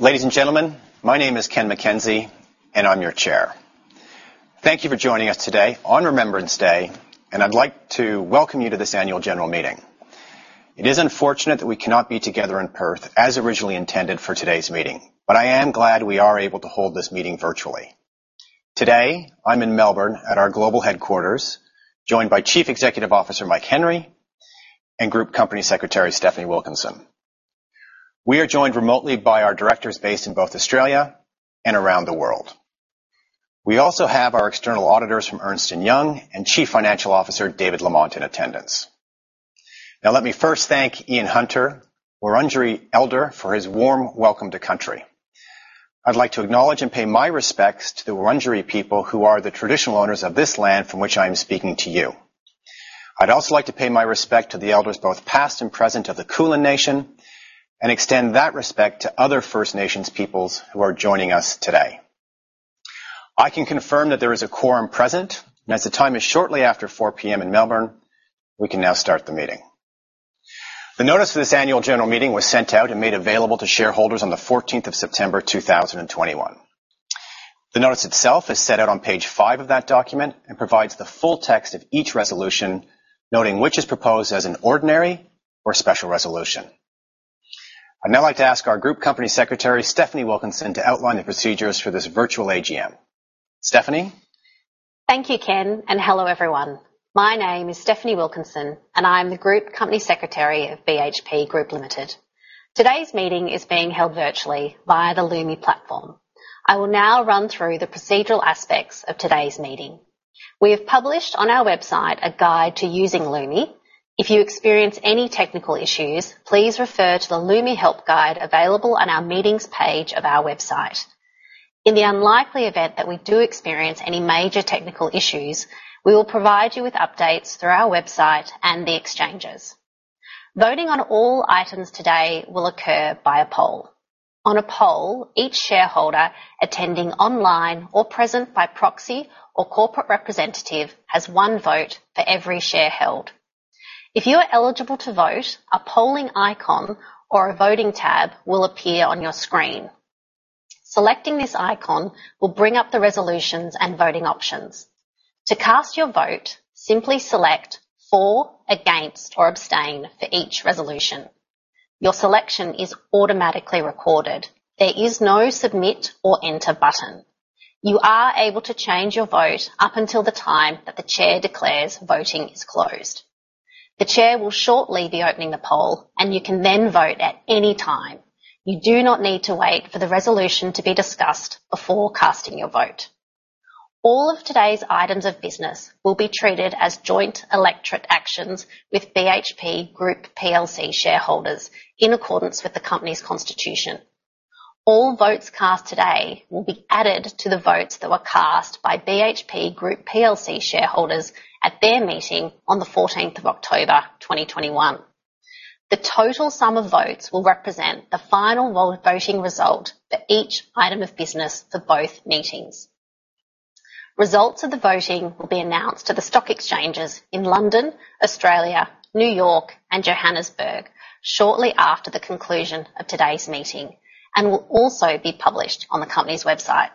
Ladies and gentlemen, my name is Ken MacKenzie and I'm your Chair. Thank you for joining us today on Remembrance Day, and I'd like to welcome you to this annual general meeting. It is unfortunate that we cannot be together in Perth as originally intended for today's meeting, but I am glad we are able to hold this meeting virtually. Today, I'm in Melbourne at our global headquarters, joined by Chief Executive Officer, Mike Henry, and Group Company Secretary, Stefanie Wilkinson. We are joined remotely by our directors based in both Australia and around the world. We also have our external auditors from Ernst & Young and Chief Financial Officer, David Lamont, in attendance. Now, let me first thank Ian Hunter, Wurundjeri Elder, for his warm welcome to country. I'd like to acknowledge and pay my respects to the Wurundjeri people who are the traditional owners of this land from which I am speaking to you. I'd also like to pay my respect to the elders, both past and present, of the Kulin nation, and extend that respect to other First Nations peoples who are joining us today. I can confirm that there is a quorum present and as the time is shortly after 4 P.M. in Melbourne, we can now start the meeting. The notice for this annual general meeting was sent out and made available to shareholders on the 14th of September 2021. The notice itself is set out on page five of that document and provides the full text of each resolution, noting which is proposed as an ordinary or special resolution. I'd now like to ask our Group Company Secretary, Stefanie Wilkinson, to outline the procedures for this virtual AGM. Stefanie. Thank you, Ken, and hello, everyone. My name is Stefanie Wilkinson, and I am the Group Company Secretary of BHP Group Limited. Today's meeting is being held virtually via the Lumi platform. I will now run through the procedural aspects of today's meeting. We have published on our website a guide to using Lumi. If you experience any technical issues, please refer to the Lumi help guide available on our meetings page of our website. In the unlikely event that we do experience any major technical issues, we will provide you with updates through our website and the exchanges. Voting on all items today will occur by a poll. On a poll, each shareholder attending online or present by proxy or corporate representative has one vote for every share held. If you are eligible to vote, a polling icon or a voting tab will appear on your screen. Selecting this icon will bring up the resolutions and voting options. To cast your vote, simply select For, Against, or Abstain for each resolution. Your selection is automatically recorded. There is no submit or enter button. You are able to change your vote up until the time that the Chair declares voting is closed. The Chair will shortly be opening the poll and you can then vote at any time. You do not need to wait for the resolution to be discussed before casting your vote. All of today's items of business will be treated as joint electorate actions with BHP Group Plc shareholders in accordance with the company's constitution. All votes cast today will be added to the votes that were cast by BHP Group Plc shareholders at their meeting on the 14th of October, 2021. The total sum of votes will represent the final voting result for each item of business for both meetings. Results of the voting will be announced to the stock exchanges in London, Australia, New York, and Johannesburg shortly after the conclusion of today's meeting, and will also be published on the company's website.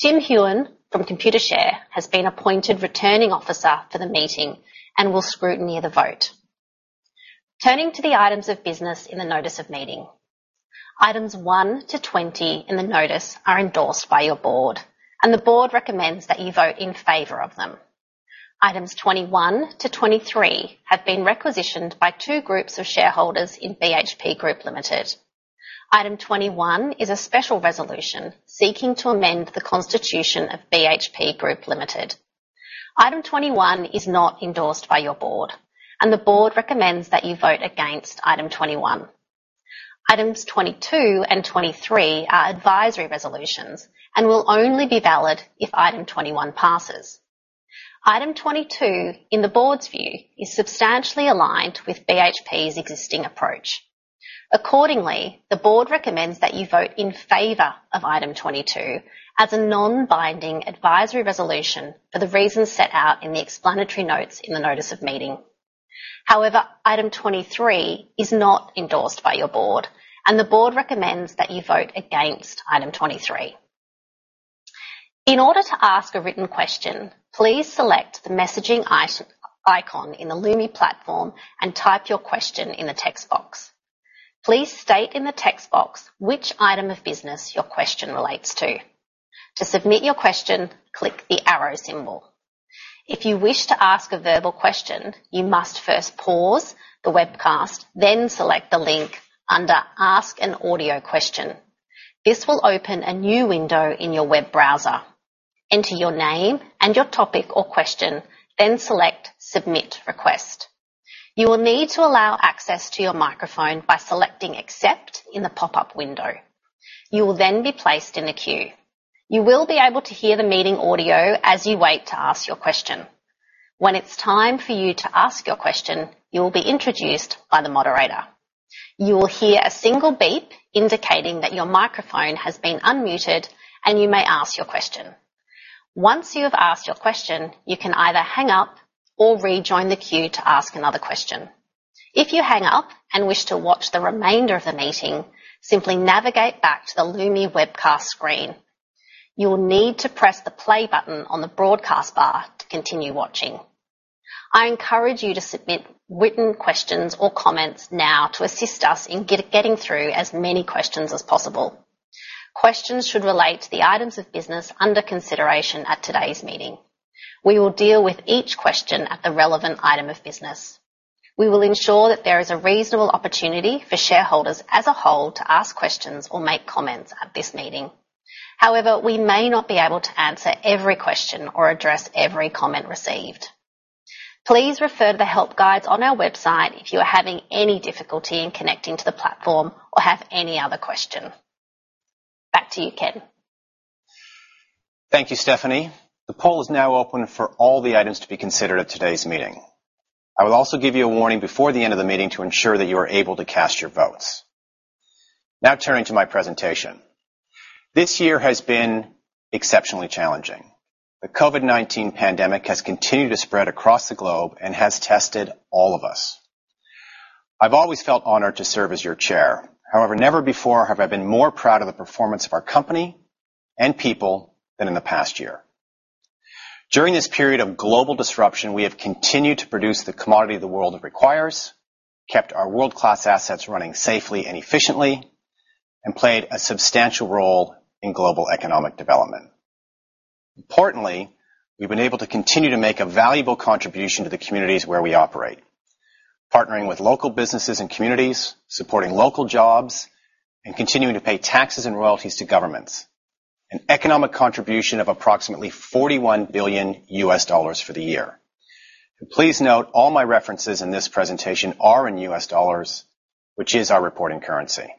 Tim Hughan from Computershare has been appointed Returning Officer for the meeting and will scrutinize the vote. Turning to the items of business in the notice of meeting. Items 1-20 in the notice are endorsed by your board, and the board recommends that you vote in favor of them. Items 21-23 have been requisitioned by two groups of shareholders in BHP Group Limited. Item 21 is a special resolution seeking to amend the constitution of BHP Group Limited. Item 21 is not endorsed by your board, and the board recommends that you vote against item 21. Items 22 and 23 are advisory resolutions and will only be valid if item 21 passes. Item 22, in the board's view, is substantially aligned with BHP's existing approach. Accordingly, the board recommends that you vote in favor of item 22 as a non-binding advisory resolution for the reasons set out in the explanatory notes in the notice of meeting. However, item 23 is not endorsed by your board, and the board recommends that you vote against item 23. In order to ask a written question, please select the messaging icon in the Lumi platform and type your question in the text box. Please state in the text box which item of business your question relates to. To submit your question, click the arrow symbol. If you wish to ask a verbal question, you must first pause the webcast, then select the link under Ask an audio question. This will open a new window in your web browser. Enter your name and your topic or question, then select Submit Request. You will need to allow access to your microphone by selecting Accept in the pop-up window. You will then be placed in a queue. You will be able to hear the meeting audio as you wait to ask your question. When it's time for you to ask your question, you will be introduced by the moderator. You will hear a single beep indicating that your microphone has been unmuted and you may ask your question. Once you have asked your question, you can either hang up or rejoin the queue to ask another question. If you hang up and wish to watch the remainder of the meeting, simply navigate back to the Lumi Webcast screen. You will need to press the play button on the broadcast bar to continue watching. I encourage you to submit written questions or comments now to assist us in getting through as many questions as possible. Questions should relate to the items of business under consideration at today's meeting. We will deal with each question at the relevant item of business. We will ensure that there is a reasonable opportunity for shareholders as a whole to ask questions or make comments at this meeting. However, we may not be able to answer every question or address every comment received. Please refer to the help guides on our website if you are having any difficulty in connecting to the platform or have any other question. Back to you, Ken. Thank you, Stefanie. The poll is now open for all the items to be considered at today's meeting. I will also give you a warning before the end of the meeting to ensure that you are able to cast your votes. Now turning to my presentation. This year has been exceptionally challenging. The COVID-19 pandemic has continued to spread across the globe and has tested all of us. I've always felt honored to serve as your chair, however, never before have I been more proud of the performance of our company and people than in the past year. During this period of global disruption, we have continued to produce the commodity the world requires, kept our world-class assets running safely and efficiently, and played a substantial role in global economic development. Importantly, we've been able to continue to make a valuable contribution to the communities where we operate, partnering with local businesses and communities, supporting local jobs, and continuing to pay taxes and royalties to governments, an economic contribution of approximately $41 billion for the year. Please note all my references in this presentation are in US dollars, which is our reporting currency.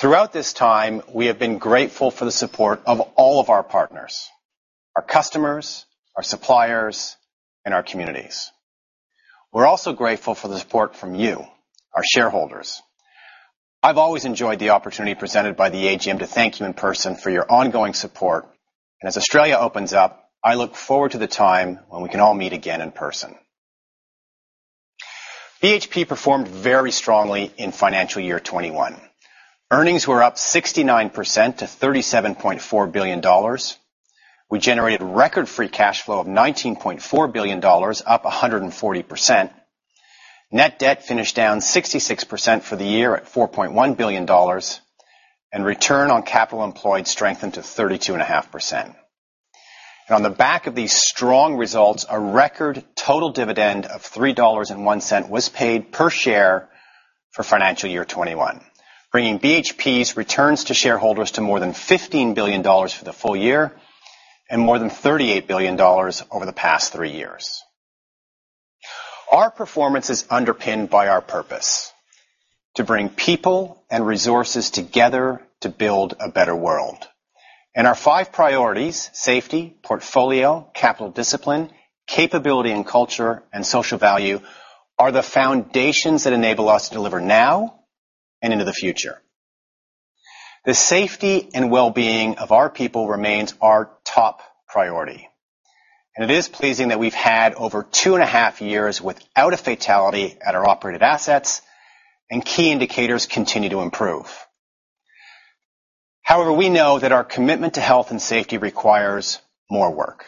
Throughout this time, we have been grateful for the support of all of our partners, our customers, our suppliers, and our communities. We're also grateful for the support from you, our shareholders. I've always enjoyed the opportunity presented by the AGM to thank you in person for your ongoing support. As Australia opens up, I look forward to the time when we can all meet again in person. BHP performed very strongly in financial year 2021. Earnings were up 69% to $37.4 billion. We generated record free cash flow of $19.4 billion, up 140%. Net debt finished down 66% for the year at $4.1 billion, and return on capital employed strengthened to 32.5%. On the back of these strong results, a record total dividend of $3.01 was paid per share for FY 2021, bringing BHP's returns to shareholders to more than $15 billion for the full year and more than $38 billion over the past three years. Our performance is underpinned by our purpose, to bring people and resources together to build a better world. Our five priorities, safety, portfolio, capital discipline, capability and culture, and social value, are the foundations that enable us to deliver now and into the future. The safety and well-being of our people remains our top priority, and it is pleasing that we've had over two and a half years without a fatality at our operated assets and key indicators continue to improve. However, we know that our commitment to health and safety requires more work.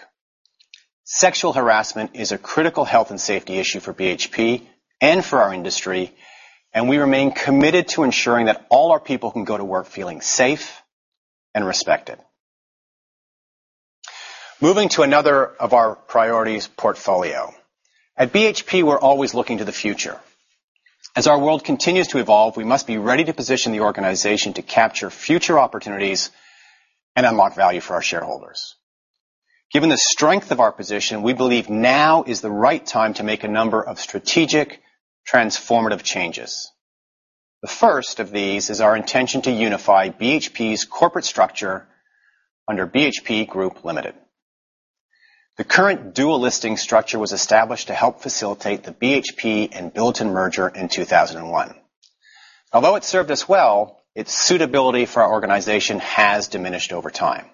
Sexual harassment is a critical health and safety issue for BHP and for our industry, and we remain committed to ensuring that all our people can go to work feeling safe and respected. Moving to another of our priorities, portfolio. At BHP, we're always looking to the future. As our world continues to evolve, we must be ready to position the organization to capture future opportunities and unlock value for our shareholders. Given the strength of our position, we believe now is the right time to make a number of strategic, transformative changes. The first of these is our intention to unify BHP's corporate structure under BHP Group Limited. The current dual listing structure was established to help facilitate the BHP and Billiton merger in 2001. Although it served us well, its suitability for our organization has diminished over time.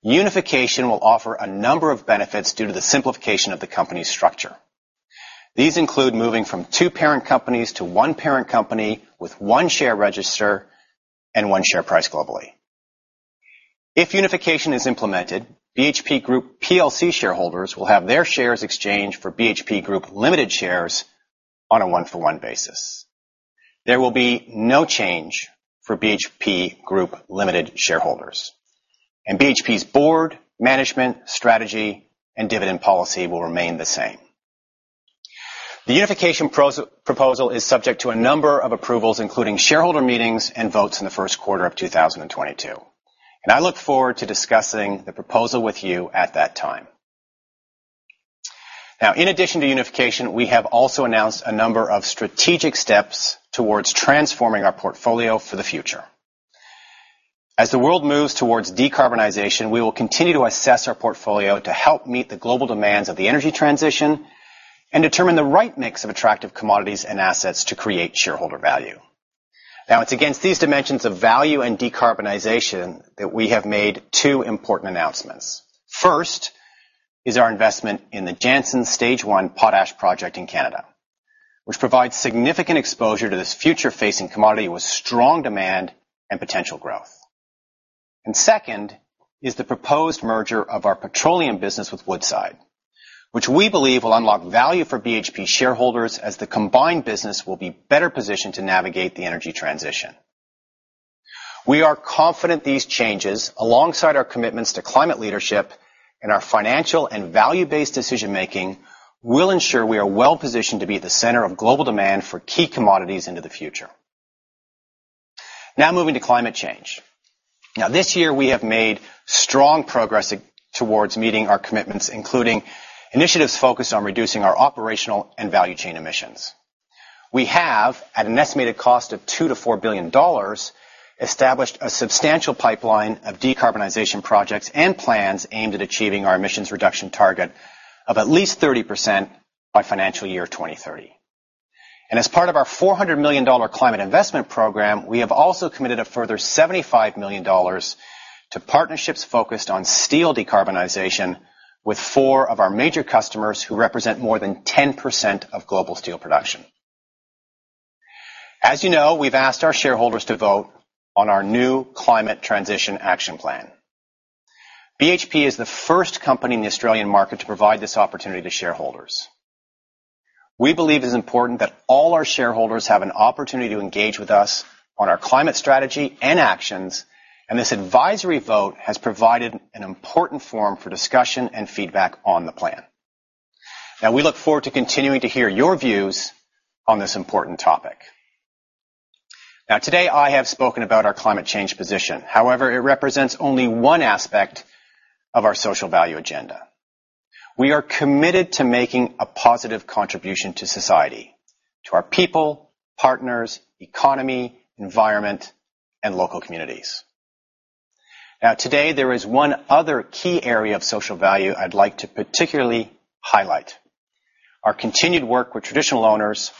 Unification will offer a number of benefits due to the simplification of the company's structure. These include moving from two parent companies to one parent company with one share register and one share price globally. If unification is implemented, BHP Group Plc shareholders will have their shares exchanged for BHP Group Limited shares on a one-for-one basis. There will be no change for BHP Group Limited shareholders. BHP's board, management, strategy, and dividend policy will remain the same. The unification proposal is subject to a number of approvals, including shareholder meetings and votes in the first quarter of 2022, and I look forward to discussing the proposal with you at that time. Now, in addition to unification, we have also announced a number of strategic steps towards transforming our portfolio for the future. As the world moves towards decarbonization, we will continue to assess our portfolio to help meet the global demands of the energy transition and determine the right mix of attractive commodities and assets to create shareholder value. Now it's against these dimensions of value and decarbonization that we have made two important announcements. First, is our investment in the Jansen Stage one potash project in Canada, which provides significant exposure to this future-facing commodity with strong demand and potential growth. Second, is the proposed merger of our petroleum business with Woodside, which we believe will unlock value for BHP shareholders as the combined business will be better positioned to navigate the energy transition. We are confident these changes, alongside our commitments to climate leadership and our financial and value-based decision-making, will ensure we are well-positioned to be at the center of global demand for key commodities into the future. Now moving to climate change. Now this year, we have made strong progress towards meeting our commitments, including initiatives focused on reducing our operational and value chain emissions. We have, at an estimated cost of $2 billion-$4 billion, established a substantial pipeline of decarbonization projects and plans aimed at achieving our emissions reduction target of at least 30% by financial year 2030. As part of our $400 million climate investment program, we have also committed a further $75 million to partnerships focused on steel decarbonization with four of our major customers who represent more than 10% of global steel production. As you know, we've asked our shareholders to vote on our new climate transition action plan. BHP is the first company in the Australian market to provide this opportunity to shareholders. We believe it is important that all our shareholders have an opportunity to engage with us on our climate strategy and actions, and this advisory vote has provided an important forum for discussion and feedback on the plan. Now we look forward to continuing to hear your views on this important topic. Now today, I have spoken about our climate change position. However, it represents only one aspect of our social value agenda. We are committed to making a positive contribution to society, to our people, partners, economy, environment, and local communities. Now today, there is one other key area of social value I'd like to particularly highlight, our continued work with traditional owners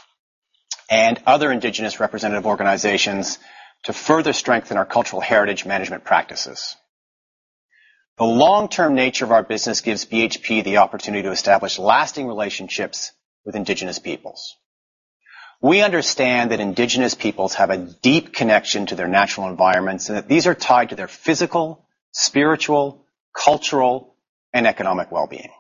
and other indigenous representative organizations to further strengthen our cultural heritage management practices. The long-term nature of our business gives BHP the opportunity to establish lasting relationships with indigenous peoples. We understand that indigenous peoples have a deep connection to their natural environments, and that these are tied to their physical, spiritual, cultural, and economic wellbeing.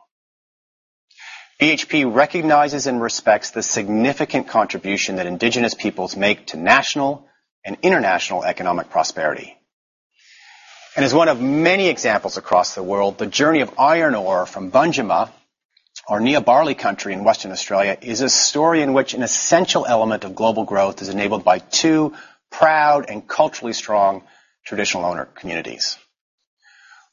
BHP recognizes and respects the significant contribution that indigenous peoples make to national and international economic prosperity. As one of many examples across the world, the journey of iron ore from Banjima or Nyiyaparli country in Western Australia is a story in which an essential element of global growth is enabled by two proud and culturally strong traditional owner communities.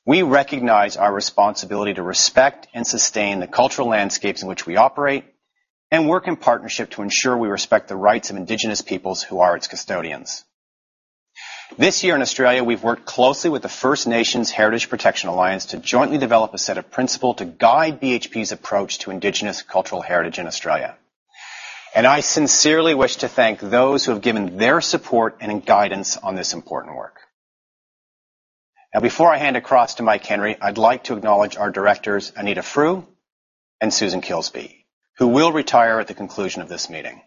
We recognize our responsibility to respect and sustain the cultural landscapes in which we operate and work in partnership to ensure we respect the rights of indigenous peoples who are its custodians. This year in Australia, we've worked closely with the First Nations Heritage Protection Alliance to jointly develop a set of principles to guide BHP's approach to indigenous cultural heritage in Australia. I sincerely wish to thank those who have given their support and guidance on this important work. Now before I hand across to Mike Henry, I'd like to acknowledge our directors, Anita Frew and Susan Kilsby, who will retire at the conclusion of this meeting.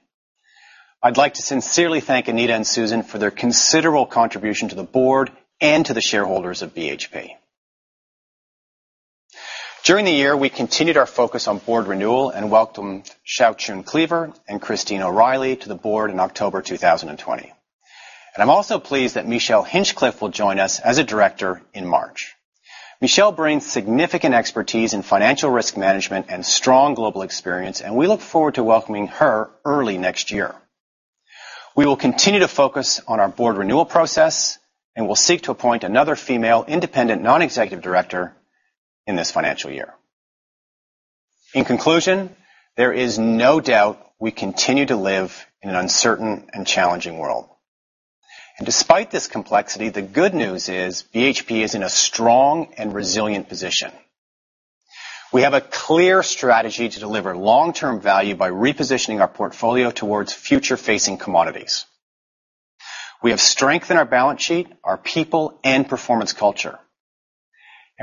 I'd like to sincerely thank Anita and Susan for their considerable contribution to the board and to the shareholders of BHP. During the year, we continued our focus on board renewal and welcomed Xiaoqun Clever and Christine O'Reilly to the board in October 2020. I'm also pleased that Michelle Hinchliffe will join us as a director in March. Michelle brings significant expertise in financial risk management and strong global experience, and we look forward to welcoming her early next year. We will continue to focus on our board renewal process, and we'll seek to appoint another female independent non-executive director in this financial year. In conclusion, there is no doubt we continue to live in an uncertain and challenging world. Despite this complexity, the good news is BHP is in a strong and resilient position. We have a clear strategy to deliver long-term value by repositioning our portfolio towards future-facing commodities. We have strength in our balance sheet, our people, and performance culture.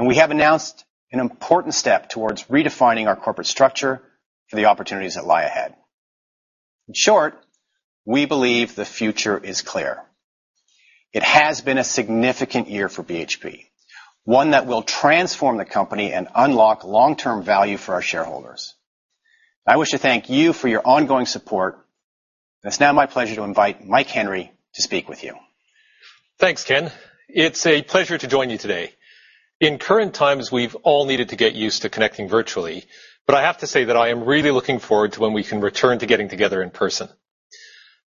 We have announced an important step towards redefining our corporate structure for the opportunities that lie ahead. In short, we believe the future is clear. It has been a significant year for BHP, one that will transform the company and unlock long-term value for our shareholders. I wish to thank you for your ongoing support. It's now my pleasure to invite Mike Henry to speak with you. Thanks, Ken. It's a pleasure to join you today. In current times, we've all needed to get used to connecting virtually, but I have to say that I am really looking forward to when we can return to getting together in person.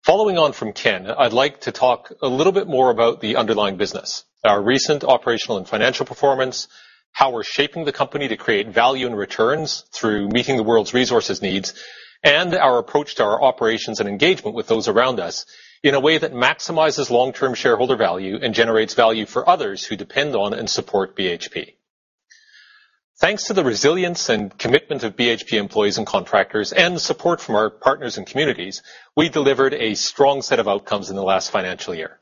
Following on from Ken, I'd like to talk a little bit more about the underlying business, our recent operational and financial performance, how we're shaping the company to create value and returns through meeting the world's resources needs. Our approach to our operations and engagement with those around us in a way that maximizes long-term shareholder value and generates value for others who depend on and support BHP. Thanks to the resilience and commitment of BHP employees and contractors and the support from our partners and communities, we delivered a strong set of outcomes in the last financial year.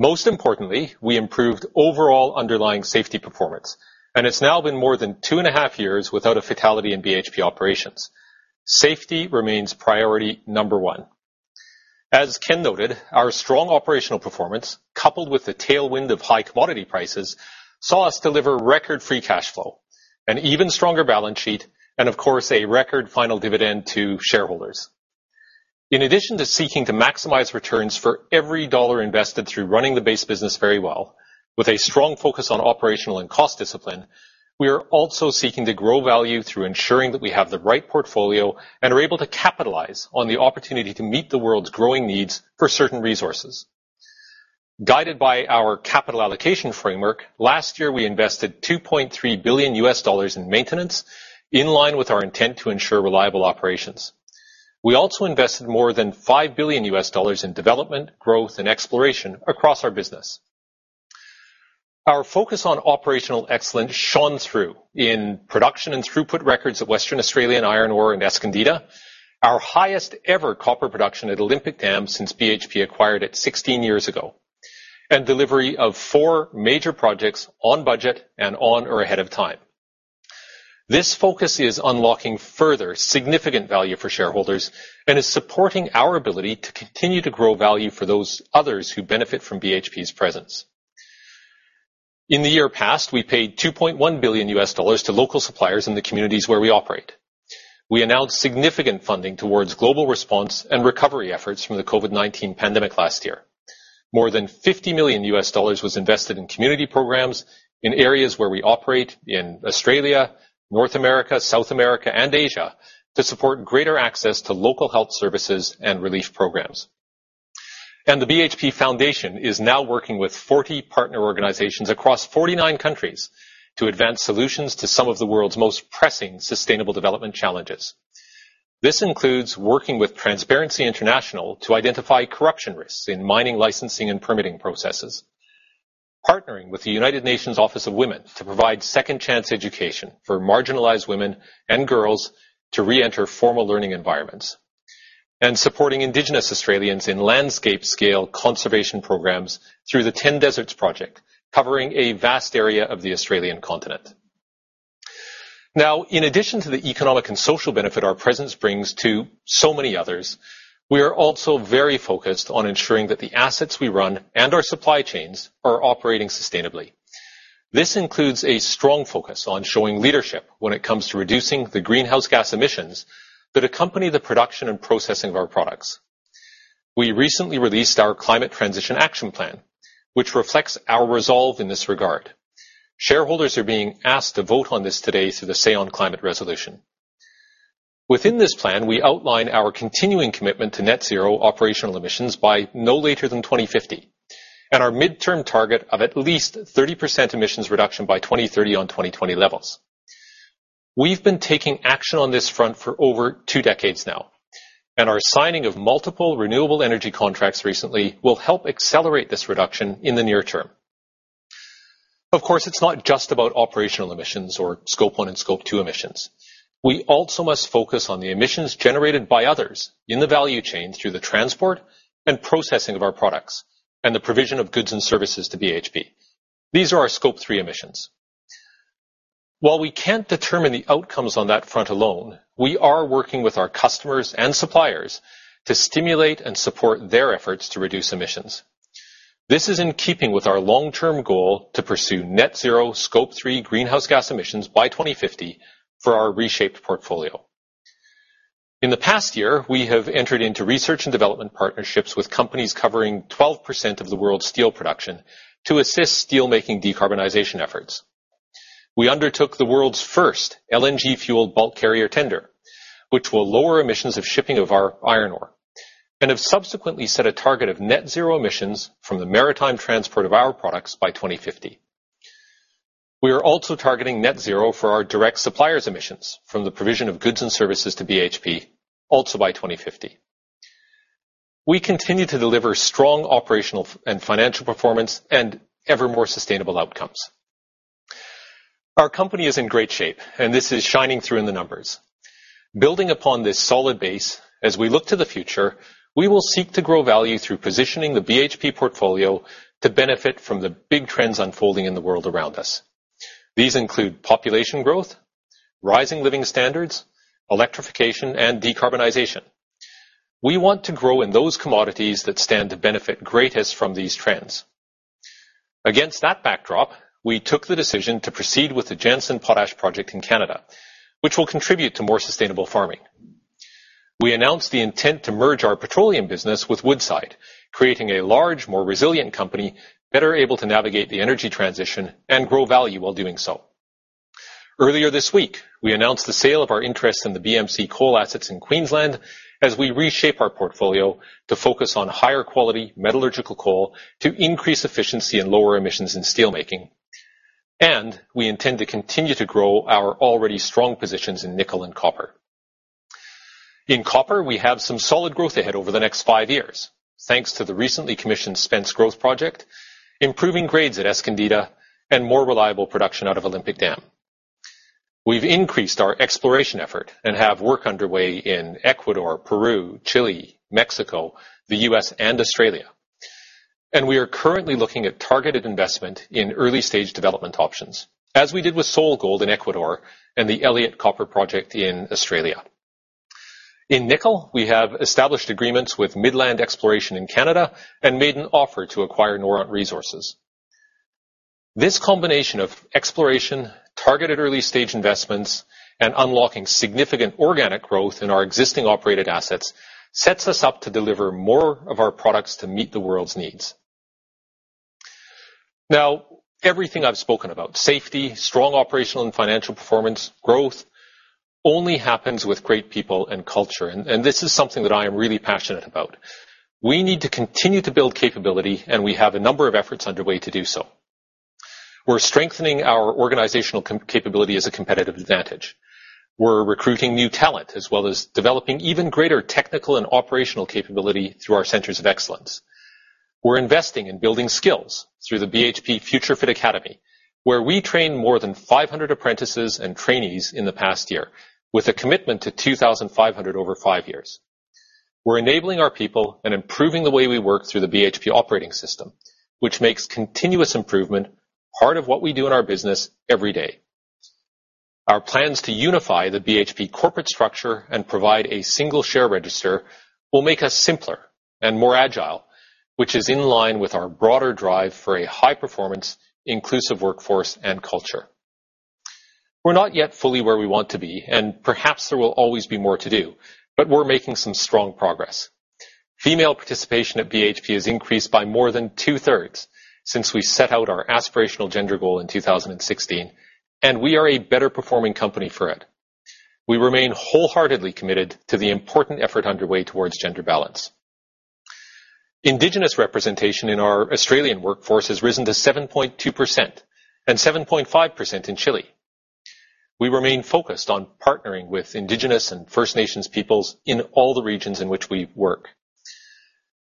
Most importantly, we improved overall underlying safety performance, and it's now been more than 2.5 years without a fatality in BHP operations. Safety remains priority number 1. As Ken noted, our strong operational performance, coupled with the tailwind of high commodity prices, saw us deliver record free cash flow, an even stronger balance sheet, and of course, a record final dividend to shareholders. In addition to seeking to maximize returns for every dollar invested through running the base business very well, with a strong focus on operational and cost discipline, we are also seeking to grow value through ensuring that we have the right portfolio and are able to capitalize on the opportunity to meet the world's growing needs for certain resources. Guided by our capital allocation framework, last year, we invested $2.3 billion in maintenance, in line with our intent to ensure reliable operations. We also invested more than $5 billion in development, growth, and exploration across our business. Our focus on operational excellence shone through in production and throughput records at Western Australia in iron ore and Escondida, our highest ever copper production at Olympic Dam since BHP acquired it 16 years ago, and delivery of four major projects on budget and on or ahead of time. This focus is unlocking further significant value for shareholders and is supporting our ability to continue to grow value for those others who benefit from BHP's presence. In the year past, we paid $2.1 billion to local suppliers in the communities where we operate. We announced significant funding towards global response and recovery efforts from the COVID-19 pandemic last year. More than $50 million was invested in community programs in areas where we operate in Australia, North America, South America, and Asia to support greater access to local health services and relief programs. The BHP Foundation is now working with 40 partner organizations across 49 countries to advance solutions to some of the world's most pressing sustainable development challenges. This includes working with Transparency International to identify corruption risks in mining, licensing, and permitting processes, partnering with UN Women to provide second chance education for marginalized women and girls to reenter formal learning environments, and supporting Indigenous Australians in landscape-scale conservation programs through the 10 Deserts Project, covering a vast area of the Australian continent. Now, in addition to the economic and social benefit our presence brings to so many others, we are also very focused on ensuring that the assets we run and our supply chains are operating sustainably. This includes a strong focus on showing leadership when it comes to reducing the greenhouse gas emissions that accompany the production and processing of our products. We recently released our Climate Transition Action Plan, which reflects our resolve in this regard. Shareholders are being asked to vote on this today through the Say on Climate resolution. Within this plan, we outline our continuing commitment to net zero operational emissions by no later than 2050, and our midterm target of at least 30% emissions reduction by 2030 on 2020 levels. We've been taking action on this front for over two decades now, and our signing of multiple renewable energy contracts recently will help accelerate this reduction in the near term. Of course, it's not just about operational emissions or Scope 1 and Scope 2 emissions. We also must focus on the emissions generated by others in the value chain through the transport and processing of our products and the provision of goods and services to BHP. These are our Scope 3 emissions. While we can't determine the outcomes on that front alone, we are working with our customers and suppliers to stimulate and support their efforts to reduce emissions. This is in keeping with our long-term goal to pursue net zero Scope 3 greenhouse gas emissions by 2050 for our reshaped portfolio. In the past year, we have entered into research and development partnerships with companies covering 12% of the world's steel production to assist steelmaking decarbonization efforts. We undertook the world's first LNG-fueled bulk carrier tender, which will lower emissions of shipping of our iron ore and have subsequently set a target of net zero emissions from the maritime transport of our products by 2050. We are also targeting net zero for our direct suppliers emissions from the provision of goods and services to BHP also by 2050. We continue to deliver strong operational and financial performance and ever more sustainable outcomes. Our company is in great shape, and this is shining through in the numbers. Building upon this solid base, as we look to the future, we will seek to grow value through positioning the BHP portfolio to benefit from the big trends unfolding in the world around us. These include population growth, rising living standards, electrification, and decarbonization. We want to grow in those commodities that stand to benefit greatest from these trends. Against that backdrop, we took the decision to proceed with the Jansen Potash project in Canada, which will contribute to more sustainable farming. We announced the intent to merge our petroleum business with Woodside, creating a large, more resilient company, better able to navigate the energy transition and grow value while doing so. Earlier this week, we announced the sale of our interest in the BMC coal assets in Queensland as we reshape our portfolio to focus on higher quality metallurgical coal to increase efficiency and lower emissions in steel making. We intend to continue to grow our already strong positions in nickel and copper. In copper, we have some solid growth ahead over the next five years, thanks to the recently commissioned Spence growth project, improving grades at Escondida, and more reliable production out of Olympic Dam. We've increased our exploration effort and have work underway in Ecuador, Peru, Chile, Mexico, the U.S., and Australia. We are currently looking at targeted investment in early-stage development options, as we did with SolGold in Ecuador and the Elliott Copper Project in Australia. In nickel, we have established agreements with Midland Exploration in Canada and made an offer to acquire Noront Resources. This combination of exploration, targeted early-stage investments, and unlocking significant organic growth in our existing operated assets sets us up to deliver more of our products to meet the world's needs. Now, everything I've spoken about, safety, strong operational and financial performance, growth only happens with great people and culture, and this is something that I am really passionate about. We need to continue to build capability, and we have a number of efforts underway to do so. We're strengthening our organizational capability as a competitive advantage. We're recruiting new talent, as well as developing even greater technical and operational capability through our centers of excellence. We're investing in building skills through the BHP FutureFit Academy, where we trained more than 500 apprentices and trainees in the past year, with a commitment to 2,500 over five years. We're enabling our people and improving the way we work through the BHP Operating System, which makes continuous improvement part of what we do in our business every day. Our plans to unify the BHP corporate structure and provide a single share register will make us simpler and more agile, which is in line with our broader drive for a high-performance, inclusive workforce and culture. We're not yet fully where we want to be, and perhaps there will always be more to do, but we're making some strong progress. Female participation at BHP has increased by more than two-thirds since we set out our aspirational gender goal in 2016, and we are a better-performing company for it. We remain wholeheartedly committed to the important effort underway towards gender balance. Indigenous representation in our Australian workforce has risen to 7.2% and 7.5% in Chile. We remain focused on partnering with Indigenous and First Nations peoples in all the regions in which we work.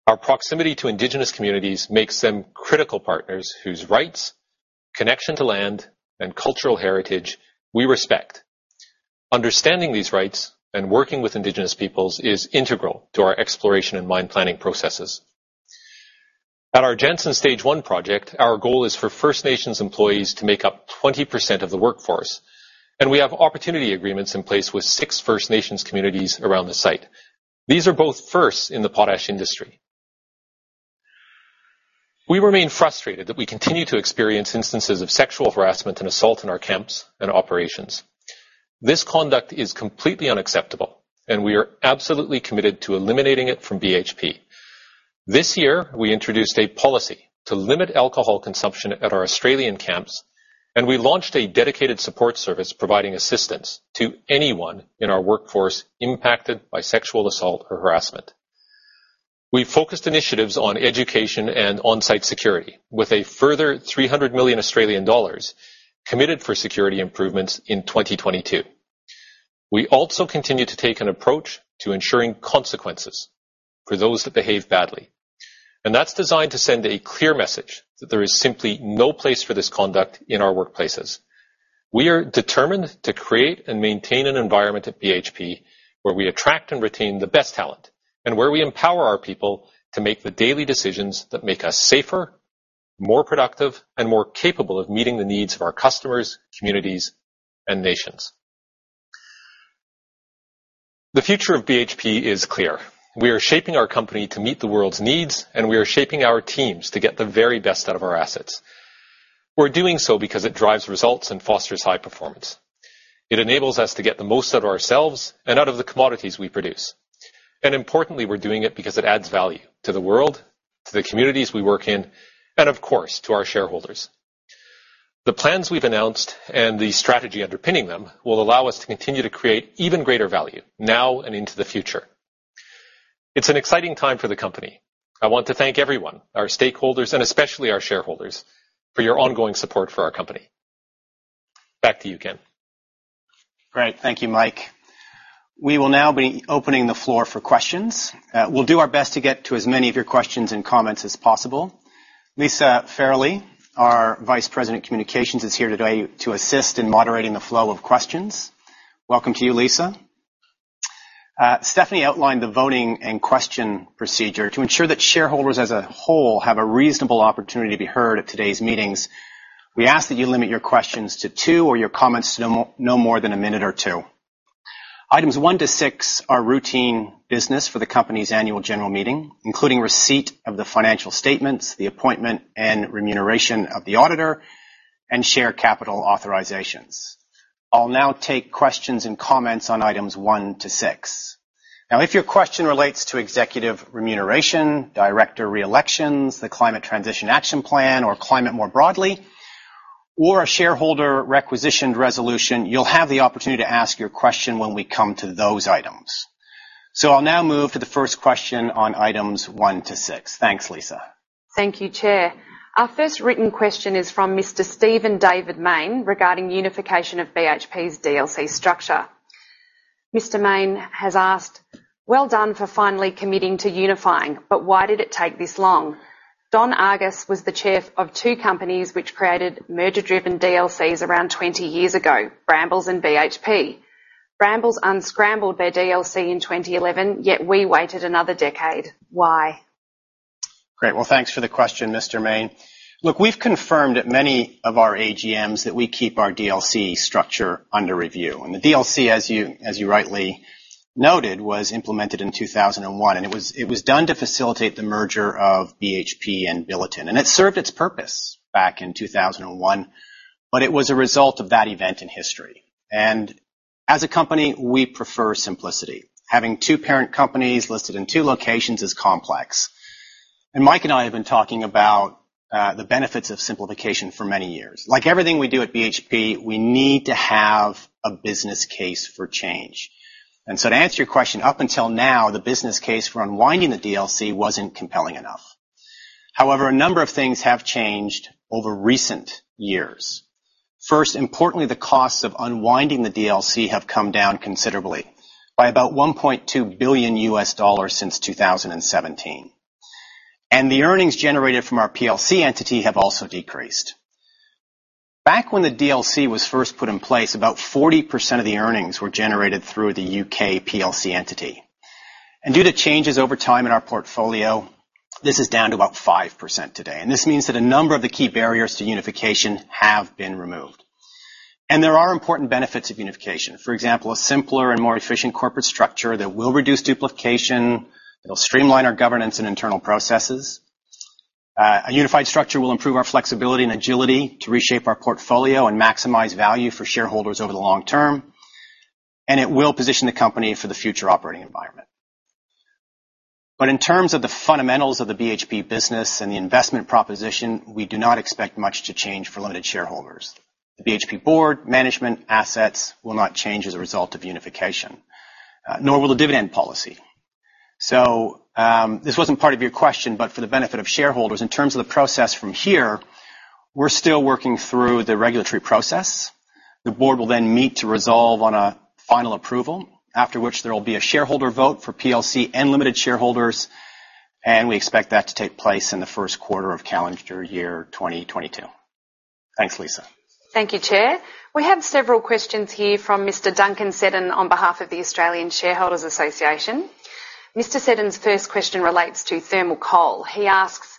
Our proximity to indigenous communities makes them critical partners whose rights, connection to land, and cultural heritage we respect. Understanding these rights and working with indigenous peoples is integral to our exploration and mine planning processes. At our Jansen Stage one project, our goal is for First Nations employees to make up 20% of the workforce, and we have opportunity agreements in place with six First Nations communities around the site. These are both firsts in the potash industry. We remain frustrated that we continue to experience instances of sexual harassment and assault in our camps and operations. This conduct is completely unacceptable, and we are absolutely committed to eliminating it from BHP. This year, we introduced a policy to limit alcohol consumption at our Australian camps, and we launched a dedicated support service providing assistance to anyone in our workforce impacted by sexual assault or harassment. We focused initiatives on education and on-site security, with a further 300 million Australian dollars committed for security improvements in 2022. We also continue to take an approach to ensuring consequences for those that behave badly. That's designed to send a clear message that there is simply no place for this conduct in our workplaces. We are determined to create and maintain an environment at BHP where we attract and retain the best talent, and where we empower our people to make the daily decisions that make us safer, more productive, and more capable of meeting the needs of our customers, communities, and nations. The future of BHP is clear. We are shaping our company to meet the world's needs, and we are shaping our teams to get the very best out of our assets. We're doing so because it drives results and fosters high performance. It enables us to get the most out of ourselves and out of the commodities we produce. Importantly, we're doing it because it adds value to the world, to the communities we work in, and of course, to our shareholders. The plans we've announced and the strategy underpinning them will allow us to continue to create even greater value now and into the future. It's an exciting time for the company. I want to thank everyone, our stakeholders, and especially our shareholders, for your ongoing support for our company. Back to you, Ken. Great. Thank you, Mike. We will now be opening the floor for questions. We'll do our best to get to as many of your questions and comments as possible. Lisa Fairley, our Vice President of Communications, is here today to assist in moderating the flow of questions. Welcome to you, Lisa. Stephanie outlined the voting and question procedure. To ensure that shareholders as a whole have a reasonable opportunity to be heard at today's meetings, we ask that you limit your questions to two or your comments to no more than a minute or two. Items one to six are routine business for the company's annual general meeting, including receipt of the financial statements, the appointment and remuneration of the auditor, and share capital authorizations. I'll now take questions and comments on items one to six. Now, if your question relates to executive remuneration, director reelections, the climate transition action plan or climate more broadly, or a shareholder requisition resolution, you'll have the opportunity to ask your question when we come to those items. I'll now move to the first question on items 1-6. Thanks, Lisa. Thank you, Chair.Our first written question is from Mr. Steven David Main regarding unification of BHP's DLC structure. Mr. Main has asked, "Well done for finally committing to unifying, but why did it take this long? Don Argus was the chair of two companies which created merger-driven DLCs around 20 years ago, Brambles and BHP. Brambles unscrambled their DLC in 2011, yet we waited another decade. Why? Great. Well, thanks for the question, Mr. Main. Look, we've confirmed at many of our AGMs that we keep our DLC structure under review. The DLC, as you rightly noted, was implemented in 2001. It was done to facilitate the merger of BHP and Billiton. It served its purpose back in 2001, but it was a result of that event in history. As a company, we prefer simplicity. Having two parent companies listed in two locations is complex. Mike and I have been talking about the benefits of simplification for many years. Like everything we do at BHP, we need to have a business case for change. To answer your question, up until now, the business case for unwinding the DLC wasn't compelling enough. However, a number of things have changed over recent years. First, importantly, the costs of unwinding the DLC have come down considerably by about $1.2 billion since 2017. The earnings generated from our PLC entity have also decreased. Back when the DLC was first put in place, about 40% of the earnings were generated through the UK PLC entity. Due to changes over time in our portfolio, this is down to about 5% today. This means that a number of the key barriers to unification have been removed. There are important benefits of unification. For example, a simpler and more efficient corporate structure that will reduce duplication. It'll streamline our governance and internal processes. A unified structure will improve our flexibility and agility to reshape our portfolio and maximize value for shareholders over the long term. It will position the company for the future operating environment. In terms of the fundamentals of the BHP business and the investment proposition, we do not expect much to change for Limited shareholders. The BHP board, management, assets will not change as a result of unification, nor will the dividend policy. This wasn't part of your question, but for the benefit of shareholders, in terms of the process from here, we're still working through the regulatory process. The board will then meet to resolve on a final approval, after which there will be a shareholder vote for PLC and Limited shareholders, and we expect that to take place in the first quarter of calendar year 2022. Thanks, Lisa. Thank you, Chair.We have several questions here from Mr. Duncan Seddon on behalf of the Australian Shareholders' Association. Mr. Seddon's first question relates to thermal coal. He asks,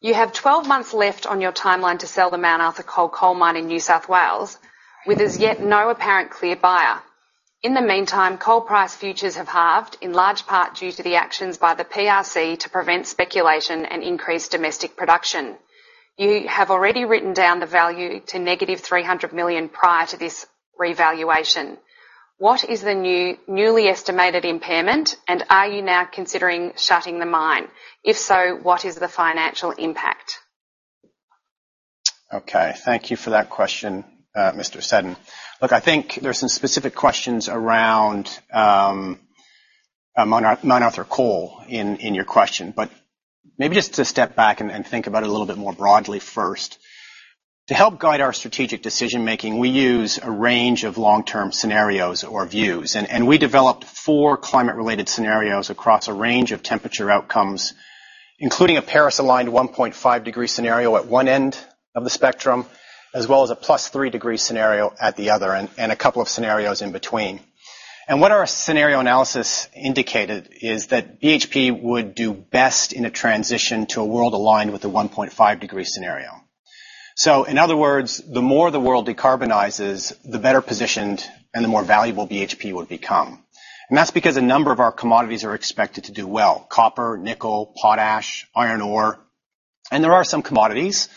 "You have 12 months left on your timeline to sell the Mount Arthur Coal coal mine in New South Wales, with as yet no apparent clear buyer. In the meantime, coal price futures have halved, in large part due to the actions by the PRC to prevent speculation and increase domestic production. You have already written down the value to negative $300 million prior to this revaluation. What is the newly estimated impairment, and are you now considering shutting the mine? If so, what is the financial impact? Okay, thank you for that question, Mr. Seddon. Look, I think there are some specific questions around Mount Arthur Coal in your question. Maybe just to step back and think about it a little bit more broadly first. To help guide our strategic decision-making, we use a range of long-term scenarios or views. We developed four climate-related scenarios across a range of temperature outcomes, including a Paris-aligned 1.5-degree scenario at one end of the spectrum, as well as a +3-degree scenario at the other, and a couple of scenarios in between. What our scenario analysis indicated is that BHP would do best in a transition to a world aligned with the 1.5-degree scenario. In other words, the more the world decarbonizes, the better positioned and the more valuable BHP would become. That's because a number of our commodities are expected to do well: copper, nickel, potash, iron ore. There are some commodities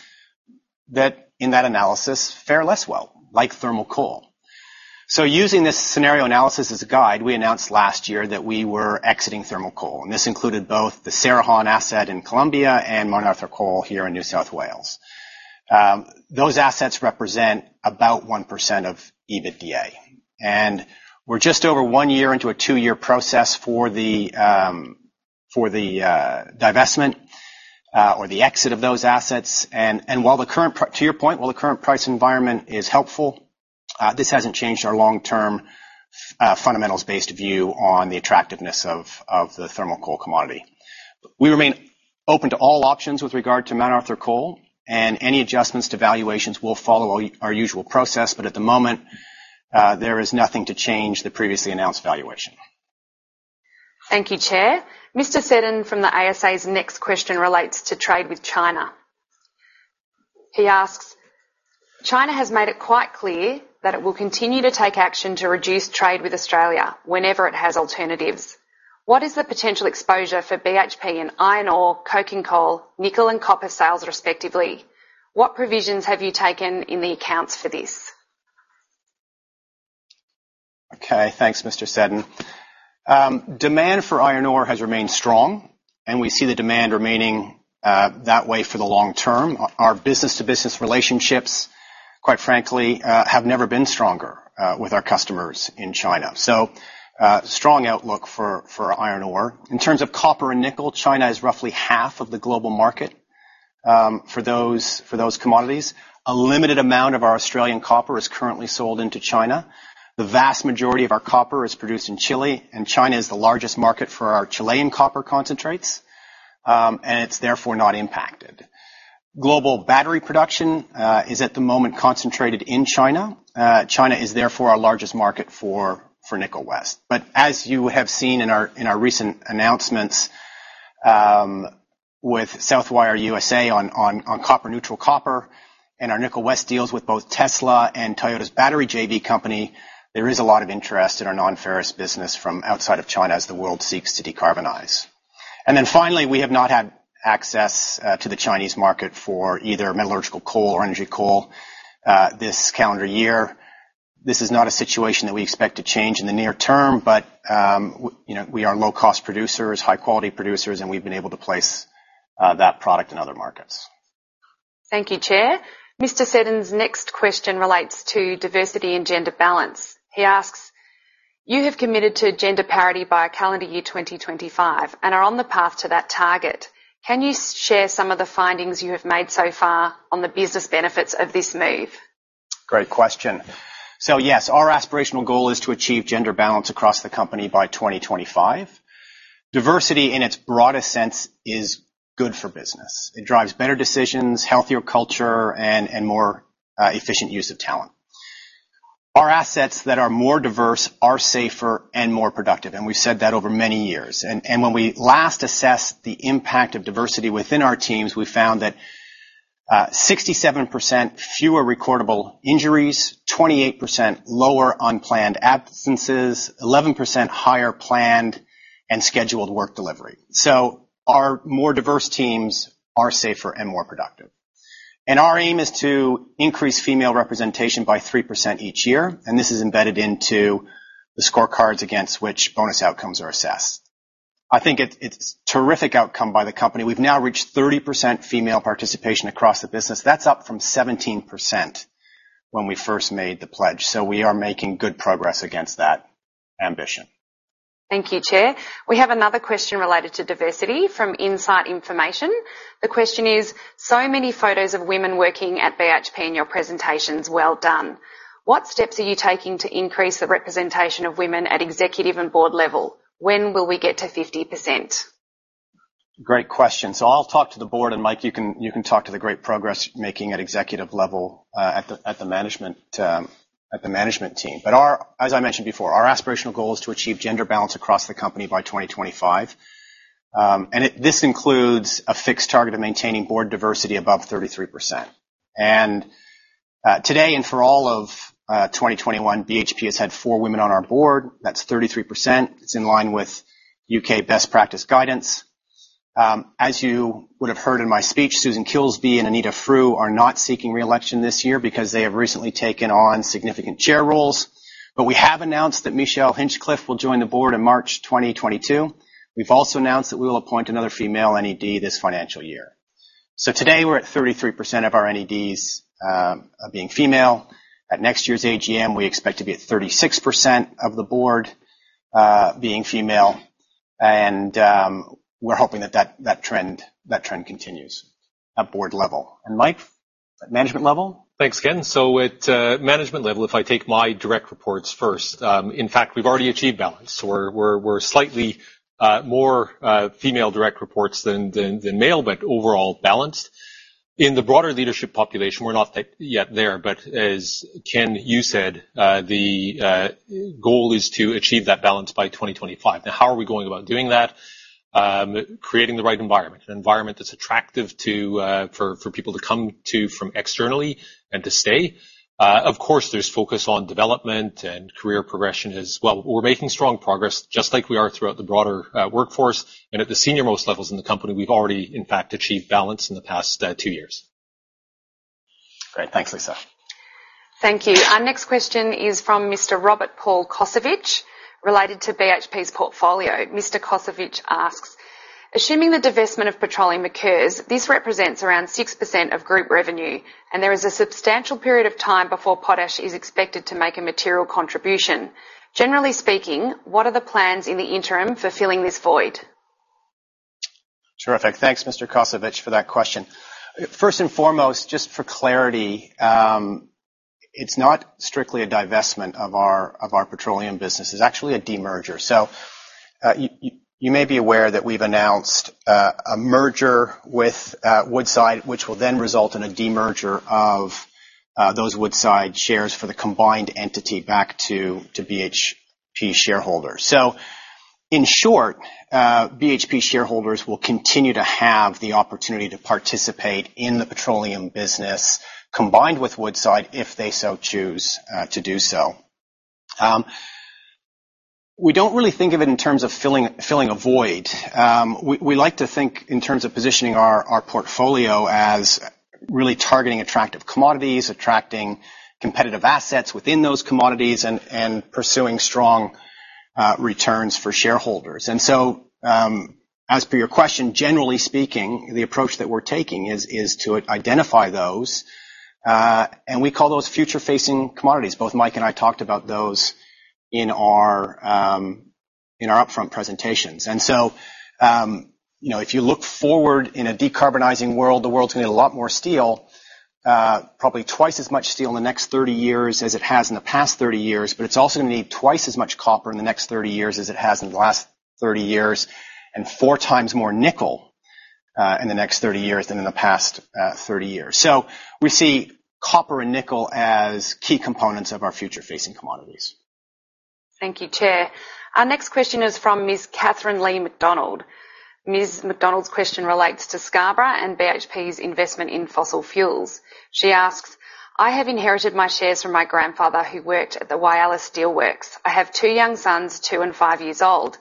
that, in that analysis, fare less well, like thermal coal. Using this scenario analysis as a guide, we announced last year that we were exiting thermal coal, and this included both the Cerrejón asset in Colombia and Mount Arthur Coal here in New South Wales. Those assets represent about 1% of EBITDA. We're just over one year into a two year process for the divestment or the exit of those assets. While the current price environment is helpful, to your point, this hasn't changed our long-term fundamentals-based view on the attractiveness of the thermal coal commodity. We remain open to all options with regard to Mount Arthur Coal, and any adjustments to valuations will follow our usual process. At the moment, there is nothing to change the previously announced valuation. Thank you, Chair. Mr. Duncan Seddon from the ASA's next question relates to trade with China. He asks, "China has made it quite clear that it will continue to take action to reduce trade with Australia whenever it has alternatives. What is the potential exposure for BHP in iron ore, coking coal, nickel, and copper sales, respectively? What provisions have you taken in the accounts for this? Okay, thanks, Mr. Seddon. Demand for iron ore has remained strong. We see the demand remaining that way for the long term. Our business-to-business relationships, quite frankly, have never been stronger with our customers in China. Strong outlook for iron ore. In terms of copper and nickel, China is roughly half of the global market for those commodities. A limited amount of our Australian copper is currently sold into China. The vast majority of our copper is produced in Chile, and China is the largest market for our Chilean copper concentrates. It's therefore not impacted. Global battery production is at the moment concentrated in China. China is therefore our largest market for Nickel West. As you have seen in our recent announcements with Southwire USA on carbon-neutral copper, and our Nickel West deals with both Tesla and Toyota's battery JV company, there is a lot of interest in our non-ferrous business from outside of China as the world seeks to decarbonize. We have not had access to the Chinese market for either metallurgical coal or energy coal this calendar year. This is not a situation that we expect to change in the near term, but you know, we are low-cost producers, high-quality producers, and we've been able to place that product in other markets. Thank you, Chair. Mr. Duncan Seddon's next question relates to diversity and gender balance. He asks, "You have committed to gender parity by calendar year 2025, and are on the path to that target. Can you share some of the findings you have made so far on the business benefits of this move? Great question. Yes, our aspirational goal is to achieve gender balance across the company by 2025. Diversity in its broadest sense is good for business. It drives better decisions, healthier culture, and more efficient use of talent. Our assets that are more diverse are safer and more productive, and we've said that over many years. When we last assessed the impact of diversity within our teams, we found that 67% fewer recordable injuries, 28% lower unplanned absences, 11% higher planned and scheduled work delivery. Our more diverse teams are safer and more productive. Our aim is to increase female representation by 3% each year, and this is embedded into the scorecards against which bonus outcomes are assessed. I think it's terrific outcome by the company. We've now reached 30% female participation across the business. That's up from 17% when we first made the pledge. We are making good progress against that ambition. Thank you, Chair. We have another question related to diversity from Insight Investment. The question is, "So many photos of women working at BHP in your presentations. Well done. What steps are you taking to increase the representation of women at executive and board level? When will we get to 50%? Great question. I'll talk to the board, and Mike, you can talk to the great progress we're making at executive level, at the management team. Our aspirational goal is to achieve gender balance across the company by 2025. This includes a fixed target of maintaining board diversity above 33%. Today and for all of 2021, BHP has had four women on our board. That's 33%. It's in line with UK best practice guidance. As you would have heard in my speech, Susan Kilsby and Anita Frew are not seeking re-election this year because they have recently taken on significant chair roles. We have announced that Michelle Hinchliffe will join the board in March 2022. We've also announced that we will appoint another female NED this financial year. Today we're at 33% of our NEDs being female. At next year's AGM, we expect to be at 36% of the board being female. We're hoping that trend continues at board level. Mike, at management level? Thanks, Ken. At management level, if I take my direct reports first, in fact we've already achieved balance. We're slightly more female direct reports than male, but overall balanced. In the broader leadership population, we're not yet there, but as Ken you said, the goal is to achieve that balance by 2025. Now, how are we going about doing that? Creating the right environment, an environment that's attractive for people to come to from externally and to stay. Of course, there's focus on development and career progression as well. We're making strong progress just like we are throughout the broader workforce. At the senior-most levels in the company, we've already in fact achieved balance in the past two years. Great. Thanks, Lisa. Thank you. Our next question is from Mr. Robert Paul Kosovich related to BHP's portfolio. Mr. Kosovich asks, "Assuming the divestment of petroleum occurs, this represents around 6% of group revenue, and there is a substantial period of time before potash is expected to make a material contribution. Generally speaking, what are the plans in the interim for filling this void? Terrific. Thanks, Mr. Kosovich, for that question. First and foremost, just for clarity, it's not strictly a divestment of our petroleum business. It's actually a demerger. You may be aware that we've announced a merger with Woodside, which will then result in a demerger of those Woodside shares for the combined entity back to BHP shareholders. In short, BHP shareholders will continue to have the opportunity to participate in the petroleum business combined with Woodside if they so choose to do so. We don't really think of it in terms of filling a void. We like to think in terms of positioning our portfolio as really targeting attractive commodities, attracting competitive assets within those commodities, and pursuing strong returns for shareholders. As for your question, generally speaking, the approach that we're taking is to identify those, and we call those future-facing commodities. Both Mike and I talked about those in our upfront presentations. You know, if you look forward in a decarbonizing world, the world's gonna need a lot more steel, probably twice as much steel in the next 30 years as it has in the past 30 years. But it's also gonna need twice as much copper in the next 30 years as it has in the last 30 years, and four times more nickel in the next 30 years than in the past 30 years. We see copper and nickel as key components of our future-facing commodities. Thank you, Chair. Our next question is from Ms. Catherine Lee McDonald. Ms. McDonald's question relates to Scarborough and BHP's investment in fossil fuels. She asks, "I have inherited my shares from my grandfather, who worked at the Whyalla Steel Works. I have two young sons, two and five years old.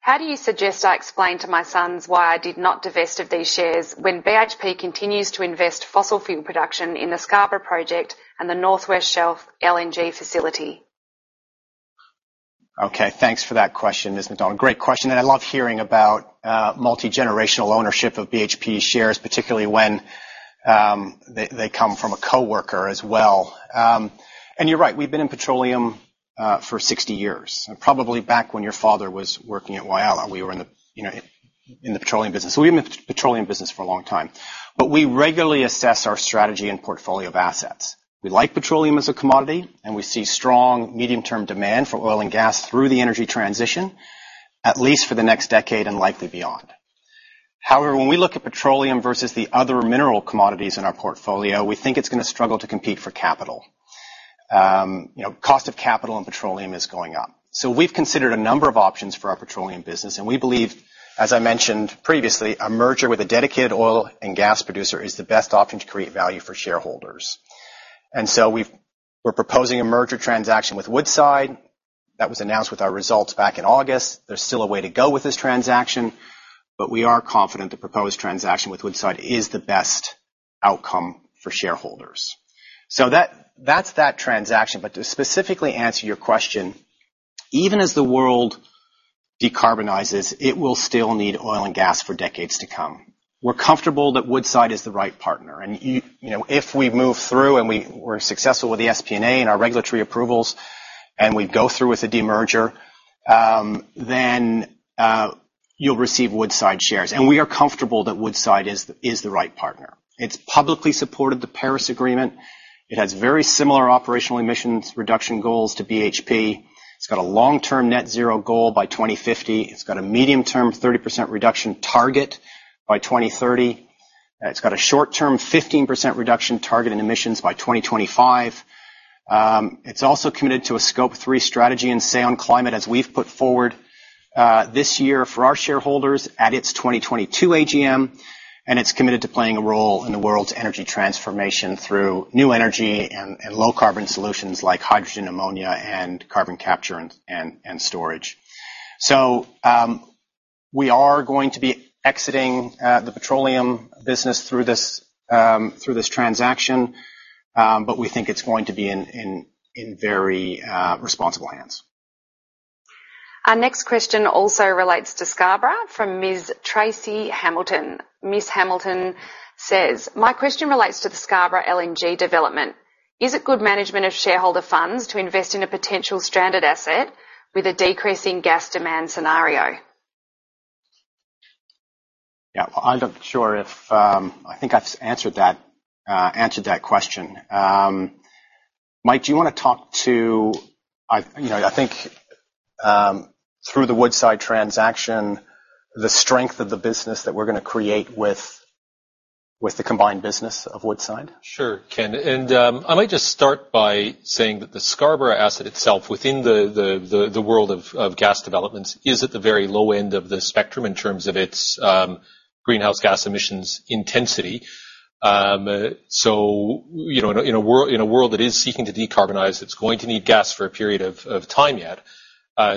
How do you suggest I explain to my sons why I did not divest of these shares when BHP continues to invest fossil fuel production in the Scarborough Project and the North West Shelf LNG facility? Okay, thanks for that question, Ms. McDonald. Great question, and I love hearing about multi-generational ownership of BHP shares, particularly when they come from a coworker as well. You're right, we've been in petroleum for 60 years, and probably back when your father was working at Whyalla, we were in the, you know, in the petroleum business. We've been in the petroleum business for a long time. We regularly assess our strategy and portfolio of assets. We like petroleum as a commodity, and we see strong medium-term demand for oil and gas through the energy transition, at least for the next decade and likely beyond. However, when we look at petroleum versus the other mineral commodities in our portfolio, we think it's gonna struggle to compete for capital. You know, cost of capital in petroleum is going up. We've considered a number of options for our petroleum business, and we believe, as I mentioned previously, a merger with a dedicated oil and gas producer is the best option to create value for shareholders. We're proposing a merger transaction with Woodside. That was announced with our results back in August. There's still a way to go with this transaction, but we are confident the proposed transaction with Woodside is the best outcome for shareholders. That, that's that transaction. To specifically answer your question, even as the world decarbonizes, it will still need oil and gas for decades to come. We're comfortable that Woodside is the right partner, and you know, if we move through and we're successful with the SPNA and our regulatory approvals, and we go through with the demerger, then you'll receive Woodside shares. We are comfortable that Woodside is the right partner. It's publicly supported the Paris Agreement. It has very similar operational emissions reduction goals to BHP. It's got a long-term net zero goal by 2050. It's got a medium-term 30% reduction target by 2030. It's got a short-term 15% reduction target in emissions by 2025. It's also committed to a Scope 3 strategy and sound climate, as we've put forward this year for our shareholders at its 2022 AGM, and it's committed to playing a role in the world's energy transformation through new energy and low-carbon solutions like hydrogen, ammonia and carbon capture and storage. We are going to be exiting the petroleum business through this transaction, but we think it's going to be in very responsible hands. Our next question also relates to Scarborough from Ms. Tracy Hamilton. Ms. Hamilton says, "My question relates to the Scarborough LNG development. Is it good management of shareholder funds to invest in a potential stranded asset with a decreasing gas demand scenario? I'm not sure. I think I've answered that question. Mike, you know, I think through the Woodside transaction, the strength of the business that we're gonna create with the combined business of Woodside. Sure, Ken. I might just start by saying that the Scarborough asset itself, within the world of gas developments, is at the very low end of the spectrum in terms of its greenhouse gas emissions intensity. You know, in a world that is seeking to decarbonize, it's going to need gas for a period of time yet.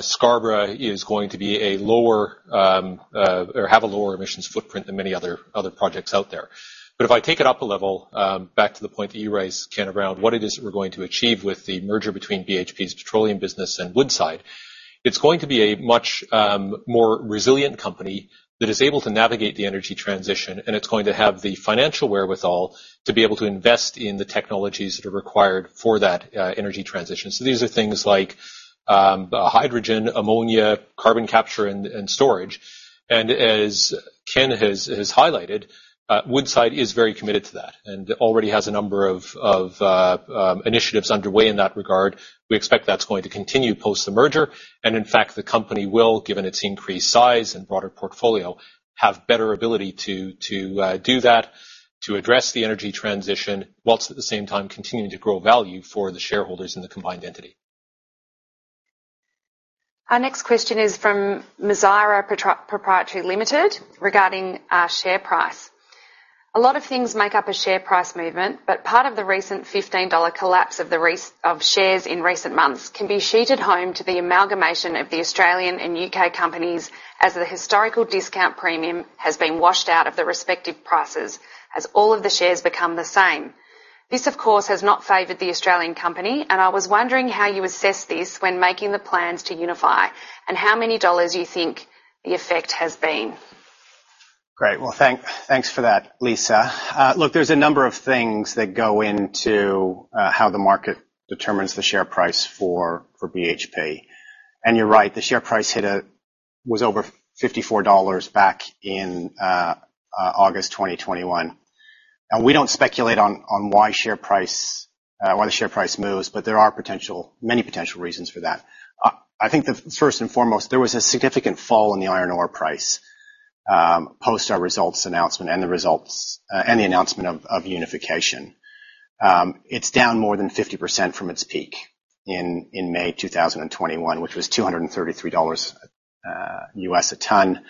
Scarborough is going to be a lower or have a lower emissions footprint than many other projects out there. If I take it up a level, back to the point that you raised, Ken, around what it is that we're going to achieve with the merger between BHP's petroleum business and Woodside, it's going to be a much more resilient company that is able to navigate the energy transition, and it's going to have the financial wherewithal to be able to invest in the technologies that are required for that energy transition. These are things like hydrogen, ammonia, carbon capture and storage. As Ken has highlighted, Woodside is very committed to that and already has a number of initiatives underway in that regard. We expect that's going to continue post the merger, and in fact, the company will, given its increased size and broader portfolio, have better ability to do that, to address the energy transition, whilst at the same time continuing to grow value for the shareholders in the combined entity. Our next question is from Mazira Proprietary Limited regarding our share price. A lot of things make up a share price movement, but part of the recent $15 collapse of the price of shares in recent months can be sheeted home to the amalgamation of the Australian and UK companies as the historical discount premium has been washed out of the respective prices as all of the shares become the same. This, of course, has not favored the Australian company, and I was wondering how you assess this when making the plans to unify and how many dollars you think the effect has been. Great. Well, thanks for that, Lisa. Look, there's a number of things that go into how the market determines the share price for BHP. You're right, the share price was over $54 back in August 2021. We don't speculate on why the share price moves, but there are many potential reasons for that. I think first and foremost, there was a significant fall in the iron ore price post our results announcement and the announcement of unification. It's down more than 50% from its peak in May 2021, which was $233 US a ton.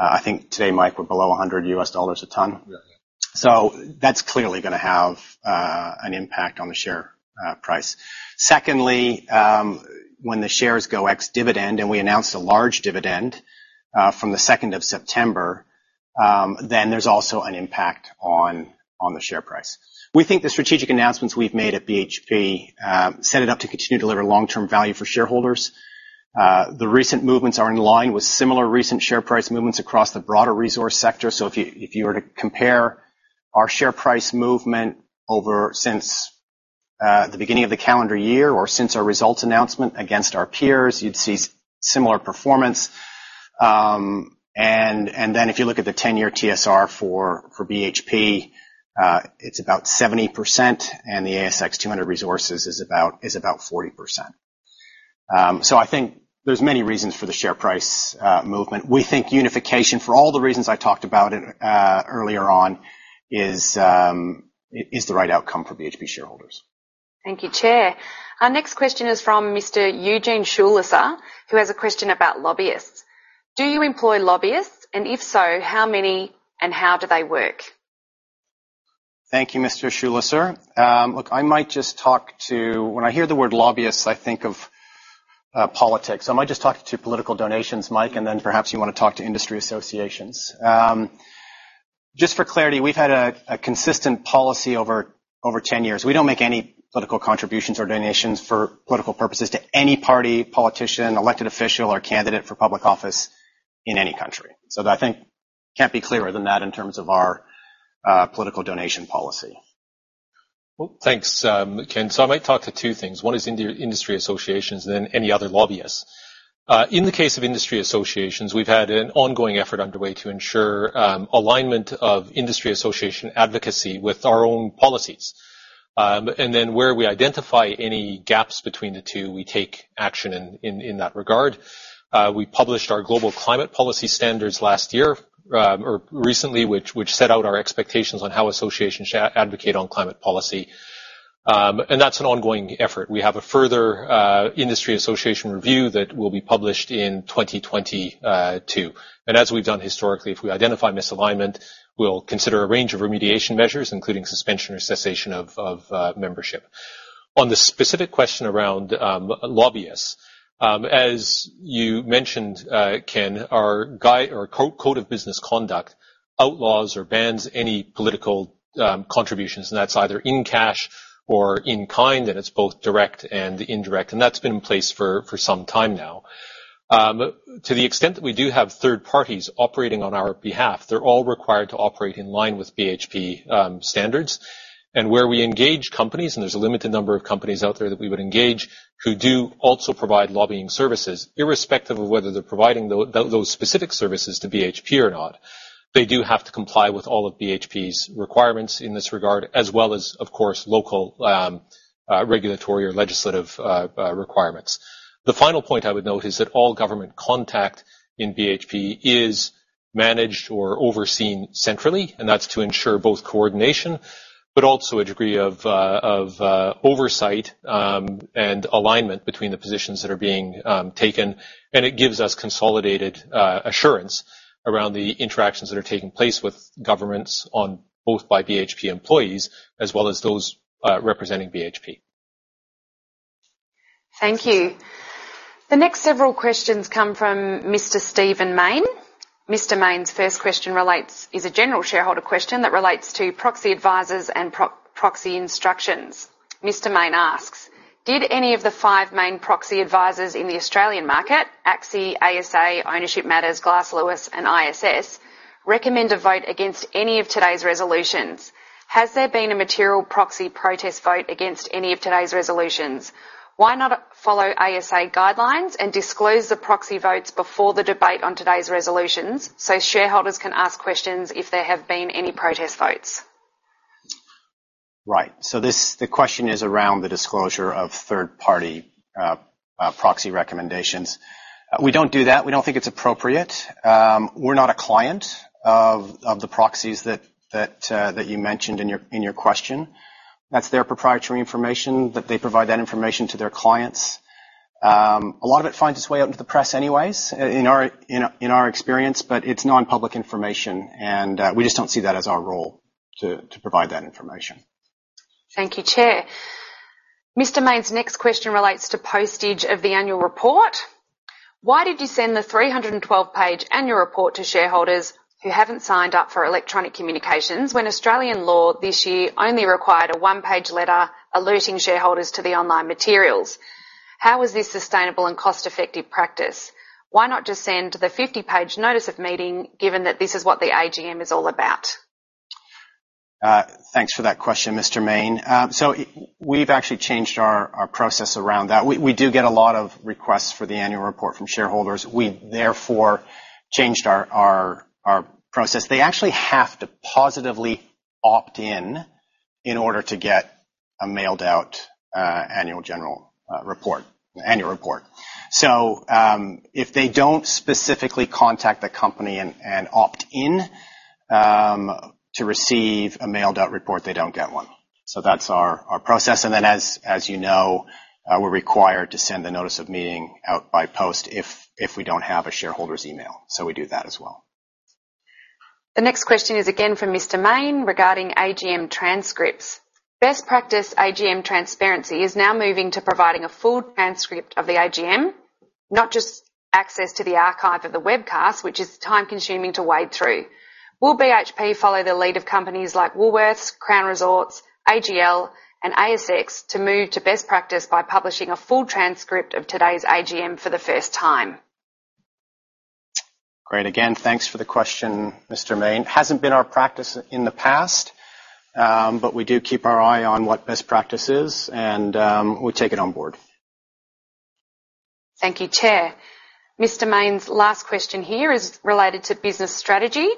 I think today, Mike, we're below $100 US a ton. Yeah. That's clearly gonna have an impact on the share price. Secondly, when the shares go ex-dividend, and we announced a large dividend from the second of September, then there's also an impact on the share price. We think the strategic announcements we've made at BHP set it up to continue to deliver long-term value for shareholders. The recent movements are in line with similar recent share price movements across the broader resource sector. If you were to compare our share price movement over since the beginning of the calendar year or since our results announcement against our peers, you'd see similar performance. And then if you look at the ten-year TSR for BHP, it's about 70%, and the ASX 200 resources is about 40%. I think there's many reasons for the share price movement. We think unification, for all the reasons I talked about it, earlier on, is the right outcome for BHP shareholders. Thank you, Chair. Our next question is from Mr. Eugene Schulisser, who has a question about lobbyists. Do you employ lobbyists? And if so, how many and how do they work? Thank you, Mr. Schulisser. When I hear the word lobbyists, I think of politics. I might just talk to political donations, Mike, and then perhaps you wanna talk to industry associations. Just for clarity, we've had a consistent policy over 10 years. We don't make any political contributions or donations for political purposes to any party, politician, elected official or candidate for public office in any country. I think can't be clearer than that in terms of our political donation policy. Well, thanks, Ken. I might talk to two things. One is industry associations and any other lobbyists. In the case of industry associations, we've had an ongoing effort underway to ensure alignment of industry association advocacy with our own policies. Then where we identify any gaps between the two, we take action in that regard. We published our global climate policy standards last year or recently, which set out our expectations on how associations advocate on climate policy. That's an ongoing effort. We have a further industry association review that will be published in 2022. As we've done historically, if we identify misalignment, we'll consider a range of remediation measures, including suspension or cessation of membership. On the specific question around lobbyists, as you mentioned, Ken, our code of business conduct outlaws or bans any political contributions, and that's either in cash or in kind, and it's both direct and indirect, and that's been in place for some time now. To the extent that we do have third parties operating on our behalf, they're all required to operate in line with BHP standards. Where we engage companies, and there's a limited number of companies out there that we would engage who do also provide lobbying services, irrespective of whether they're providing those specific services to BHP or not, they do have to comply with all of BHP's requirements in this regard, as well as, of course, local regulatory or legislative requirements. The final point I would note is that all government contact in BHP is managed or overseen centrally, and that's to ensure both coordination but also a degree of oversight and alignment between the positions that are being taken, and it gives us consolidated assurance around the interactions that are taking place with governments on behalf of BHP employees as well as those representing BHP. Thank you. The next several questions come from Mr. Steven David Main. Mr. Main's first question is a general shareholder question that relates to proxy advisors and proxy instructions. Mr. Main asks, did any of the five main proxy advisors in the Australian market, ACSI, ASA, Ownership Matters, Glass Lewis, and ISS, recommend a vote against any of today's resolutions? Has there been a material proxy protest vote against any of today's resolutions? Why not follow ASA guidelines and disclose the proxy votes before the debate on today's resolutions, so shareholders can ask questions if there have been any protest votes? Right. The question is around the disclosure of third-party proxy recommendations. We don't do that. We don't think it's appropriate. We're not a client of the proxies that you mentioned in your question. That's their proprietary information, but they provide that information to their clients. A lot of it finds its way out into the press anyways in our experience, but it's non-public information, and we just don't see that as our role to provide that information. Thank you, Chair. Mr. Main's next question relates to postage of the annual report. Why did you send the 312-page annual report to shareholders who haven't signed up for electronic communications when Australian law this year only required a one-page letter alerting shareholders to the online materials? How is this sustainable and cost-effective practice? Why not just send the 50-page notice of meeting given that this is what the AGM is all about? Thanks for that question, Mr. Main. We've actually changed our process around that. We do get a lot of requests for the annual report from shareholders. We therefore changed our process. They actually have to positively opt in in order to get a mailed out annual report. If they don't specifically contact the company and opt in to receive a mailed out report, they don't get one. That's our process. As you know, we're required to send the notice of meeting out by post if we don't have a shareholder's email. We do that as well. The next question is again from Mr. Main regarding AGM transcripts. Best practice AGM transparency is now moving to providing a full transcript of the AGM, not just access to the archive of the webcast, which is time-consuming to wade through. Will BHP follow the lead of companies like Woolworths, Crown Resorts, AGL, and ASX to move to best practice by publishing a full transcript of today's AGM for the first time? Great. Again, thanks for the question, Mr. Main. Hasn't been our practice in the past, but we do keep our eye on what best practice is, and we take it on board. Thank you, Chair. Mr. Steven David Main's last question here is related to business strategy.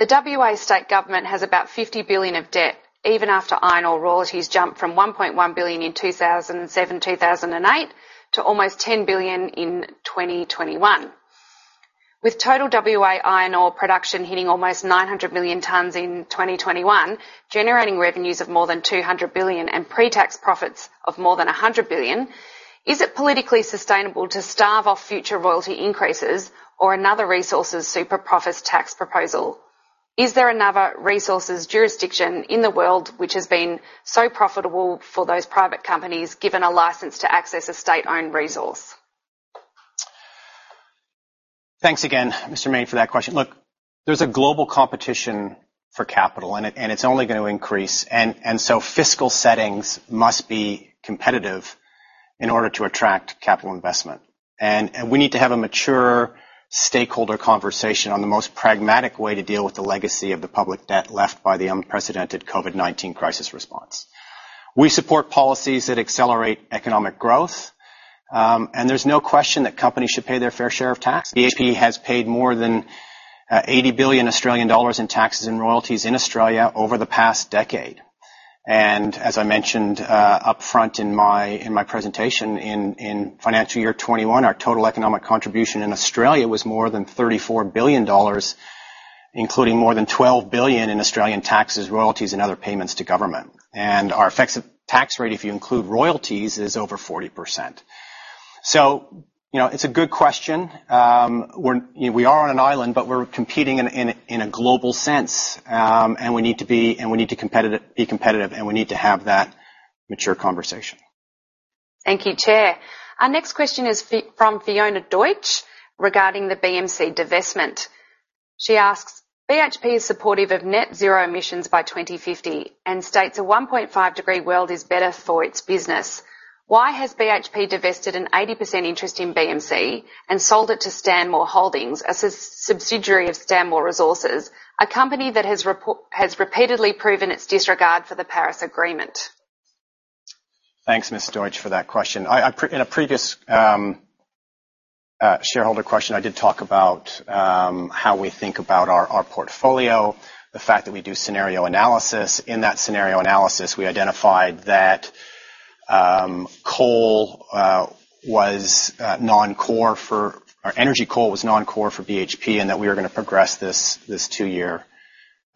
The WA state government has about AUD 50 billion of debt even after iron ore royalties jumped from AUD 1.1 billion in 2007-2008 to almost AUD 10 billion in 2021. With total WA iron ore production hitting almost 900 million tons in 2021, generating revenues of more than AUD 200 billion and pre-tax profits of more than AUD 100 billion, is it politically sustainable to stave off future royalty increases or another resources super profits tax proposal? Is there another resources jurisdiction in the world which has been so profitable for those private companies given a license to access a state-owned resource? Thanks again, Mr. Main, for that question. Look, there's a global competition for capital, and it's only gonna increase. So fiscal settings must be competitive in order to attract capital investment. We need to have a mature stakeholder conversation on the most pragmatic way to deal with the legacy of the public debt left by the unprecedented COVID-19 crisis response. We support policies that accelerate economic growth, and there's no question that companies should pay their fair share of tax. BHP has paid more than 80 billion Australian dollars in taxes and royalties in Australia over the past decade. As I mentioned up front in my presentation, in financial year 2021, our total economic contribution in Australia was more than 34 billion dollars, including more than 12 billion in Australian taxes, royalties, and other payments to government. Our effective tax rate, if you include royalties, is over 40%. You know, it's a good question. We are on an island, but we're competing in a global sense, and we need to be competitive, and we need to have that mature conversation. Thank you, Chair. Our next question is from Fiona Deutsch regarding the BMC divestment. She asks, "BHP is supportive of net zero emissions by 2050 and states a 1.5-degree world is better for its business. Why has BHP divested an 80% interest in BMC and sold it to Stanmore SMC Holdings, a sub-subsidiary of Stanmore Resources, a company that has repeatedly proven its disregard for the Paris Agreement? Thanks, Ms. Deutsch, for that question. In a previous shareholder question, I did talk about how we think about our portfolio, the fact that we do scenario analysis. In that scenario analysis, we identified that coal was non-core. Or energy coal was non-core for BHP, and that we were gonna progress this two-year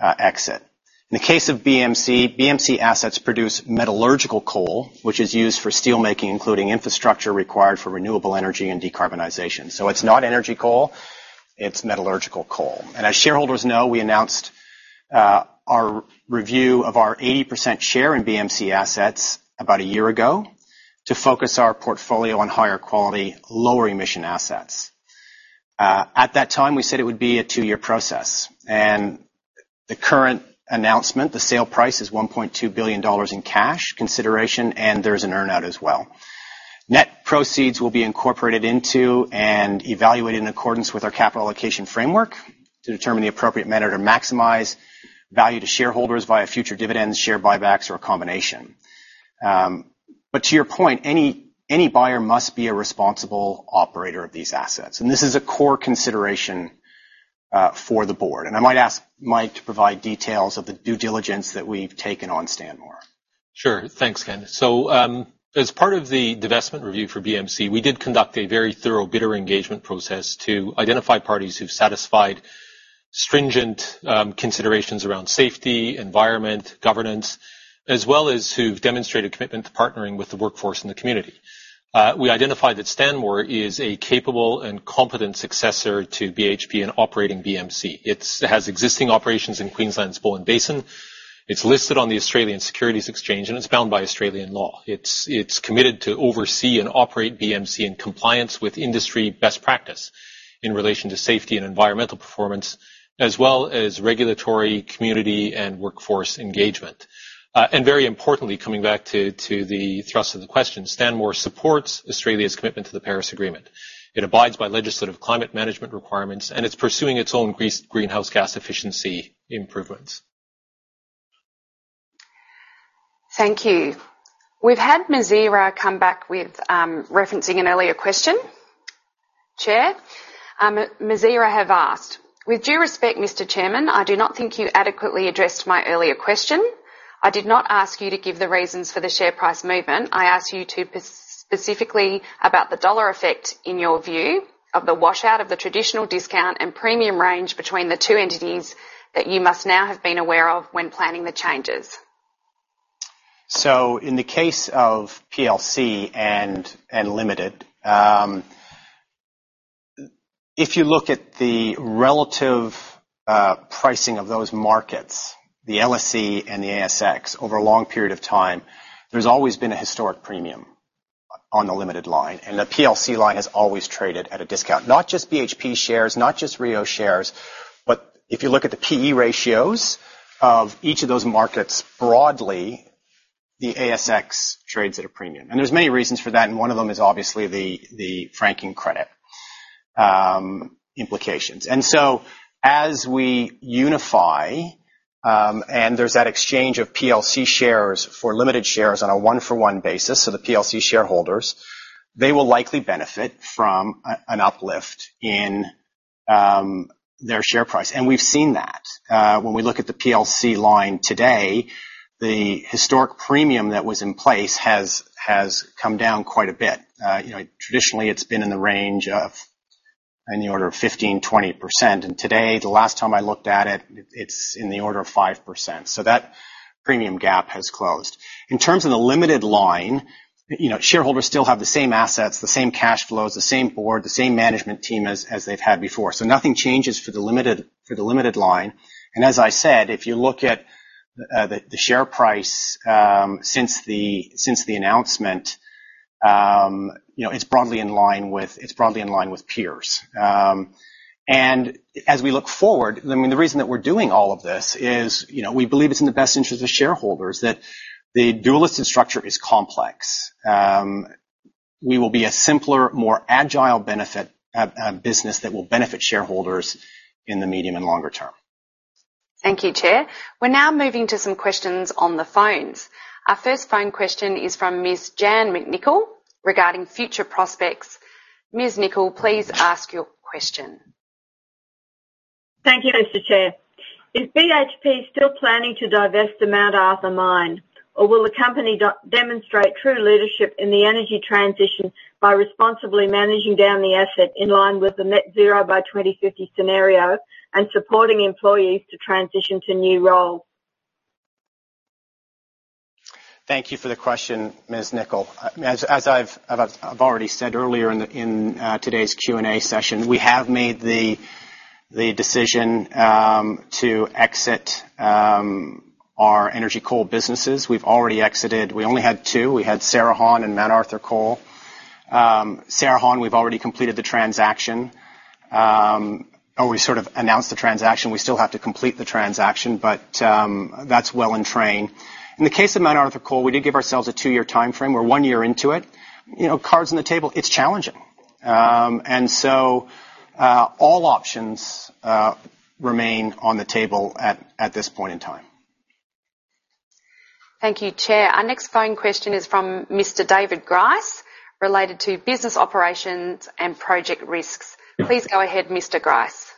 exit. In the case of BMC assets produce metallurgical coal, which is used for steel making, including infrastructure required for renewable energy and decarbonization. So it's not energy coal, it's metallurgical coal. And as shareholders know, we announced our review of our 80% share in BMC assets about a year ago to focus our portfolio on higher quality, lower emission assets. At that time, we said it would be a two-year process. The current announcement, the sale price is $1.2 billion in cash consideration, and there's an earn-out as well. Net proceeds will be incorporated into and evaluated in accordance with our capital allocation framework to determine the appropriate manner to maximize value to shareholders via future dividends, share buybacks, or a combination. But to your point, any buyer must be a responsible operator of these assets. This is a core consideration for the board. I might ask Mike to provide details of the due diligence that we've taken on Stanmore. Sure. Thanks, Ken. As part of the divestment review for BMC, we did conduct a very thorough bidder engagement process to identify parties who've satisfied stringent considerations around safety, environment, governance, as well as who've demonstrated commitment to partnering with the workforce and the community. We identified that Stanmore is a capable and competent successor to BHP in operating BMC. It has existing operations in Queensland's Bowen Basin. It's listed on the Australian Securities Exchange, and it's bound by Australian law. It's committed to oversee and operate BMC in compliance with industry best practice in relation to safety and environmental performance, as well as regulatory, community, and workforce engagement. Very importantly, coming back to the thrust of the question, Stanmore supports Australia's commitment to the Paris Agreement. It abides by legislative climate management requirements, and it's pursuing its own greenhouse gas efficiency improvements. Thank you. We've had Mazira come back with, referencing an earlier question. Chair, Mazira have asked, "With due respect, Mr. Chairman, I do not think you adequately addressed my earlier question. I did not ask you to give the reasons for the share price movement. I asked you to specifically about the dollar effect in your view of the washout of the traditional discount and premium range between the two entities that you must now have been aware of when planning the changes. In the case of PLC and Limited, if you look at the relative pricing of those markets, the LSE and the ASX over a long period of time, there's always been a historic premium on the Limited line, and the PLC line has always traded at a discount. Not just BHP shares, not just Rio shares, but if you look at the PE ratios of each of those markets broadly, the ASX trades at a premium. There's many reasons for that, and one of them is obviously the franking credit implications. As we unify, and there's that exchange of PLC shares for Limited shares on a one-for-one basis. The PLC shareholders, they will likely benefit from an uplift in their share price, and we've seen that. When we look at the Plc line today, the historic premium that was in place has come down quite a bit. You know, traditionally, it's been in the range of in the order of 15%-20%. Today, the last time I looked at it's in the order of 5%. That premium gap has closed. In terms of the Limited line, you know, shareholders still have the same assets, the same cash flows, the same board, the same management team as they've had before. Nothing changes for the Limited line. As I said, if you look at the share price since the announcement, you know, it's broadly in line with peers. As we look forward, I mean, the reason that we're doing all of this is, you know, we believe it's in the best interest of shareholders that the dual listed structure is complex. We will be a simpler, more agile business that will benefit shareholders in the medium and longer term. Thank you, Chair. We're now moving to some questions on the phones. Our first phone question is from Ms. Jan McNichol regarding future prospects. Ms. McNichol, please ask your question. Thank you, Mr. Chair. Is BHP still planning to divest the Mount Arthur mine, or will the company demonstrate true leadership in the energy transition by responsibly managing down the asset in line with the net zero by 2050 scenario and supporting employees to transition to new roles? Thank you for the question, Ms. McNichol. As I've already said earlier in today's Q&A session, we have made the decision to exit our energy coal businesses. We've already exited. We only had two. We had Cerrejón and Mount Arthur Coal. Cerrejón, we've already completed the transaction. Or we sort of announced the transaction. We still have to complete the transaction, but that's well in train. In the case of Mount Arthur Coal, we did give ourselves a two-year timeframe. We're one year into it. You know, cards on the table, it's challenging. All options remain on the table at this point in time. Thank you, Chair. Our next phone question is from Mr. David Grice related to business operations and project risks. Please go ahead, Mr. Grice.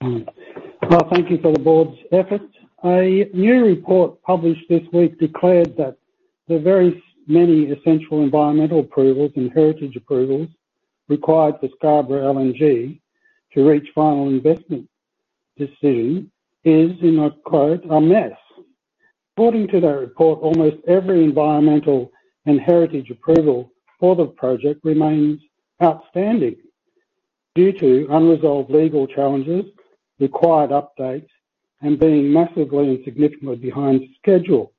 Well, thank you for the board's effort. A new report published this week declared that many essential environmental approvals and heritage approvals required for Scarborough LNG to reach final investment decision is, and I quote, "a mess." According to the report, almost every environmental and heritage approval for the project remains outstanding due to unresolved legal challenges, required updates, and being massively and significantly behind schedule.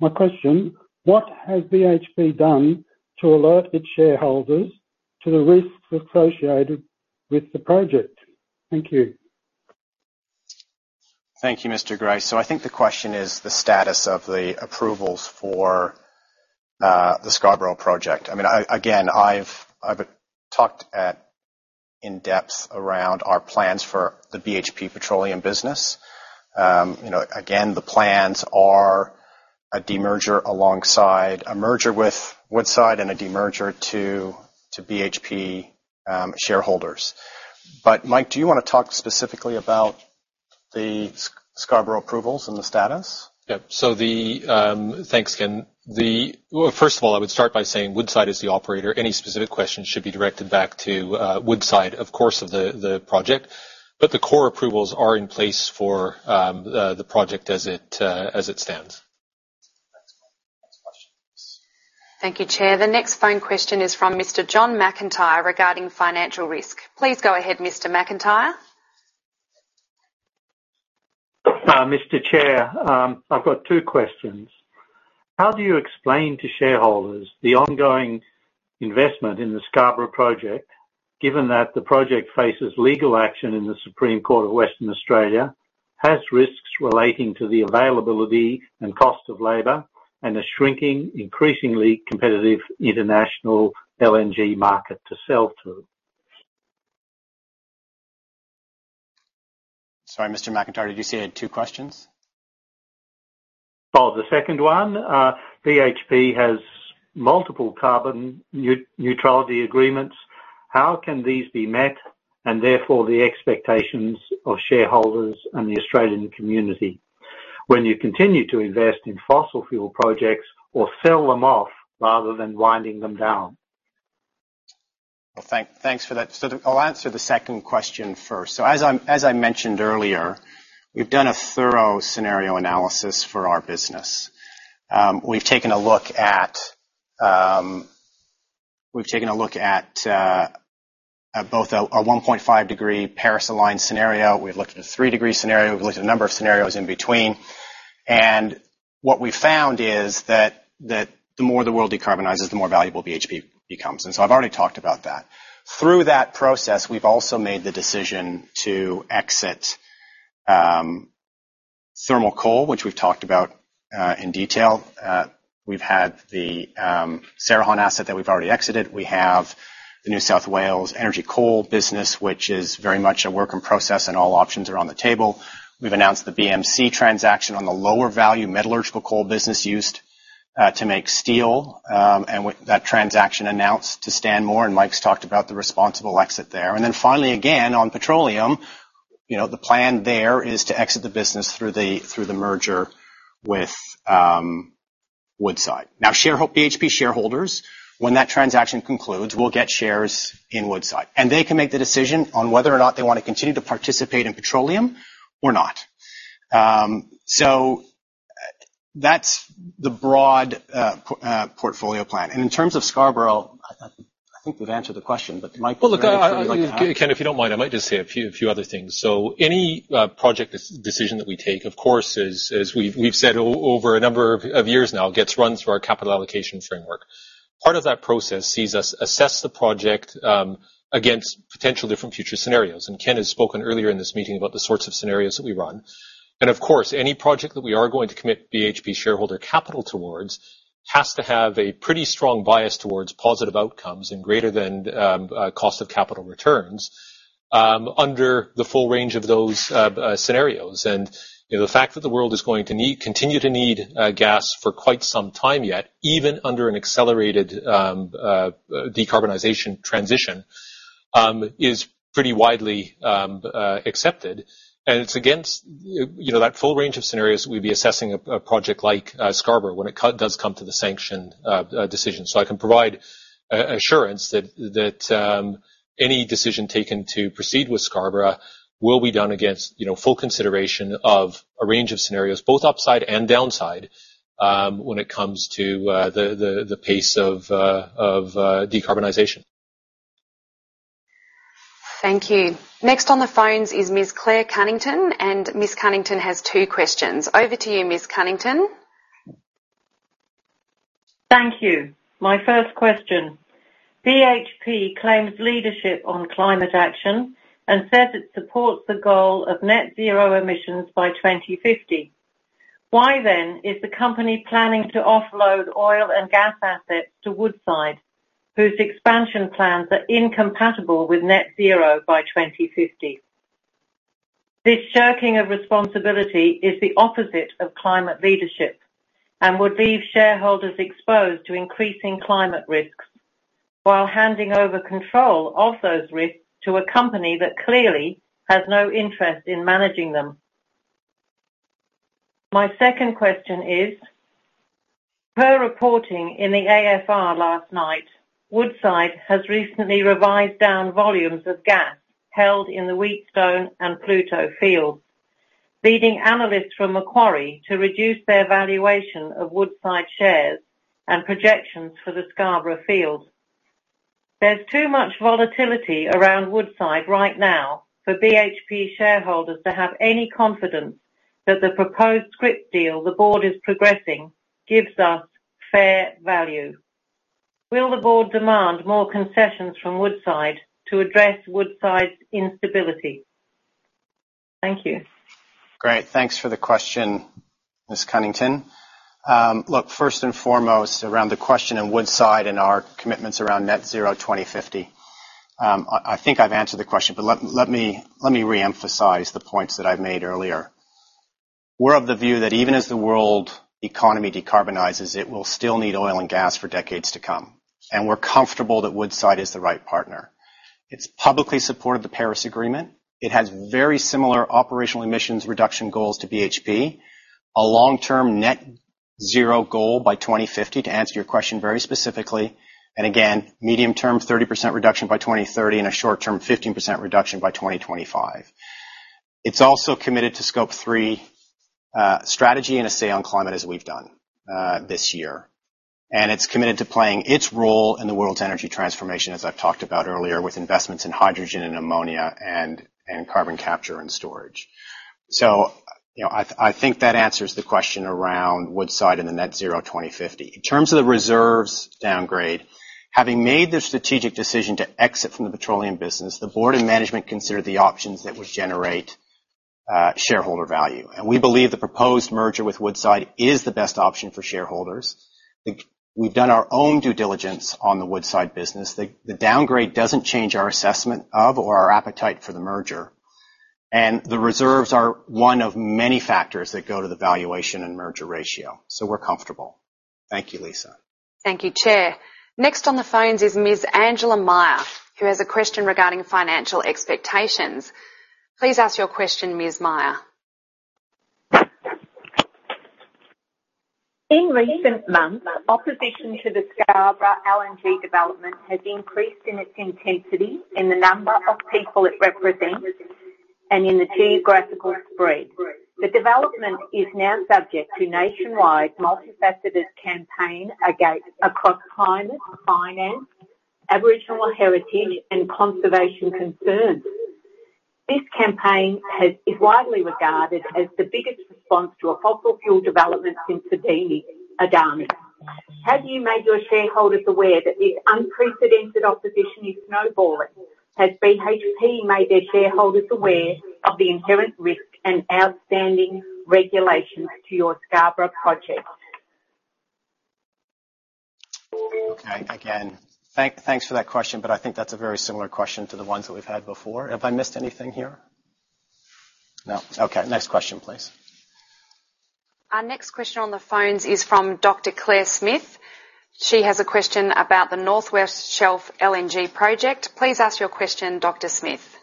My question, what has BHP done to alert its shareholders to the risks associated with the project? Thank you. Thank you, Mr. Grice. I think the question is the status of the approvals for the Scarborough project. I mean, again, I've talked in depth around our plans for the BHP petroleum business. You know, again, the plans are a demerger alongside a merger with Woodside and a demerger to BHP shareholders. Mike, do you wanna talk specifically about the Scarborough approvals and the status? Yep. Thanks, Ken. Well, first of all, I would start by saying Woodside is the operator. Any specific questions should be directed back to Woodside, of course, of the project. The core approvals are in place for the project as it stands. Next one. Next question, please. Thank you, Chair. The next phone question is from Mr. John McIntyre regarding financial risk. Please go ahead, Mr. McIntyre. Mr. Chair, I've got two questions. How do you explain to shareholders the ongoing investment in the Scarborough project, given that the project faces legal action in the Supreme Court of Western Australia, has risks relating to the availability and cost of labor, and a shrinking, increasingly competitive international LNG market to sell to? Sorry, Mr. McIntyre, did you say you had two questions? Well, the second one, BHP has multiple carbon neutrality agreements. How can these be met, and therefore the expectations of shareholders and the Australian community when you continue to invest in fossil fuel projects or sell them off rather than winding them down? Thanks for that. I'll answer the second question first. As I mentioned earlier, we've done a thorough scenario analysis for our business. We've taken a look at both a 1.5-degree Paris-aligned scenario. We've looked at a 3-degree scenario. We've looked at a number of scenarios in between. What we found is that the more the world decarbonizes, the more valuable BHP becomes. I've already talked about that. Through that process, we've also made the decision to exit thermal coal, which we've talked about in detail. We've had the Cerrejón asset that we've already exited. We have the New South Wales energy coal business, which is very much a work in progress, and all options are on the table. We've announced the BMC transaction on the lower value metallurgical coal business used to make steel, and with that transaction announced to Stanmore, and Mike's talked about the responsible exit there. Finally, again, on petroleum, the plan there is to exit the business through the merger with Woodside. Now, BHP shareholders, when that transaction concludes, will get shares in Woodside. They can make the decision on whether or not they wanna continue to participate in petroleum or not. That's the broad portfolio plan. In terms of Scarborough, I think we've answered the question, but Mike, would you like to add? Well, look, I, Ken, if you don't mind, I might just say a few other things. Any project decision that we take, of course, as we've said over a number of years now, gets run through our capital allocation framework. Part of that process sees us assess the project against potential different future scenarios. Ken has spoken earlier in this meeting about the sorts of scenarios that we run. Of course, any project that we are going to commit BHP shareholder capital towards has to have a pretty strong bias towards positive outcomes and greater than cost of capital returns under the full range of those scenarios. You know, the fact that the world is going to need, continue to need gas for quite some time yet, even under an accelerated decarbonization transition, is pretty widely accepted. It's against, you know, that full range of scenarios we'd be assessing a project like Scarborough when it does come to the sanction decision. I can provide assurance that any decision taken to proceed with Scarborough will be done against, you know, full consideration of a range of scenarios, both upside and downside, when it comes to the pace of decarbonization. Thank you. Next on the phones is Ms. Claire Cunnington, and Ms. Cunnington has two questions. Over to you, Ms. Cunnington. Thank you. My first question. BHP claims leadership on climate action and says it supports the goal of net zero emissions by 2050. Why then is the company planning to offload oil and gas assets to Woodside, whose expansion plans are incompatible with net zero by 2050? This shirking of responsibility is the opposite of climate leadership and would leave shareholders exposed to increasing climate risks while handing over control of those risks to a company that clearly has no interest in managing them. My second question is, per reporting in the AFR last night, Woodside has recently revised down volumes of gas held in the Wheatstone and Pluto fields, leading analysts from Macquarie to reduce their valuation of Woodside shares and projections for the Scarborough fields. There's too much volatility around Woodside right now for BHP shareholders to have any confidence that the proposed scrip deal the board is progressing gives us fair value. Will the board demand more concessions from Woodside to address Woodside's instability? Thank you. Great. Thanks for the question, Ms. Cunnington. First and foremost, around the question of Woodside and our commitments around net zero 2050, I think I've answered the question, but let me re-emphasize the points that I've made earlier. We're of the view that even as the world economy decarbonizes, it will still need oil and gas for decades to come. We're comfortable that Woodside is the right partner. It's publicly supported the Paris Agreement. It has very similar operational emissions reduction goals to BHP. A long-term net zero goal by 2050, to answer your question very specifically, and again, medium-term 30% reduction by 2030 and a short-term 15% reduction by 2025. It's also committed to Scope 3 strategy and a say on climate as we've done this year. It's committed to playing its role in the world's energy transformation, as I've talked about earlier with investments in hydrogen and ammonia and carbon capture and storage. I think that answers the question around Woodside and the net zero 2050. In terms of the reserves downgrade, having made the strategic decision to exit from the petroleum business, the board and management considered the options that would generate shareholder value. We believe the proposed merger with Woodside is the best option for shareholders. We've done our own due diligence on the Woodside business. The downgrade doesn't change our assessment of or our appetite for the merger. The reserves are one of many factors that go to the valuation and merger ratio. We're comfortable. Thank you, Lisa. Thank you, Chair. Next on the phones is Ms. Angela Meyer, who has a question regarding financial expectations. Please ask your question, Ms. Meyer. In recent months, opposition to the Scarborough LNG development has increased in its intensity in the number of people it represents and in the geographical spread. The development is now subject to nationwide multifaceted campaign across climate, finance, Aboriginal heritage, and conservation concerns. This campaign is widely regarded as the biggest response to a fossil fuel development since the Adani. Have you made your shareholders aware that this unprecedented opposition is snowballing? Has BHP made their shareholders aware of the inherent risk and outstanding regulations to your Scarborough project? Okay. Again, thanks for that question, but I think that's a very similar question to the ones that we've had before. Have I missed anything here? No. Okay. Next question, please. Our next question on the phones is from Dr. Claire Smith. She has a question about the North West Shelf LNG project. Please ask your question, Dr. Smith.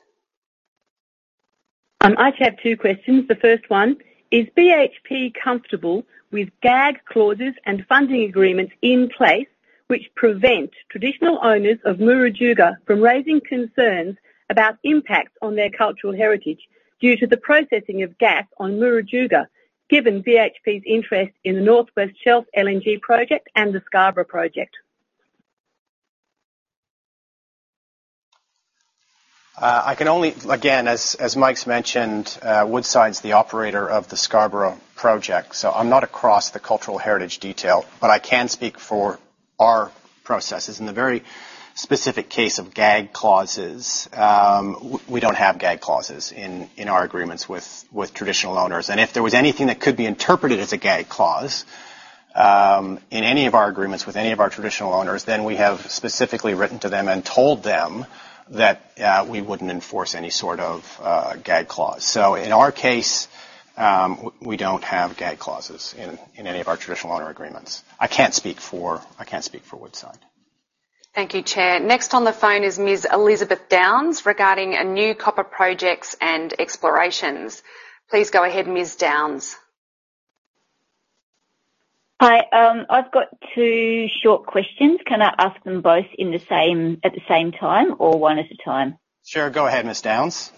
I actually have two questions. The first one, is BHP comfortable with gag clauses and funding agreements in place which prevent Traditional Owners of Murujuga from raising concerns about impacts on their cultural heritage due to the processing of gas on Murujuga, given BHP's interest in the North West Shelf LNG project and the Scarborough project? I can only again, as Mike's mentioned, Woodside's the operator of the Scarborough project, so I'm not across the cultural heritage detail, but I can speak for our processes. In the very specific case of gag clauses, we don't have gag clauses in our agreements with traditional owners. If there was anything that could be interpreted as a gag clause, in any of our agreements with any of our traditional owners, then we have specifically written to them and told them that we wouldn't enforce any sort of gag clause. In our case, we don't have gag clauses in any of our traditional owner agreements. I can't speak for Woodside. Thank you, Chair. Next on the phone is Ms. Elizabeth Downes regarding a new copper projects and explorations. Please go ahead, Ms. Downes. Hi. I've got two short questions. Can I ask them both at the same time or one at a time? Sure. Go ahead, Ms. Downes.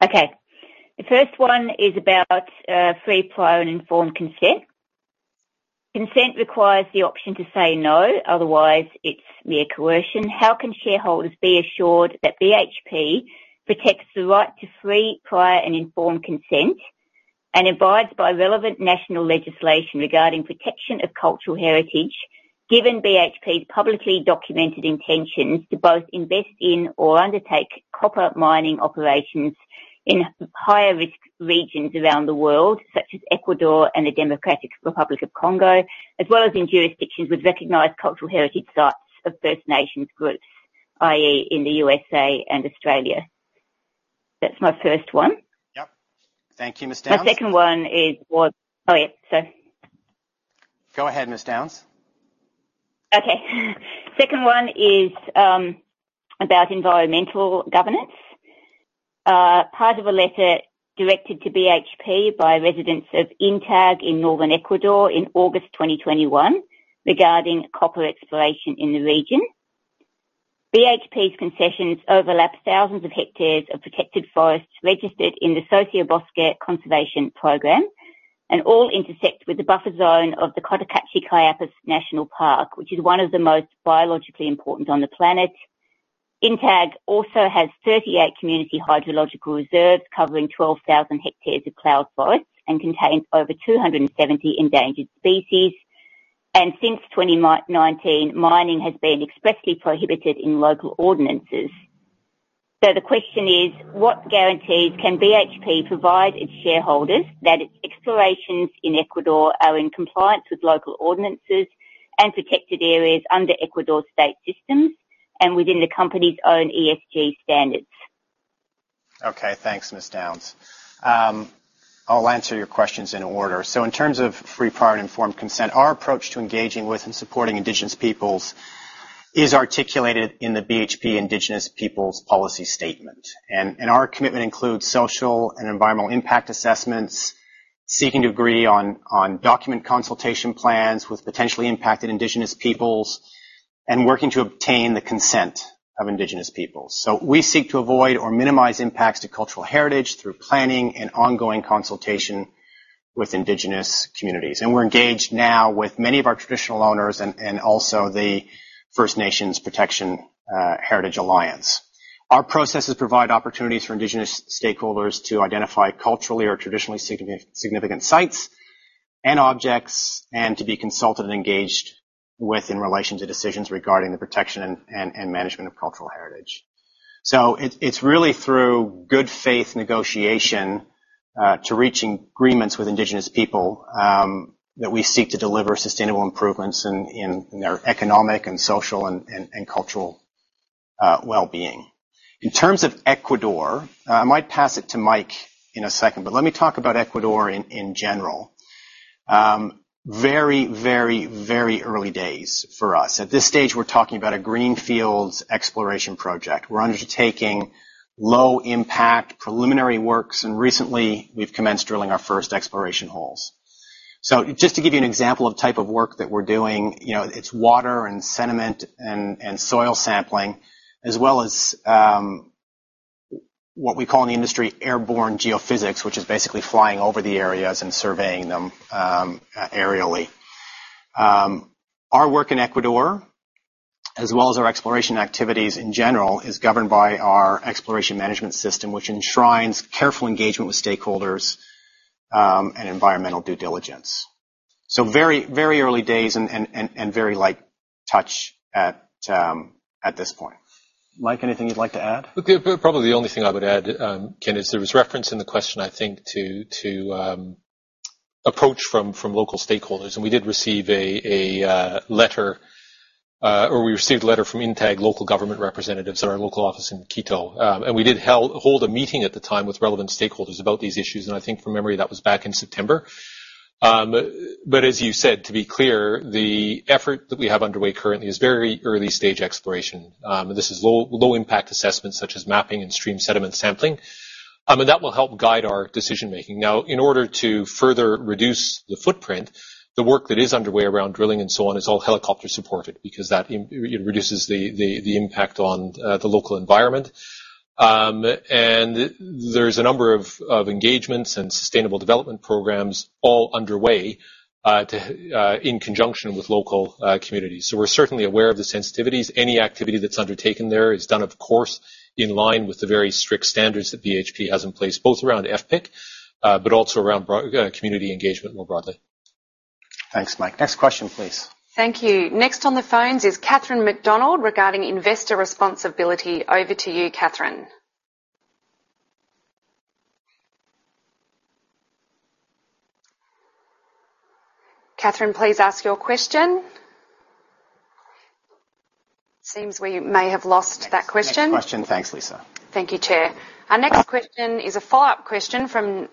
Okay. The first one is about free, prior, and informed consent. Consent requires the option to say no, otherwise it's via coercion. How can shareholders be assured that BHP protects the right to free, prior, and informed consent and abides by relevant national legislation regarding protection of cultural heritage, given BHP's publicly documented intentions to both invest in or undertake copper mining operations in higher risk regions around the world, such as Ecuador and the Democratic Republic of Congo, as well as in jurisdictions with recognized cultural heritage sites of First Nations groups, i.e., in the U.S. and Australia? That's my first one. Yep. Thank you, Ms. Downes. My second one is what. Oh, yeah. Sorry. Go ahead, Ms. Elizabeth Downes. Okay. Second one is about environmental governance. Part of a letter directed to BHP by residents of Intag in northern Ecuador in August 2021 regarding copper exploration in the region. BHP's concessions overlap thousands of hectares of protected forests registered in the Socio Bosque Program, and all intersect with the buffer zone of the Cotacachi-Cayapas National Park, which is one of the most biologically important on the planet. Intag also has 38 community hydrological reserves covering 12,000 hectares of cloud forest and contains over 270 endangered species. Since 2019, mining has been expressly prohibited in local ordinances. The question is, what guarantees can BHP provide its shareholders that it's- Explorations in Ecuador are in compliance with local ordinances and protected areas under Ecuador state systems and within the company's own ESG standards. Okay. Thanks, Ms. Downes. I'll answer your questions in order. In terms of free prior and informed consent, our approach to engaging with and supporting indigenous peoples is articulated in the BHP Indigenous People's Policy Statement. Our commitment includes social and environmental impact assessments, seeking to agree on documented consultation plans with potentially impacted indigenous peoples, and working to obtain the consent of indigenous peoples. We seek to avoid or minimize impacts to cultural heritage through planning and ongoing consultation with indigenous communities. We're engaged now with many of our traditional owners and also the First Nations Heritage Protection Alliance. Our processes provide opportunities for indigenous stakeholders to identify culturally or traditionally significant sites and objects and to be consulted and engaged with in relation to decisions regarding the protection and management of cultural heritage. It's really through good faith negotiation to reaching agreements with indigenous people that we seek to deliver sustainable improvements in their economic and social and cultural wellbeing. In terms of Ecuador, I might pass it to Mike in a second. Let me talk about Ecuador in general. Very early days for us. At this stage, we're talking about a greenfield exploration project. We're undertaking low impact preliminary works, and recently we've commenced drilling our first exploration holes. Just to give you an example of type of work that we're doing, you know, it's water and sediment and soil sampling, as well as what we call in the industry airborne geophysics, which is basically flying over the areas and surveying them aerially. Our work in Ecuador, as well as our exploration activities in general, is governed by our exploration management system, which enshrines careful engagement with stakeholders, and environmental due diligence. Very, very early days and very light touch at this point. Mike, anything you'd like to add? Probably the only thing I would add, Ken, is there was reference in the question, I think, to approach from local stakeholders, and we did receive a letter from Intag local government representatives at our local office in Quito. We did hold a meeting at the time with relevant stakeholders about these issues, and I think from memory that was back in September. As you said, to be clear, the effort that we have underway currently is very early stage exploration. This is low impact assessments such as mapping and stream sediment sampling, and that will help guide our decision-making. Now, in order to further reduce the footprint, the work that is underway around drilling and so on is all helicopter-supported because that reduces the impact on the local environment. There's a number of engagements and sustainable development programs all underway to in conjunction with local communities. We're certainly aware of the sensitivities. Any activity that's undertaken there is done, of course, in line with the very strict standards that BHP has in place, both around FPIC, but also around community engagement more broadly. Thanks, Mike. Next question, please. Thank you. Next on the phones is Katherine McDonald regarding investor responsibility. Over to you, Katherine. Katherine, please ask your question. Seems we may have lost that question. Next question. Thanks, Lisa. Thank you, Chair. Our next question is a follow-up question from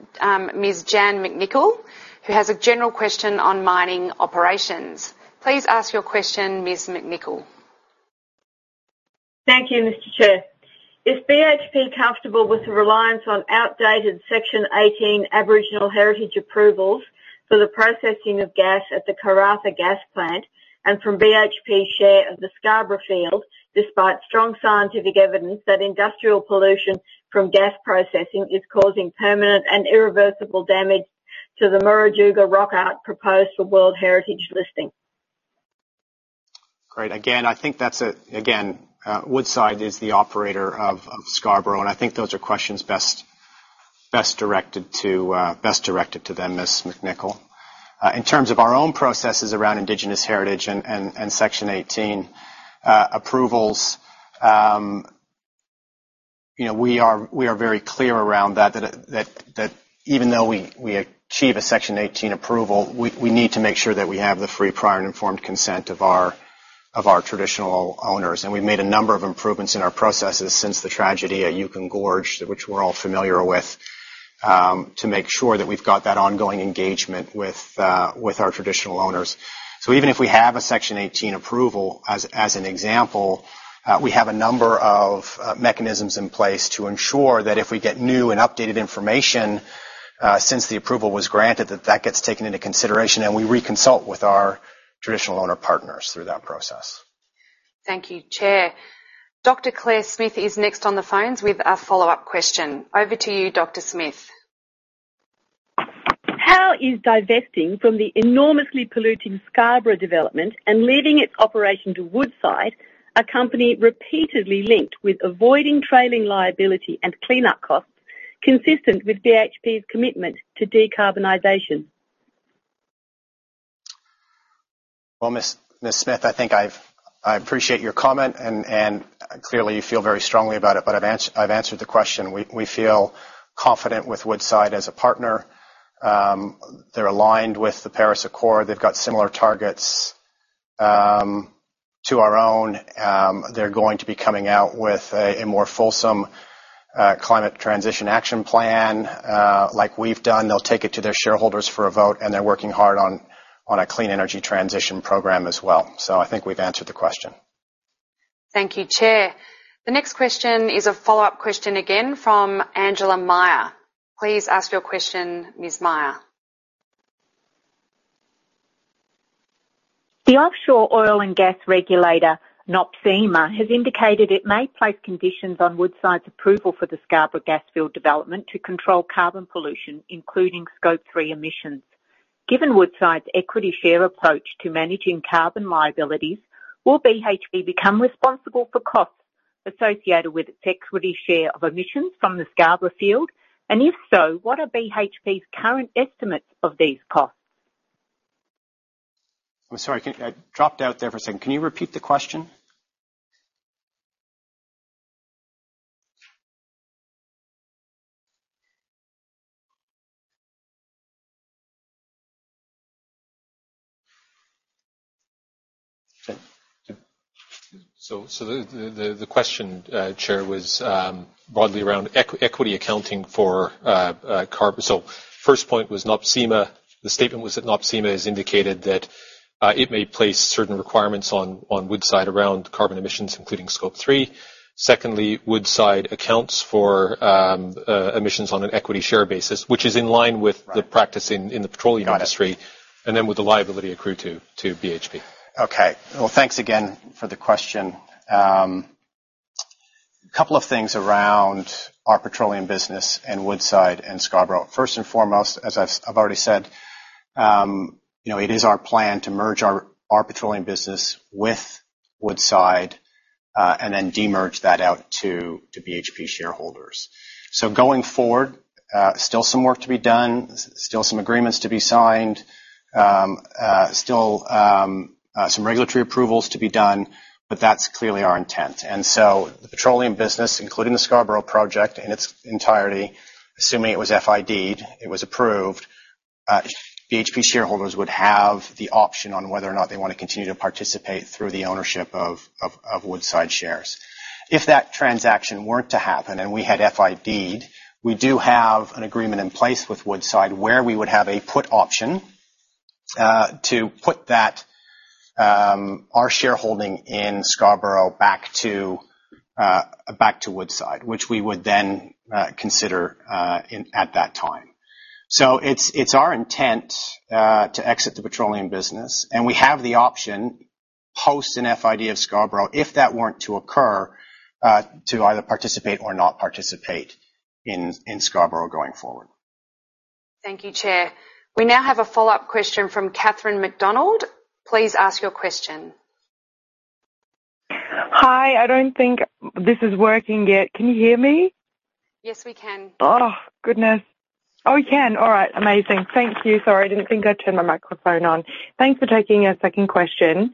Ms. Jan McNichol, who has a general question on mining operations. Please ask your question, Ms. Jan McNichol. Thank you, Mr. Chair. Is BHP comfortable with the reliance on outdated Section 18 Aboriginal heritage approvals for the processing of gas at the Karratha gas plant and from BHP's share of the Scarborough field, despite strong scientific evidence that industrial pollution from gas processing is causing permanent and irreversible damage to the Murujuga Rock Art proposed for World Heritage listing? Great. I think that's a Woodside is the operator of Scarborough, and I think those are questions best directed to them, Ms. McNichol. In terms of our own processes around Indigenous heritage and Section 18 approvals, you know, we are very clear around that even though we achieve a Section 18 approval, we need to make sure that we have the free prior and informed consent of our traditional owners. We've made a number of improvements in our processes since the tragedy at Juukan Gorge, which we're all familiar with, to make sure that we've got that ongoing engagement with our traditional owners. Even if we have a Section 18 approval, as an example, we have a number of mechanisms in place to ensure that if we get new and updated information since the approval was granted, that gets taken into consideration and we reconsult with our traditional owner partners through that process. Thank you, Chair. Dr. Claire Smith is next on the phones with a follow-up question. Over to you, Dr. Smith. How is divesting from the enormously polluting Scarborough development and leaving its operation to Woodside, a company repeatedly linked with avoiding trailing liability and cleanup costs, consistent with BHP's commitment to decarbonization? Well, Ms. Smith, I think I appreciate your comment and clearly you feel very strongly about it, but I've answered the question. We feel confident with Woodside as a partner. They're aligned with the Paris Agreement. They've got similar targets to our own. They're going to be coming out with a more fulsome climate transition action plan like we've done. They'll take it to their shareholders for a vote, and they're working hard on a clean energy transition program as well. I think we've answered the question. Thank you, Chair. The next question is a follow-up question again from Angela Meyer. Please ask your question, Ms. Meyer. The offshore oil and gas regulator, NOPSEMA, has indicated it may place conditions on Woodside's approval for the Scarborough gas field development to control carbon pollution, including Scope 3 emissions. Given Woodside's equity share approach to managing carbon liabilities, will BHP become responsible for costs associated with its equity share of emissions from the Scarborough field? If so, what are BHP's current estimates of these costs? I'm sorry. I dropped out there for a second. Can you repeat the question? Okay. The question, Chair, was broadly around equity accounting for carbon. First point was NOPSEMA. The statement was that NOPSEMA has indicated that it may place certain requirements on Woodside around carbon emissions, including Scope 3. Secondly, Woodside accounts for emissions on an equity share basis, which is in line with- Right. the practice in the petroleum industry. Got it. Would the liability accrue to BHP? Okay. Well, thanks again for the question. Couple of things around our petroleum business and Woodside and Scarborough. First and foremost, as I've already said, you know, it is our plan to merge our petroleum business with Woodside, and then de-merge that out to BHP shareholders. Going forward, still some work to be done, still some agreements to be signed, some regulatory approvals to be done, but that's clearly our intent. The petroleum business, including the Scarborough project in its entirety, assuming it was FIDed, it was approved, BHP shareholders would have the option on whether or not they wanna continue to participate through the ownership of Woodside shares. If that transaction weren't to happen and we had FIDed, we do have an agreement in place with Woodside where we would have a put option to put that, our shareholding in Scarborough back to Woodside, which we would then consider at that time. It's our intent to exit the petroleum business, and we have the option post an FID of Scarborough, if that weren't to occur, to either participate or not participate in Scarborough going forward. Thank you, Chair. We now have a follow-up question from Catherine Lee McDonald. Please ask your question. Hi. I don't think this is working yet. Can you hear me? Yes, we can. Oh, goodness. Oh, you can. All right. Amazing. Thank you. Sorry, I didn't think I turned my microphone on. Thanks for taking a second question.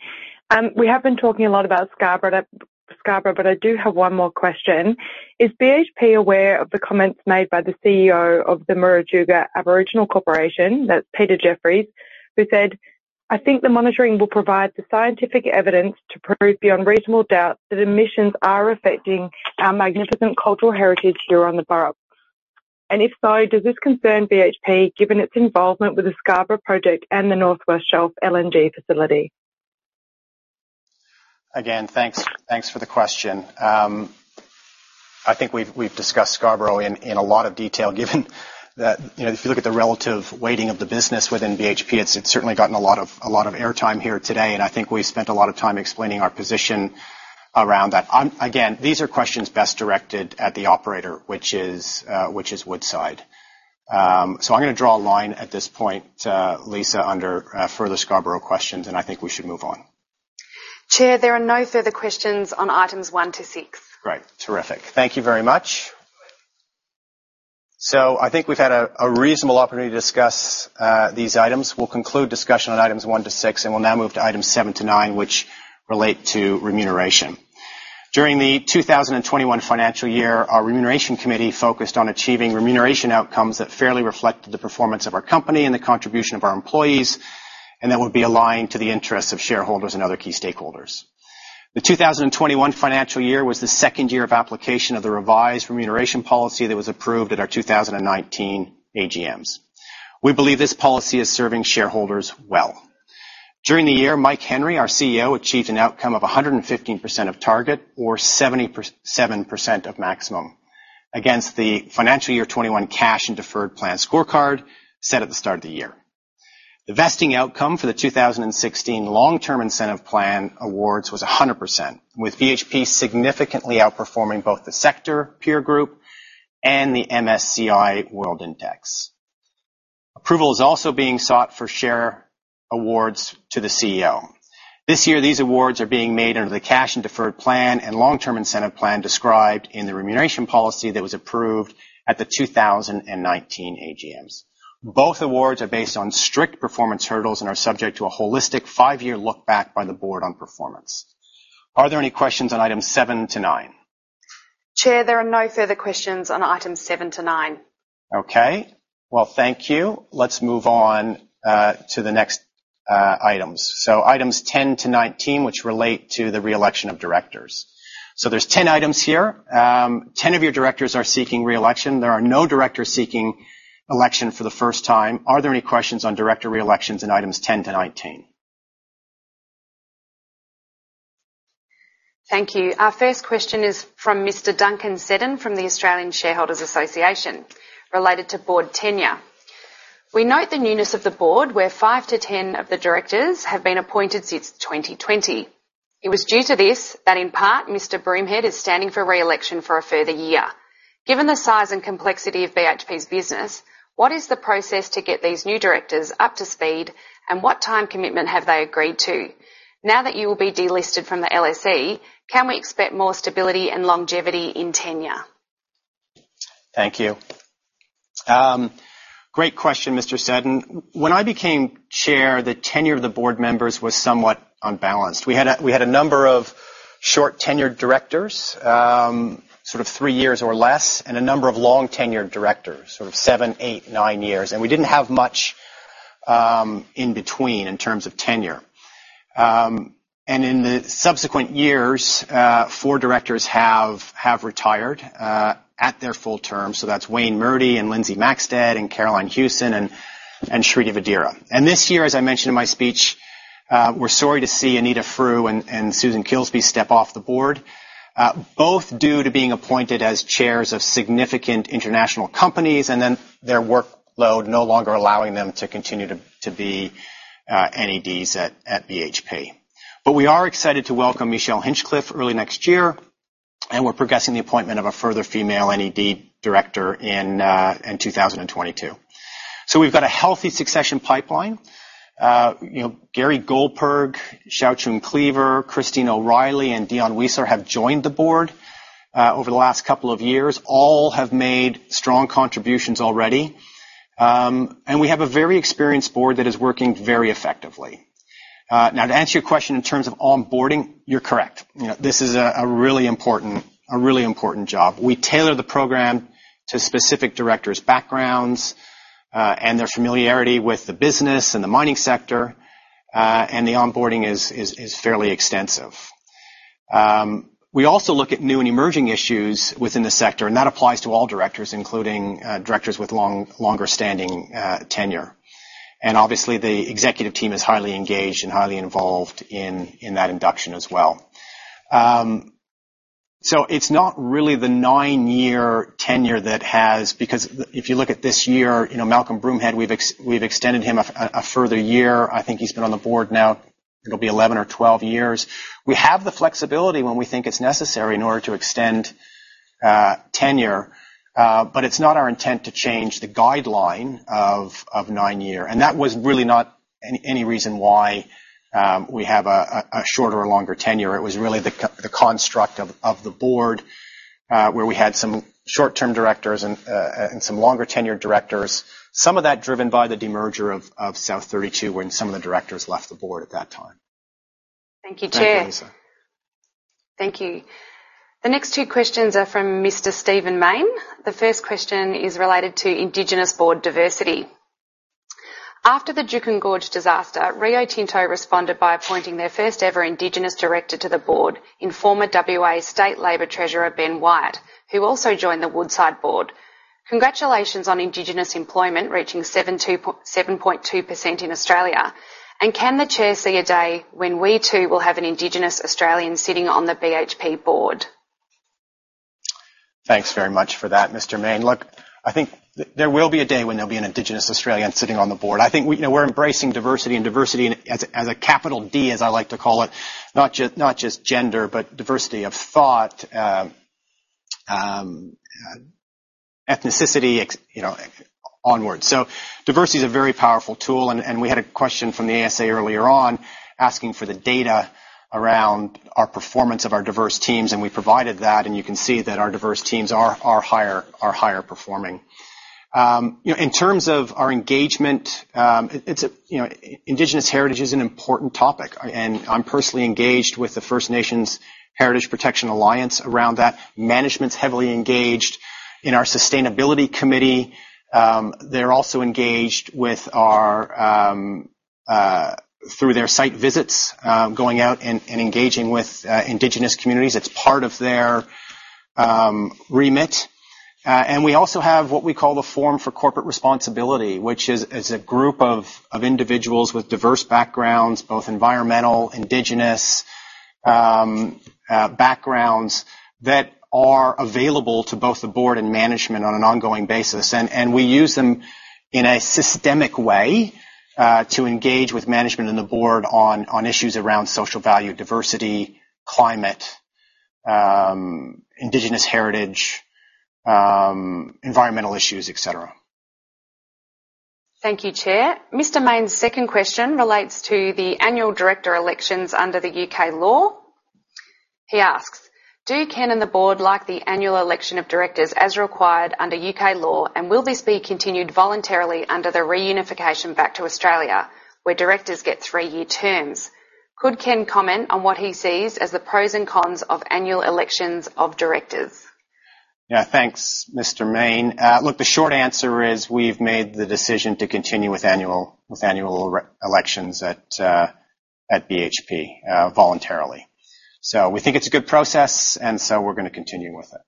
We have been talking a lot about Scarborough, but I do have one more question. Is BHP aware of the comments made by the CEO of the Murujuga Aboriginal Corporation, that's Peter Jeffries, who said, "I think the monitoring will provide the scientific evidence to prove beyond reasonable doubt that emissions are affecting our magnificent cultural heritage here on the Burrup." If so, does this concern BHP, given its involvement with the Scarborough project and the North West Shelf LNG facility? Again, thanks for the question. I think we've discussed Scarborough in a lot of detail, given that, you know, if you look at the relative weighting of the business within BHP, it's certainly gotten a lot of airtime here today, and I think we spent a lot of time explaining our position around that. Again, these are questions best directed at the operator, which is Woodside. I'm gonna draw a line at this point, Lisa, under further Scarborough questions, and I think we should move on. Chair, there are no further questions on items 1-6. Great. Terrific. Thank you very much. I think we've had a reasonable opportunity to discuss these items. We'll conclude discussion on items one to six, and we'll now move to items seven to nine, which relate to remuneration. During the 2021 financial year, our remuneration committee focused on achieving remuneration outcomes that fairly reflected the performance of our company and the contribution of our employees and that would be aligned to the interests of shareholders and other key stakeholders. The 2021 financial year was the second year of application of the revised remuneration policy that was approved at our 2019 AGMs. We believe this policy is serving shareholders well. During the year, Mike Henry, our CEO, achieved an outcome of 115% of target or 77% of maximum against the FY 2021 cash and deferred plan scorecard set at the start of the year. The vesting outcome for the 2016 long-term incentive plan awards was 100%, with BHP significantly outperforming both the sector peer group and the MSCI World Index. Approval is also being sought for share awards to the CEO. This year, these awards are being made under the cash and deferred plan and long-term incentive plan described in the remuneration policy that was approved at the 2019 AGMs. Both awards are based on strict performance hurdles and are subject to a holistic five-year look back by the board on performance. Are there any questions on items seven to nine? Chair, there are no further questions on items seven-nine. Okay. Well, thank you. Let's move on to the next items. Items 10 to 19, which relate to the re-election of directors. There's 10 items here. 10 of your directors are seeking re-election. There are no directors seeking election for the first time. Are there any questions on director re-elections in items 10 to 19? Thank you. Our first question is from Mr. Duncan Seddon from the Australian Shareholders' Association, related to board tenure. We note the newness of the board, where 5-10 of the directors have been appointed since 2020. It was due to this that, in part, Mr. Broomhead is standing for re-election for a further year. Given the size and complexity of BHP's business, what is the process to get these new directors up to speed, and what time commitment have they agreed to? Now that you will be delisted from the LSE, can we expect more stability and longevity in tenure? Thank you. Great question, Mr. Seddon. When I became chair, the tenure of the board members was somewhat unbalanced. We had a number of short tenured directors, sort of three years or less, and a number of long tenured directors, sort of seven, eight, nine years. We didn't have much in between in terms of tenure. In the subsequent years, four directors have retired at their full term. That's Wayne Murdy and Lindsay Maxsted and Carolyn Hewson and Shriti Vadera. This year, as I mentioned in my speech, we're sorry to see Anita Frew and Susan Kilsby step off the board, both due to being appointed as chairs of significant international companies and then their workload no longer allowing them to continue to be NEDs at BHP. We are excited to welcome Michelle Hinchliffe early next year, and we're progressing the appointment of a further female NED director in 2022. We've got a healthy succession pipeline. You know, Gary Goldberg, Xiaoqun Clever, Christine O'Reilly, and Dion Weisler have joined the board over the last couple of years. All have made strong contributions already. We have a very experienced board that is working very effectively. Now, to answer your question in terms of onboarding, you're correct. You know, this is a really important job. We tailor the program to specific directors' backgrounds, and their familiarity with the business and the mining sector, and the onboarding is fairly extensive. We also look at new and emerging issues within the sector, and that applies to all directors, including directors with longer standing tenure. Obviously, the executive team is highly engaged and highly involved in that induction as well. So it's not really the nine-year tenure that has. Because if you look at this year, you know, Malcolm Broomhead, we've extended him a further year. I think he's been on the board now it'll be 11 or 12 years. We have the flexibility when we think it's necessary in order to extend tenure, but it's not our intent to change the guideline of nine-year. That was really not any reason why we have a shorter or longer tenure. It was really the construct of the board, where we had some short-term directors and some longer tenured directors, some of that driven by the demerger of South32, when some of the directors left the board at that time. Thank you, Chair. Thank you, Lisa. Thank you. The next two questions are from Mr. Steven David Main. The first question is related to Indigenous board diversity. After the Juukan Gorge disaster, Rio Tinto responded by appointing their first ever Indigenous director to the board in former WA State Labor Treasurer Ben Wyatt, who also joined the Woodside board. Congratulations on Indigenous employment reaching 7.2% in Australia. Can the Chair see a day when we too will have an Indigenous Australian sitting on the BHP board? Thanks very much for that, Mr. Main. Look, I think there will be a day when there'll be an Indigenous Australian sitting on the board. I think we, you know, we're embracing diversity and diversity as a capital D, as I like to call it, not just, not just gender, but diversity of thought, ethnicity, you know, onwards. Diversity is a very powerful tool. We had a question from the ASA earlier on asking for the data around our performance of our diverse teams, and we provided that, and you can see that our diverse teams are higher performing. You know, in terms of our engagement, it's, you know, Indigenous heritage is an important topic. I'm personally engaged with the First Nations Heritage Protection Alliance around that. Management's heavily engaged in our sustainability committee. They're also engaged with our through their site visits, going out and engaging with Indigenous communities. It's part of their remit. We also have what we call the Forum for Corporate Responsibility, which is a group of individuals with diverse backgrounds, both environmental, Indigenous, backgrounds that are available to both the board and management on an ongoing basis. We use them in a systemic way to engage with management and the board on issues around social value, diversity, climate, Indigenous heritage, environmental issues, et cetera. Thank you, Chair. Mr. Main's second question relates to the annual director elections under the U.K. law. He asks, "Do Ken and the board like the annual election of directors as required under U.K. law, and will this be continued voluntarily under the reunification back to Australia where directors get three-year terms? Could Ken comment on what he sees as the pros and cons of annual elections of directors? Yeah. Thanks, Mr. Main. Look, the short answer is we've made the decision to continue with annual re-elections at BHP voluntarily. We think it's a good process, and we're gonna continue with it.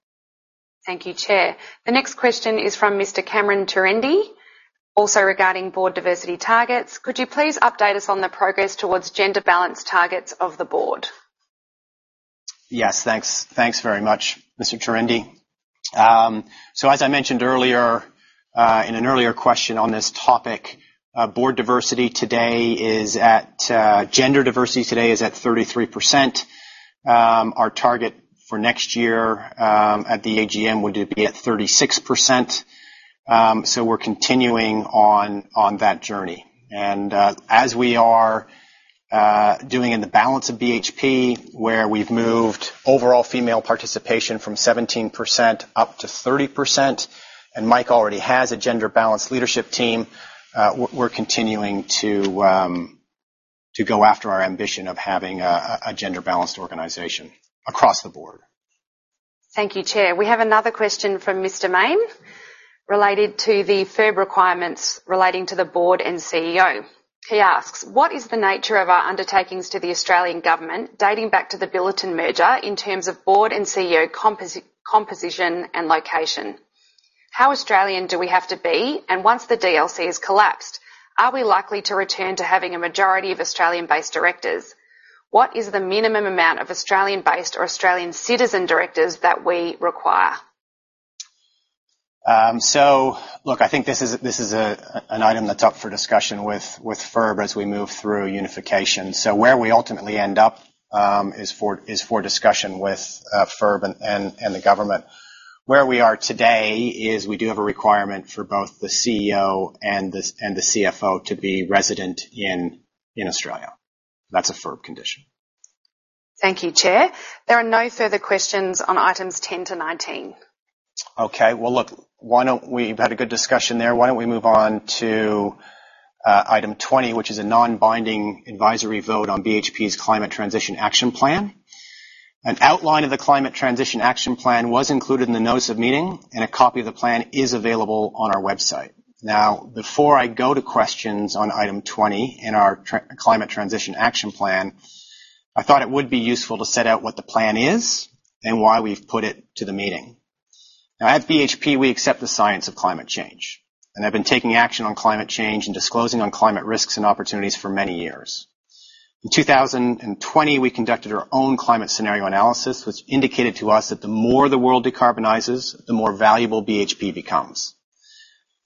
Thank you, Chair. The next question is from Mr. Cameron Terendi also regarding board diversity targets. Could you please update us on the progress towards gender balance targets of the board? Yes. Thanks. Thanks very much, Mr. Terendi. As I mentioned earlier, in an earlier question on this topic, board diversity today is at, gender diversity today is at 33%. Our target for next year, at the AGM would be at 36%. We're continuing on that journey. As we are doing in the balance of BHP, where we've moved overall female participation from 17% up to 30%, and Mike already has a gender balanced leadership team, we're continuing to go after our ambition of having a gender balanced organization across the board. Thank you, Chair. We have another question from Mr. Main related to the FIRB requirements relating to the board and CEO. He asks, "What is the nature of our undertakings to the Australian government dating back to the Billiton merger in terms of board and CEO composition and location? How Australian do we have to be? And once the DLC has collapsed, are we likely to return to having a majority of Australian-based directors? What is the minimum amount of Australian-based or Australian citizen directors that we require? I think this is an item that's up for discussion with FIRB as we move through unification. Where we ultimately end up is for discussion with FIRB and the government. Where we are today is we do have a requirement for both the CEO and the CFO to be resident in Australia. That's a FIRB condition. Thank you, Chair. There are no further questions on items 10-19. Okay. Well, look, we've had a good discussion there. Why don't we move on to item 20, which is a non-binding advisory vote on BHP's Climate Transition Action Plan. An outline of the Climate Transition Action Plan was included in the notice of meeting, and a copy of the plan is available on our website. Now, before I go to questions on item 20 in our Climate Transition Action Plan, I thought it would be useful to set out what the plan is and why we've put it to the meeting. Now, at BHP, we accept the science of climate change, and have been taking action on climate change and disclosing on climate risks and opportunities for many years. In 2020, we conducted our own climate scenario analysis, which indicated to us that the more the world decarbonizes, the more valuable BHP becomes.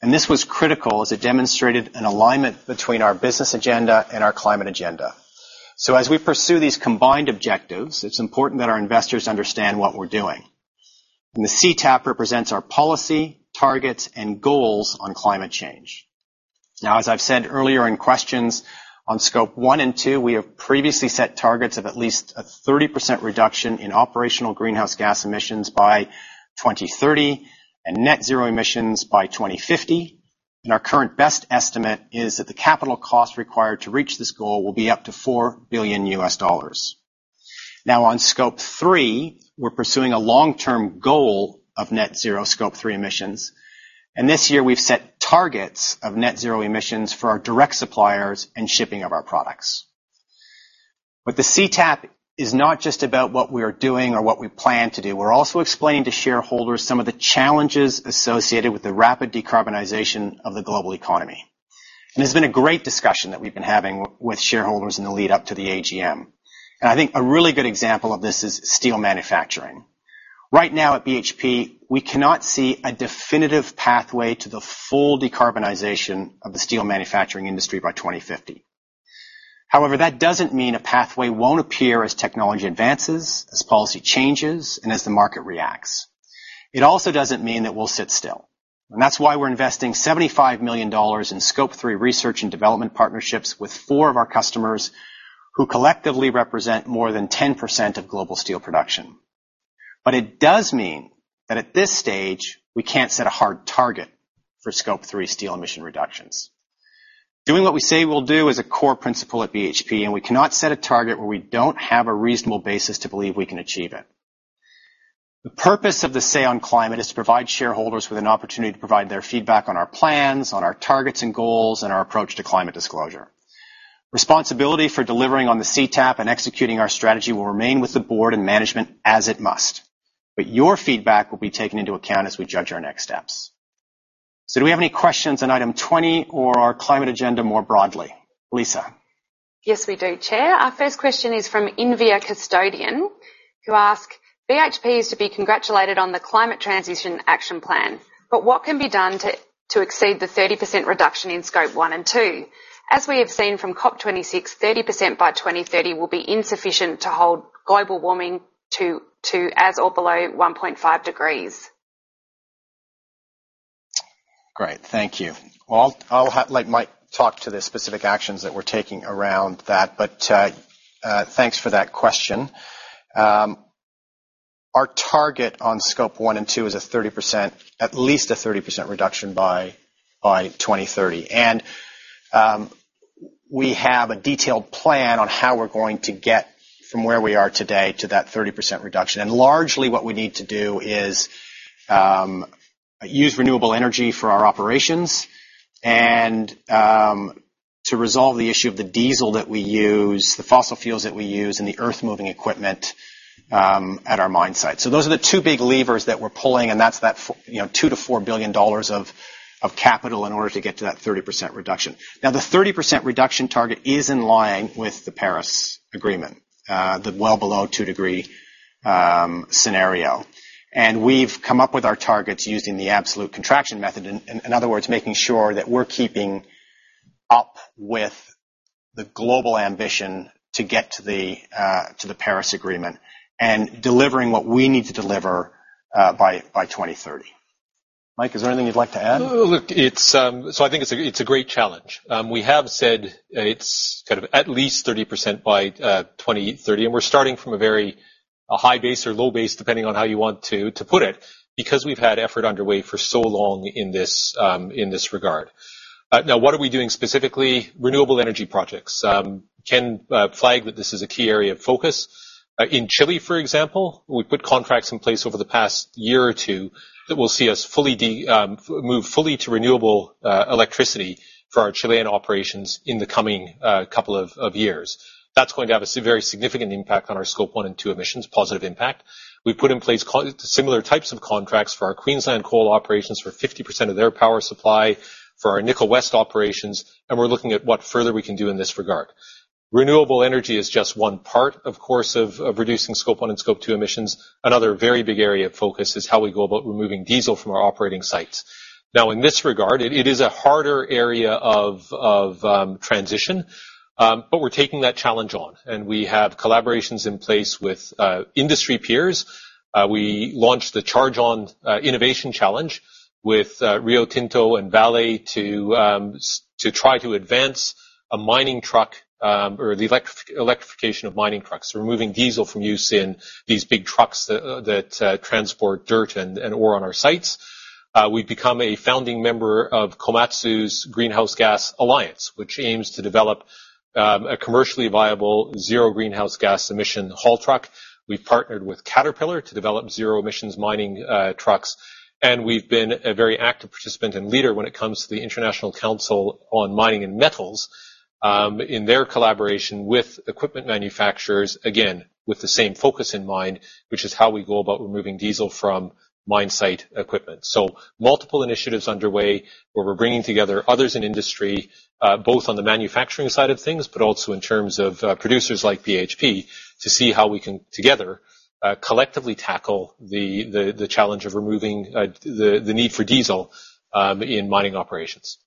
This was critical as it demonstrated an alignment between our business agenda and our climate agenda. As we pursue these combined objectives, it's important that our investors understand what we're doing. The CTAP represents our policy, targets, and goals on climate change. Now, as I've said earlier in questions on Scope 1 and 2, we have previously set targets of at least a 30% reduction in operational greenhouse gas emissions by 2030 and net zero emissions by 2050. Our current best estimate is that the capital cost required to reach this goal will be up to $4 billion. Now, on Scope 3, we're pursuing a long-term goal of net zero Scope 3 emissions. This year, we've set targets of net zero emissions for our direct suppliers and shipping of our products. The CTAP is not just about what we are doing or what we plan to do. We're also explaining to shareholders some of the challenges associated with the rapid decarbonization of the global economy. It's been a great discussion that we've been having with shareholders in the lead up to the AGM. I think a really good example of this is steel manufacturing. Right now at BHP, we cannot see a definitive pathway to the full decarbonization of the steel manufacturing industry by 2050. However, that doesn't mean a pathway won't appear as technology advances, as policy changes, and as the market reacts. It also doesn't mean that we'll sit still. That's why we're investing $75 million in Scope 3 research and development partnerships with four of our customers who collectively represent more than 10% of global steel production. It does mean that at this stage, we can't set a hard target for Scope 3 steel emission reductions. Doing what we say we'll do is a core principle at BHP, and we cannot set a target where we don't have a reasonable basis to believe we can achieve it. The purpose of the Say on Climate is to provide shareholders with an opportunity to provide their feedback on our plans, on our targets and goals, and our approach to climate disclosure. Responsibility for delivering on the CTAP and executing our strategy will remain with the board and management as it must. Your feedback will be taken into account as we judge our next steps. Do we have any questions on item 20 or our climate agenda more broadly? Lisa? Yes, we do, Chair. Our first question is from Invia Custodian. who ask, "BHP is to be congratulated on the Climate Transition Action Plan, but what can be done to exceed the 30% reduction in Scope 1 and 2? As we have seen from COP26, 30% by 2030 will be insufficient to hold global warming to as low as or below 1.5 degrees. Great. Thank you. Well, I'll let Mike talk to the specific actions that we're taking around that, but thanks for that question. Our target on Scope 1 and Scope 2 is at least a 30% reduction by 2030. We have a detailed plan on how we're going to get from where we are today to that 30% reduction. Largely, what we need to do is use renewable energy for our operations and to resolve the issue of the diesel that we use, the fossil fuels that we use, and the earth-moving equipment at our mine site. Those are the two big levers that we're pulling, and that's you know, $2 billion-$4 billion of capital in order to get to that 30% reduction. Now, the 30% reduction target is in line with the Paris Agreement, the well below two degree scenario. We've come up with our targets using the absolute contraction method. In other words, making sure that we're keeping up with the global ambition to get to the Paris Agreement and delivering what we need to deliver by 2030. Mike, is there anything you'd like to add? No. Look, it's, I think it's a great challenge. We have said it's kind of at least 30% by 2030, and we're starting from a very a high base or low base, depending on how you want to put it, because we've had effort underway for so long in this regard. Now what are we doing specifically? Renewable energy projects. Ken flagged that this is a key area of focus. In Chile, for example, we put contracts in place over the past year or two that will see us fully move fully to renewable electricity for our Chilean operations in the coming couple of years. That's going to have a very significant impact on our Scope 1 and 2 emissions, positive impact. We've put in place similar types of contracts for our Queensland coal operations for 50% of their power supply, for our Nickel West operations, and we're looking at what further we can do in this regard. Renewable energy is just one part, of course, of reducing Scope 1 and Scope 2 emissions. Another very big area of focus is how we go about removing diesel from our operating sites. Now, in this regard, it is a harder area of transition, but we're taking that challenge on, and we have collaborations in place with industry peers. We launched the Charge On Innovation Challenge with Rio Tinto and Vale to try to advance a mining truck or the electrification of mining trucks. We're removing diesel from use in these big trucks that transport dirt and ore on our sites. We've become a founding member of Komatsu's Greenhouse Gas Alliance, which aims to develop a commercially viable zero greenhouse gas emission haul truck. We've partnered with Caterpillar to develop zero-emissions mining trucks. We've been a very active participant and leader when it comes to the International Council on Mining and Metals in their collaboration with equipment manufacturers, again, with the same focus in mind, which is how we go about removing diesel from mine site equipment. Multiple initiatives underway where we're bringing together others in industry, both on the manufacturing side of things, but also in terms of producers like BHP to see how we can together collectively tackle the challenge of removing the need for diesel in mining operations.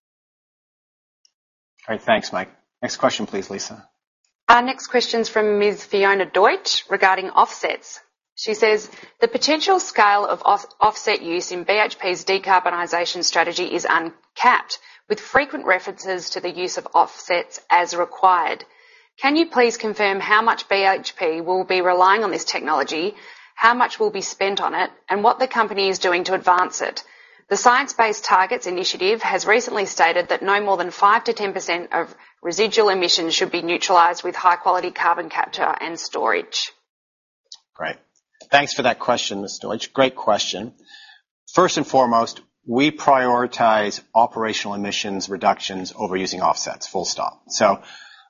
All right. Thanks, Mike. Next question, please, Lisa. Our next question is from Ms. Fiona Deutsch regarding offsets. She says, "The potential scale of offset use in BHP's decarbonization strategy is uncapped, with frequent references to the use of offsets as required. Can you please confirm how much BHP will be relying on this technology, how much will be spent on it, and what the company is doing to advance it? The Science Based Targets initiative has recently stated that no more than 5%-10% of residual emissions should be neutralized with high-quality carbon capture and storage. Great. Thanks for that question, Ms. Deutsch. Great question. First and foremost, we prioritize operational emissions reductions over using offsets, full stop.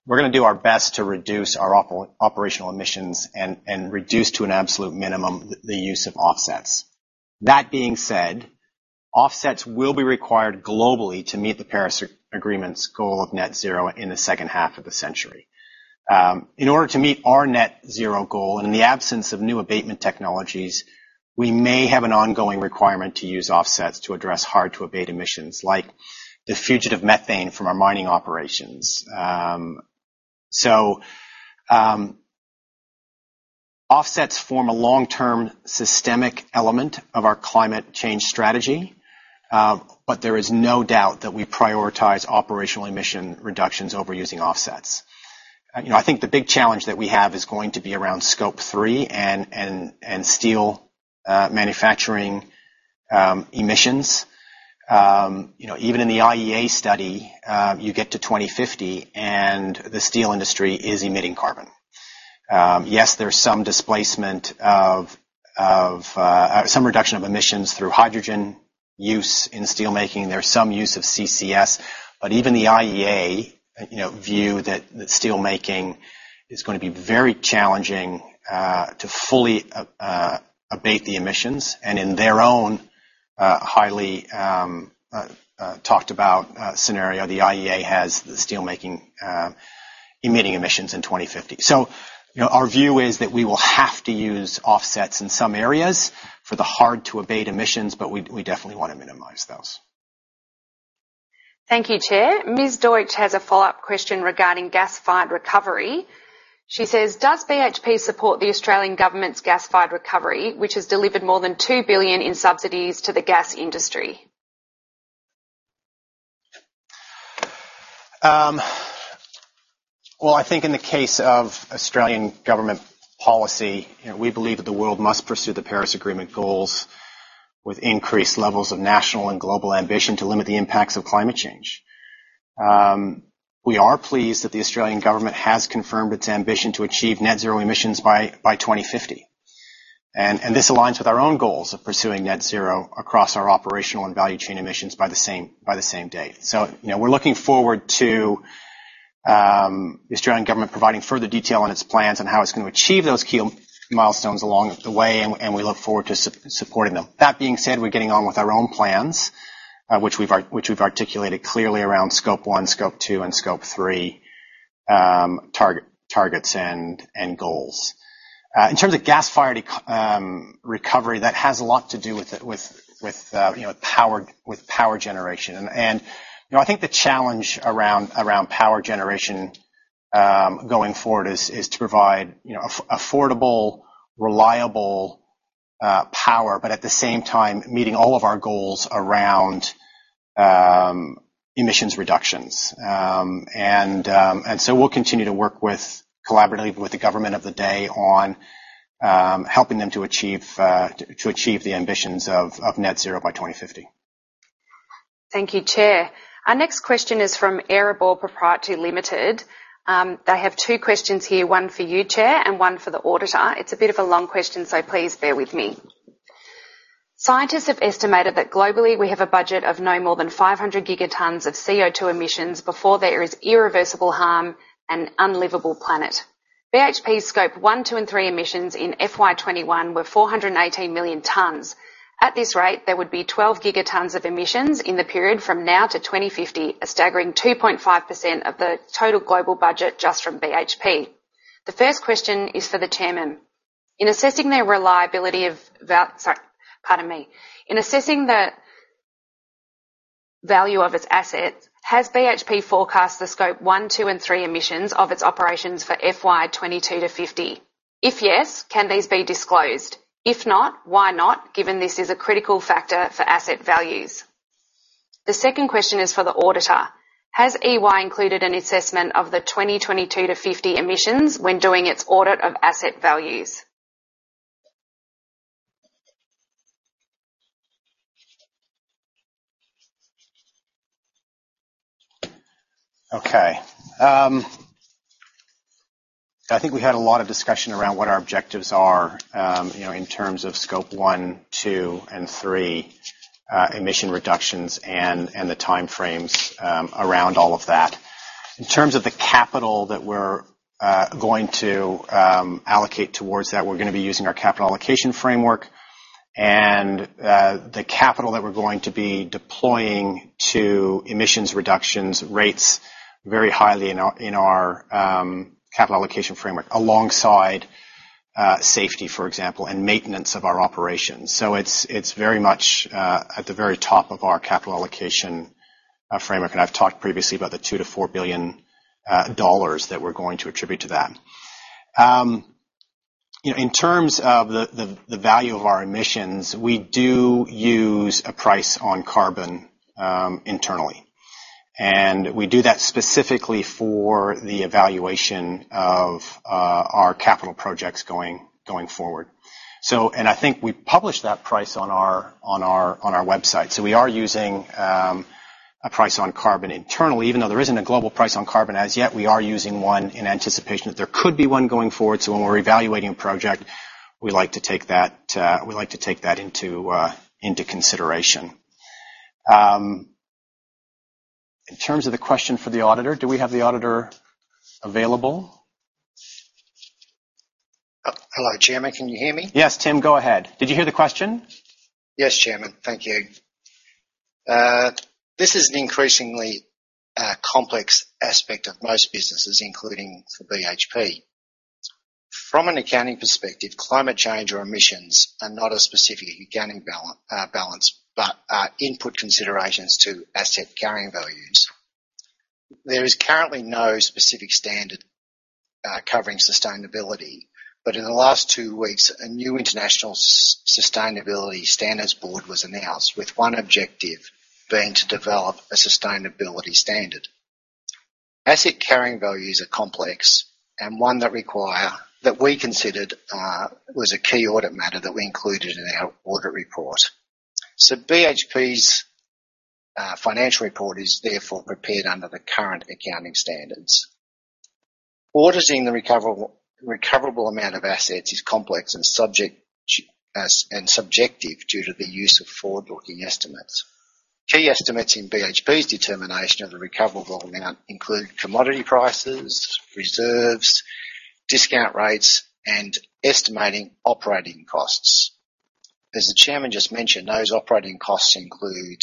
We're gonna do our best to reduce our operational emissions and reduce to an absolute minimum the use of offsets. That being said, offsets will be required globally to meet the Paris Agreement's goal of net zero in the second half of the century. In order to meet our net zero goal and in the absence of new abatement technologies, we may have an ongoing requirement to use offsets to address hard to abate emissions like the fugitive methane from our mining operations. Offsets form a long-term systemic element of our climate change strategy, but there is no doubt that we prioritize operational emission reductions over using offsets. You know, I think the big challenge that we have is going to be around Scope 3 and steel manufacturing emissions. You know, even in the IEA study, you get to 2050 and the steel industry is emitting carbon. Yes, there's some displacement of some reduction of emissions through hydrogen use in steel making. There's some use of CCS, but even the IEA, you know, view that the steel making is gonna be very challenging to fully abate the emissions. And in their own highly talked about scenario, the IEA has the steel making emitting emissions in 2050. You know, our view is that we will have to use offsets in some areas for the hard to abate emissions, but we definitely wanna minimize those. Thank you, Chair. Ms. Deutsch has a follow-up question regarding gas-fired recovery. She says, "Does BHP support the Australian government's gas-fired recovery, which has delivered more than 2 billion in subsidies to the gas industry? Well, I think in the case of Australian government policy, you know, we believe that the world must pursue the Paris Agreement goals with increased levels of national and global ambition to limit the impacts of climate change. We are pleased that the Australian government has confirmed its ambition to achieve net zero emissions by 2050. This aligns with our own goals of pursuing net zero across our operational and value chain emissions by the same date. You know, we're looking forward to the Australian government providing further detail on its plans and how it's going to achieve those key milestones along the way, and we look forward to supporting them. That being said, we're getting on with our own plans, which we've articulated clearly around Scope 1, Scope 2, and Scope 3, targets and goals. In terms of gas-fired economic recovery, that has a lot to do with it, with you know, power, with power generation. You know, I think the challenge around power generation going forward is to provide you know, affordable, reliable power, but at the same time, meeting all of our goals around emissions reductions. We'll continue to work collaboratively with the government of the day on helping them to achieve the ambitions of net zero by 2050. Thank you, Chair. Our next question is from Arable Proprietary Limited. They have two questions here, one for you, Chair, and one for the auditor. It's a bit of a long question, so please bear with me. Scientists have estimated that globally we have a budget of no more than 500 gigatons of CO2 emissions before there is irreversible harm and unlivable planet. BHP Scope 1, 2, and 3 emissions in FY 2021 were 418 million tons. At this rate, there would be 12 gigatons of emissions in the period from now to 2050, a staggering 2.5% of the total global budget just from BHP. The first question is for the chairman. In assessing their reliability of val. In assessing the value of its assets, has BHP forecast the Scope 1, 2, and 3 emissions of its operations for FY 2022-2050? If yes, can these be disclosed? If not, why not, given this is a critical factor for asset values? The second question is for the auditor. Has EY included an assessment of the 2022-2050 emissions when doing its audit of asset values? Okay. I think we had a lot of discussion around what our objectives are, you know, in terms of Scope 1, 2, and 3 emission reductions and the time frames around all of that. In terms of the capital that we're going to allocate towards that, we're gonna be using our capital allocation framework and the capital that we're going to be deploying to emissions reductions rates very highly in our capital allocation framework, alongside safety, for example, and maintenance of our operations. It's very much at the very top of our capital allocation framework, and I've talked previously about the $2 billion-$4 billion that we're going to attribute to that. You know, in terms of the value of our emissions, we do use a price on carbon internally. We do that specifically for the evaluation of our capital projects going forward. I think we publish that price on our website. We are using a price on carbon internally. Even though there isn't a global price on carbon as yet, we are using one in anticipation that there could be one going forward. When we're evaluating a project, we like to take that into consideration. In terms of the question for the auditor, do we have the auditor available? Hello, Chairman. Can you hear me? Yes, Tim. Go ahead. Did you hear the question? Yes, Chairman. Thank you. This is an increasingly complex aspect of most businesses, including for BHP. From an accounting perspective, climate change or emissions are not a specific accounting balance, but important considerations to asset carrying values. There is currently no specific standard covering sustainability, but in the last two weeks, a new international sustainability standards board was announced, with one objective being to develop a sustainability standard. Asset carrying values are complex and one that we considered was a key audit matter that we included in our audit report. BHP's financial report is therefore prepared under the current accounting standards. Auditing the recoverable amount of assets is complex and subjective due to the use of forward-looking estimates. Key estimates in BHP's determination of the recoverable amount include commodity prices, reserves, discount rates, and estimating operating costs. As the chairman just mentioned, those operating costs include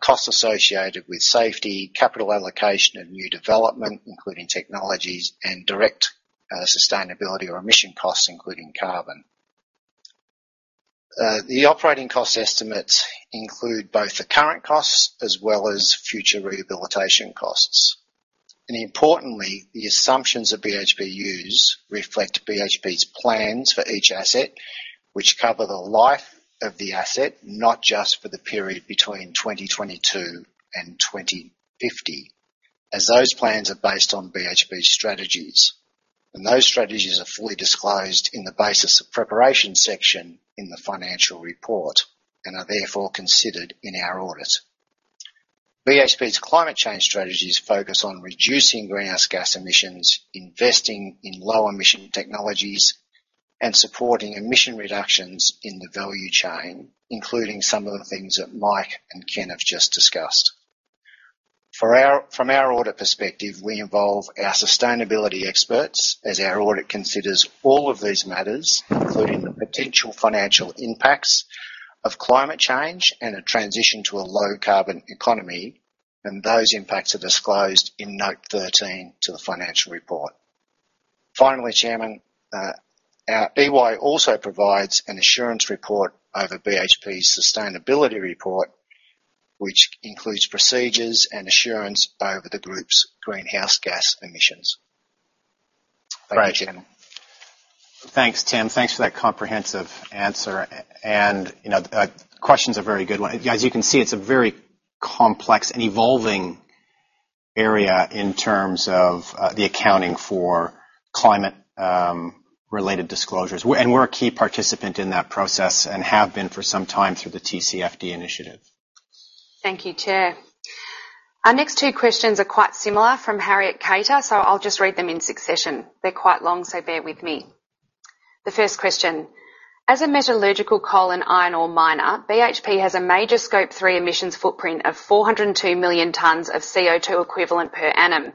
costs associated with safety, capital allocation and new development, including technologies and direct sustainability or emission costs, including carbon. The operating cost estimates include both the current costs as well as future rehabilitation costs. Importantly, the assumptions that BHP use reflect BHP's plans for each asset, which cover the life of the asset, not just for the period between 2022 and 2050. As those plans are based on BHP strategies, and those strategies are fully disclosed in the basis of preparation section in the financial report and are therefore considered in our audit. BHP's climate change strategies focus on reducing greenhouse gas emissions, investing in low emission technologies, and supporting emission reductions in the value chain, including some of the things that Mike and Ken have just discussed. From our audit perspective, we involve our sustainability experts as our audit considers all of these matters, including the potential financial impacts of climate change and a transition to a low-carbon economy, and those impacts are disclosed in note 13 to the financial report. Finally, Chairman, our EY also provides an assurance report over BHP's sustainability report, which includes procedures and assurance over the group's greenhouse gas emissions. Great. Thank you, Chairman. Thanks, Tim. Thanks for that comprehensive answer. You know, question's a very good one. As you can see, it's a very complex and evolving area in terms of the accounting for climate related disclosures. We're a key participant in that process and have been for some time through the TCFD initiative. Thank you, Chair. Our next two questions are quite similar from Harriet Kater, so I'll just read them in succession. They're quite long, so bear with me. The first question: As a metallurgical coal and iron ore miner, BHP has a major Scope 3 emissions footprint of 402 million tons of CO2 equivalent per annum.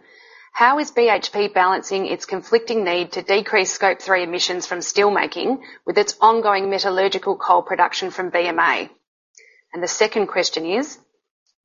How is BHP balancing its conflicting need to decrease Scope 3 emissions from steelmaking with its ongoing metallurgical coal production from BMA? The second question is: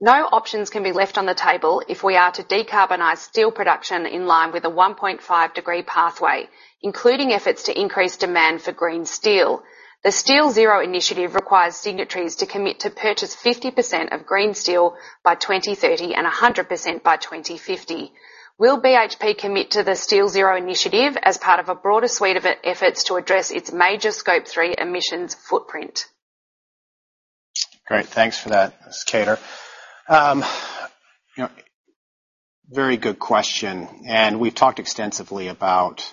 No options can be left on the table if we are to decarbonize steel production in line with a 1.5-degree pathway, including efforts to increase demand for green steel. The SteelZero initiative requires signatories to commit to purchase 50% of green steel by 2030 and 100% by 2050. Will BHP commit to the SteelZero initiative as part of a broader suite of efforts to address its major Scope 3 emissions footprint? Great. Thanks for that, Ms. Kater. You know, very good question. We've talked extensively about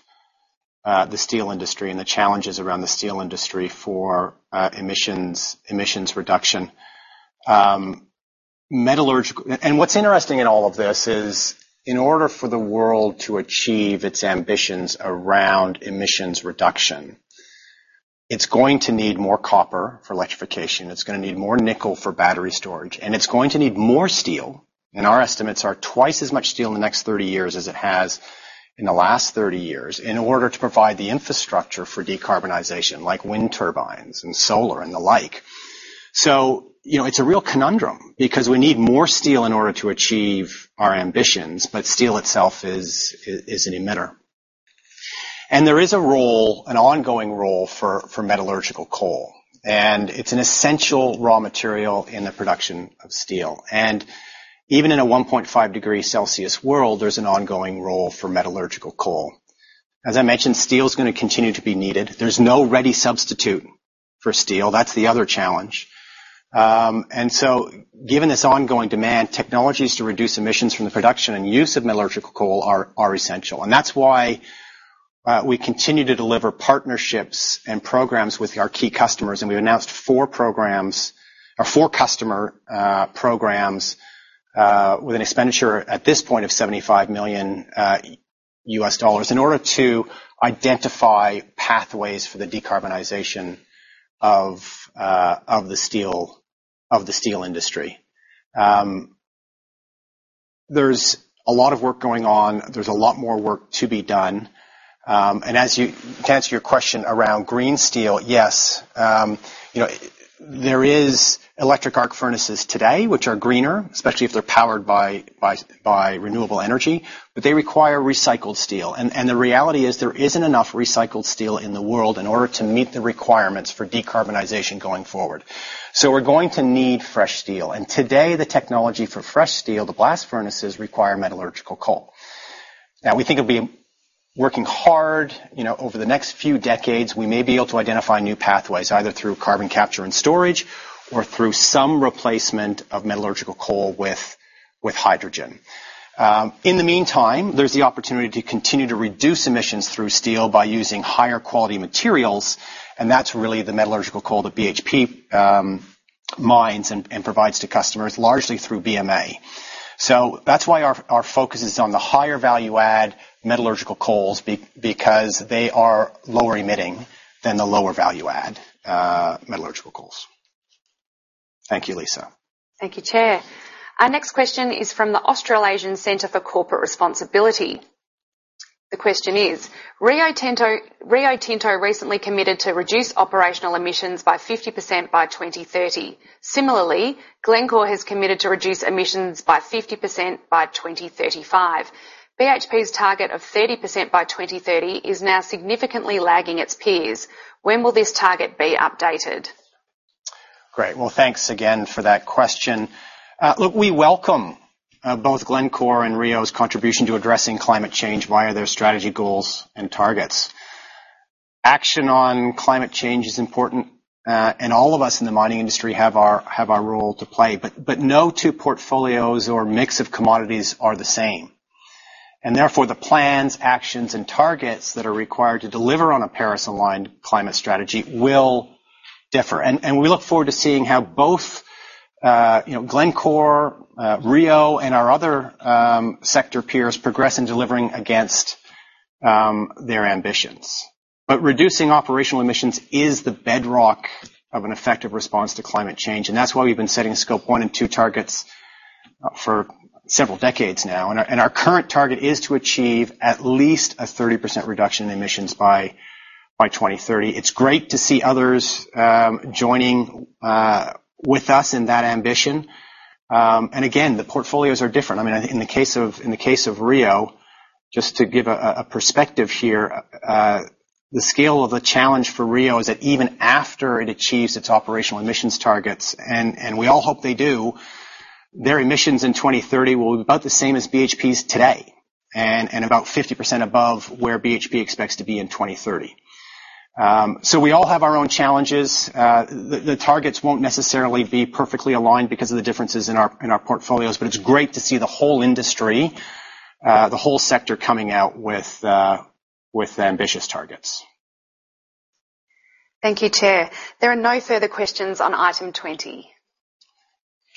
the steel industry and the challenges around the steel industry for emissions reduction. What's interesting in all of this is, in order for the world to achieve its ambitions around emissions reduction, it's going to need more copper for electrification, it's gonna need more nickel for battery storage, and it's going to need more steel. Our estimates are twice as much steel in the next 30 years as it has in the last 30 years in order to provide the infrastructure for decarbonization, like wind turbines and solar and the like. You know, it's a real conundrum because we need more steel in order to achieve our ambitions, but steel itself is an emitter. There is a role, an ongoing role for metallurgical coal, and it's an essential raw material in the production of steel. Even in a 1.5-degree Celsius world, there's an ongoing role for metallurgical coal. As I mentioned, steel is gonna continue to be needed. There's no ready substitute for steel. That's the other challenge. Given this ongoing demand, technologies to reduce emissions from the production and use of metallurgical coal are essential. That's why we continue to deliver partnerships and programs with our key customers, and we've announced four programs or four customer programs with an expenditure at this point of $75 million in order to identify pathways for the decarbonization of the steel industry. There's a lot of work going on. There's a lot more work to be done. To answer your question around green steel, yes, you know, there is electric arc furnaces today which are greener, especially if they're powered by renewable energy, but they require recycled steel. The reality is there isn't enough recycled steel in the world in order to meet the requirements for decarbonization going forward. We're going to need fresh steel. Today, the technology for fresh steel, the blast furnaces, require metallurgical coal. Now, we think it'll be working hard. You know, over the next few decades, we may be able to identify new pathways, either through carbon capture and storage or through some replacement of metallurgical coal with hydrogen. In the meantime, there's the opportunity to continue to reduce emissions through steel by using higher quality materials, and that's really the metallurgical coal that BHP mines and provides to customers largely through BMA. That's why our focus is on the higher value add metallurgical coals because they are lower emitting than the lower value add metallurgical coals. Thank you, Lisa. Thank you, Chair. Our next question is from the Australasian Centre for Corporate Responsibility. The question is: Rio Tinto recently committed to reduce operational emissions by 50% by 2030. Similarly, Glencore has committed to reduce emissions by 50% by 2035. BHP's target of 30% by 2030 is now significantly lagging its peers. When will this target be updated? Great. Well, thanks again for that question. Look, we welcome both Glencore and Rio's contribution to addressing climate change via their strategy goals and targets. Action on climate change is important, and all of us in the mining industry have our role to play. No two portfolios or mix of commodities are the same, and therefore, the plans, actions, and targets that are required to deliver on a Paris-aligned climate strategy will differ. We look forward to seeing how both, you know, Glencore, Rio, and our other sector peers progress in delivering against their ambitions. Reducing operational emissions is the bedrock of an effective response to climate change, and that's why we've been setting Scope 1 and 2 targets for several decades now. Our current target is to achieve at least a 30% reduction in emissions by 2030. It's great to see others joining with us in that ambition. Again, the portfolios are different. I mean, in the case of Rio, just to give a perspective here, the scale of the challenge for Rio is that even after it achieves its operational emissions targets, and we all hope they do, their emissions in 2030 will be about the same as BHP's today and about 50% above where BHP expects to be in 2030. We all have our own challenges. The targets won't necessarily be perfectly aligned because of the differences in our portfolios, but it's great to see the whole industry, the whole sector coming out with ambitious targets. Thank you, Chair. There are no further questions on item 20.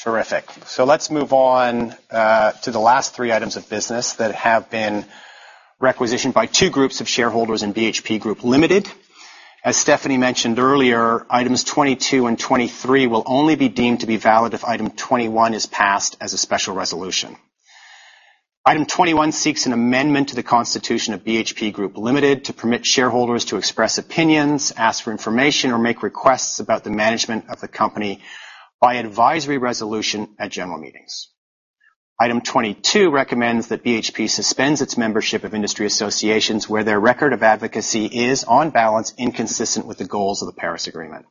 Terrific. Let's move on to the last three items of business that have been requisitioned by two groups of shareholders in BHP Group Limited. As Stefanie mentioned earlier, items 22 and 23 will only be deemed to be valid if item 21 is passed as a special resolution. Item 21 seeks an amendment to the constitution of BHP Group Limited to permit shareholders to express opinions, ask for information, or make requests about the management of the company by advisory resolution at general meetings. Item 22 recommends that BHP suspends its membership of industry associations where their record of advocacy is, on balance, inconsistent with the goals of the Paris Agreement.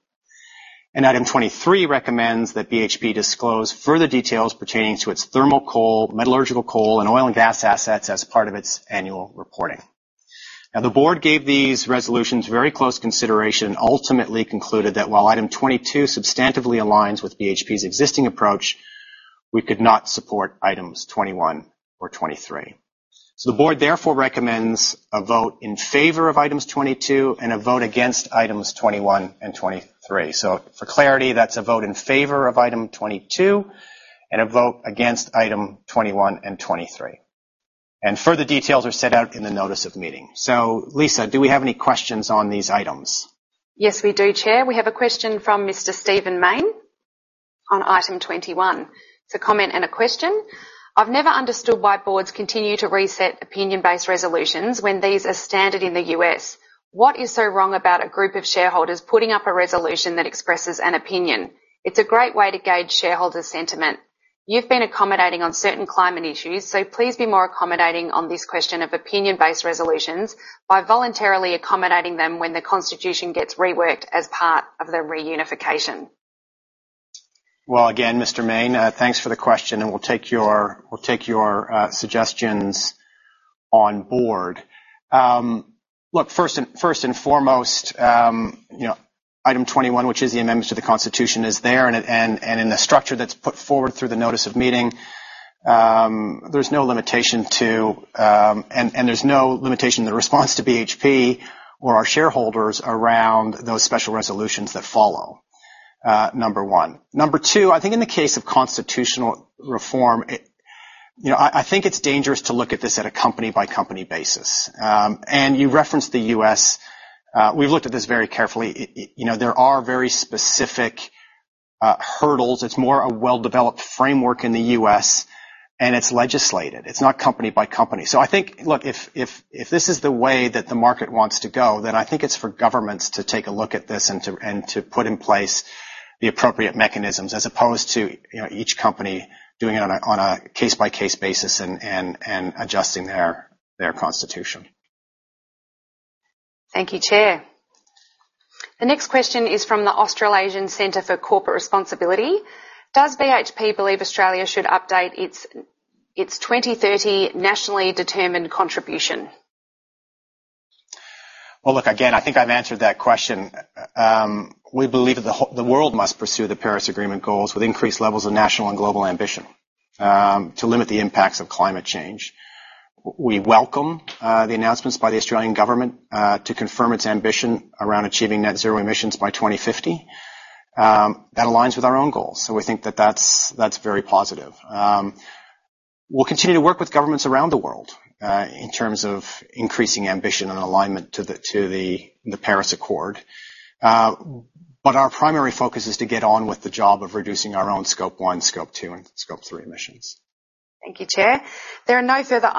Item 23 recommends that BHP disclose further details pertaining to its thermal coal, metallurgical coal, and oil and gas assets as part of its annual reporting. Now, the board gave these resolutions very close consideration and ultimately concluded that while item 22 substantively aligns with BHP's existing approach, we could not support items 21 or 23. The board therefore recommends a vote in favor of item 22 and a vote against items 21 and 23. For clarity, that's a vote in favor of item 22 and a vote against item 21 and 23. Further details are set out in the notice of meeting. Lisa, do we have any questions on these items? Yes, we do, Chair. We have a question from Mr. Steven David Main on item 21. It's a comment and a question. "I've never understood why boards continue to reject opinion-based resolutions when these are standard in the U.S. What is so wrong about a group of shareholders putting up a resolution that expresses an opinion? It's a great way to gauge shareholder sentiment. You've been accommodating on certain climate issues, so please be more accommodating on this question of opinion-based resolutions by voluntarily accommodating them when the Constitution gets reworked as part of the reunification. Well, again, Mr. Main, thanks for the question, and we'll take your suggestions on board. Look, first and foremost, you know, item 21, which is the amendment to the constitution, is there. In the structure that's put forward through the notice of meeting, there's no limitation to, and there's no limitation in the response to BHP or our shareholders around those special resolutions that follow number one. Number two, I think in the case of constitutional reform, you know, I think it's dangerous to look at this at a company-by-company basis. You referenced the U.S. We've looked at this very carefully. You know, there are very specific hurdles. It's more a well-developed framework in the U.S., and it's legislated. It's not company by company. I think, look, if this is the way that the market wants to go, then I think it's for governments to take a look at this and to put in place the appropriate mechanisms as opposed to, you know, each company doing it on a case-by-case basis and adjusting their constitution. Thank you, Chair. The next question is from the Australasian Centre for Corporate Responsibility. Does BHP believe Australia should update its 2030 nationally determined contribution? Well, look, again, I think I've answered that question. We believe that the world must pursue the Paris Agreement goals with increased levels of national and global ambition to limit the impacts of climate change. We welcome the announcements by the Australian government to confirm its ambition around achieving net zero emissions by 2050. That aligns with our own goals, so we think that that's very positive. We'll continue to work with governments around the world in terms of increasing ambition and alignment to the Paris Agreement. Our primary focus is to get on with the job of reducing our own Scope 1, Scope 2, and Scope 3 emissions. Thank you, Chair. There are no further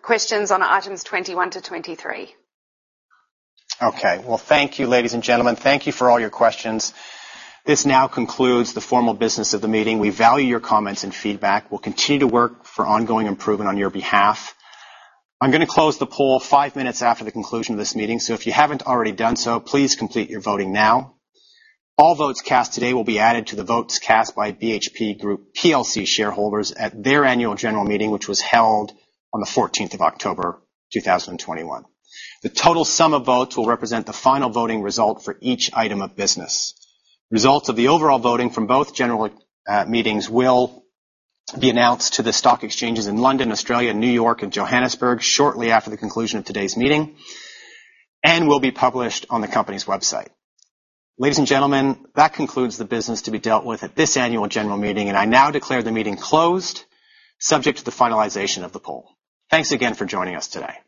questions on items 21 to 23. Okay. Well, thank you, ladies and gentlemen. Thank you for all your questions. This now concludes the formal business of the meeting. We value your comments and feedback. We'll continue to work for ongoing improvement on your behalf. I'm gonna close the poll five minutes after the conclusion of this meeting, so if you haven't already done so, please complete your voting now. All votes cast today will be added to the votes cast by BHP Group Plc shareholders at their annual general meeting, which was held on the fourteenth of October, 2021. The total sum of votes will represent the final voting result for each item of business. Results of the overall voting from both general meetings will be announced to the stock exchanges in London, Australia, New York, and Johannesburg shortly after the conclusion of today's meeting and will be published on the company's website. Ladies and gentlemen, that concludes the business to be dealt with at this annual general meeting, and I now declare the meeting closed, subject to the finalization of the poll. Thanks again for joining us today.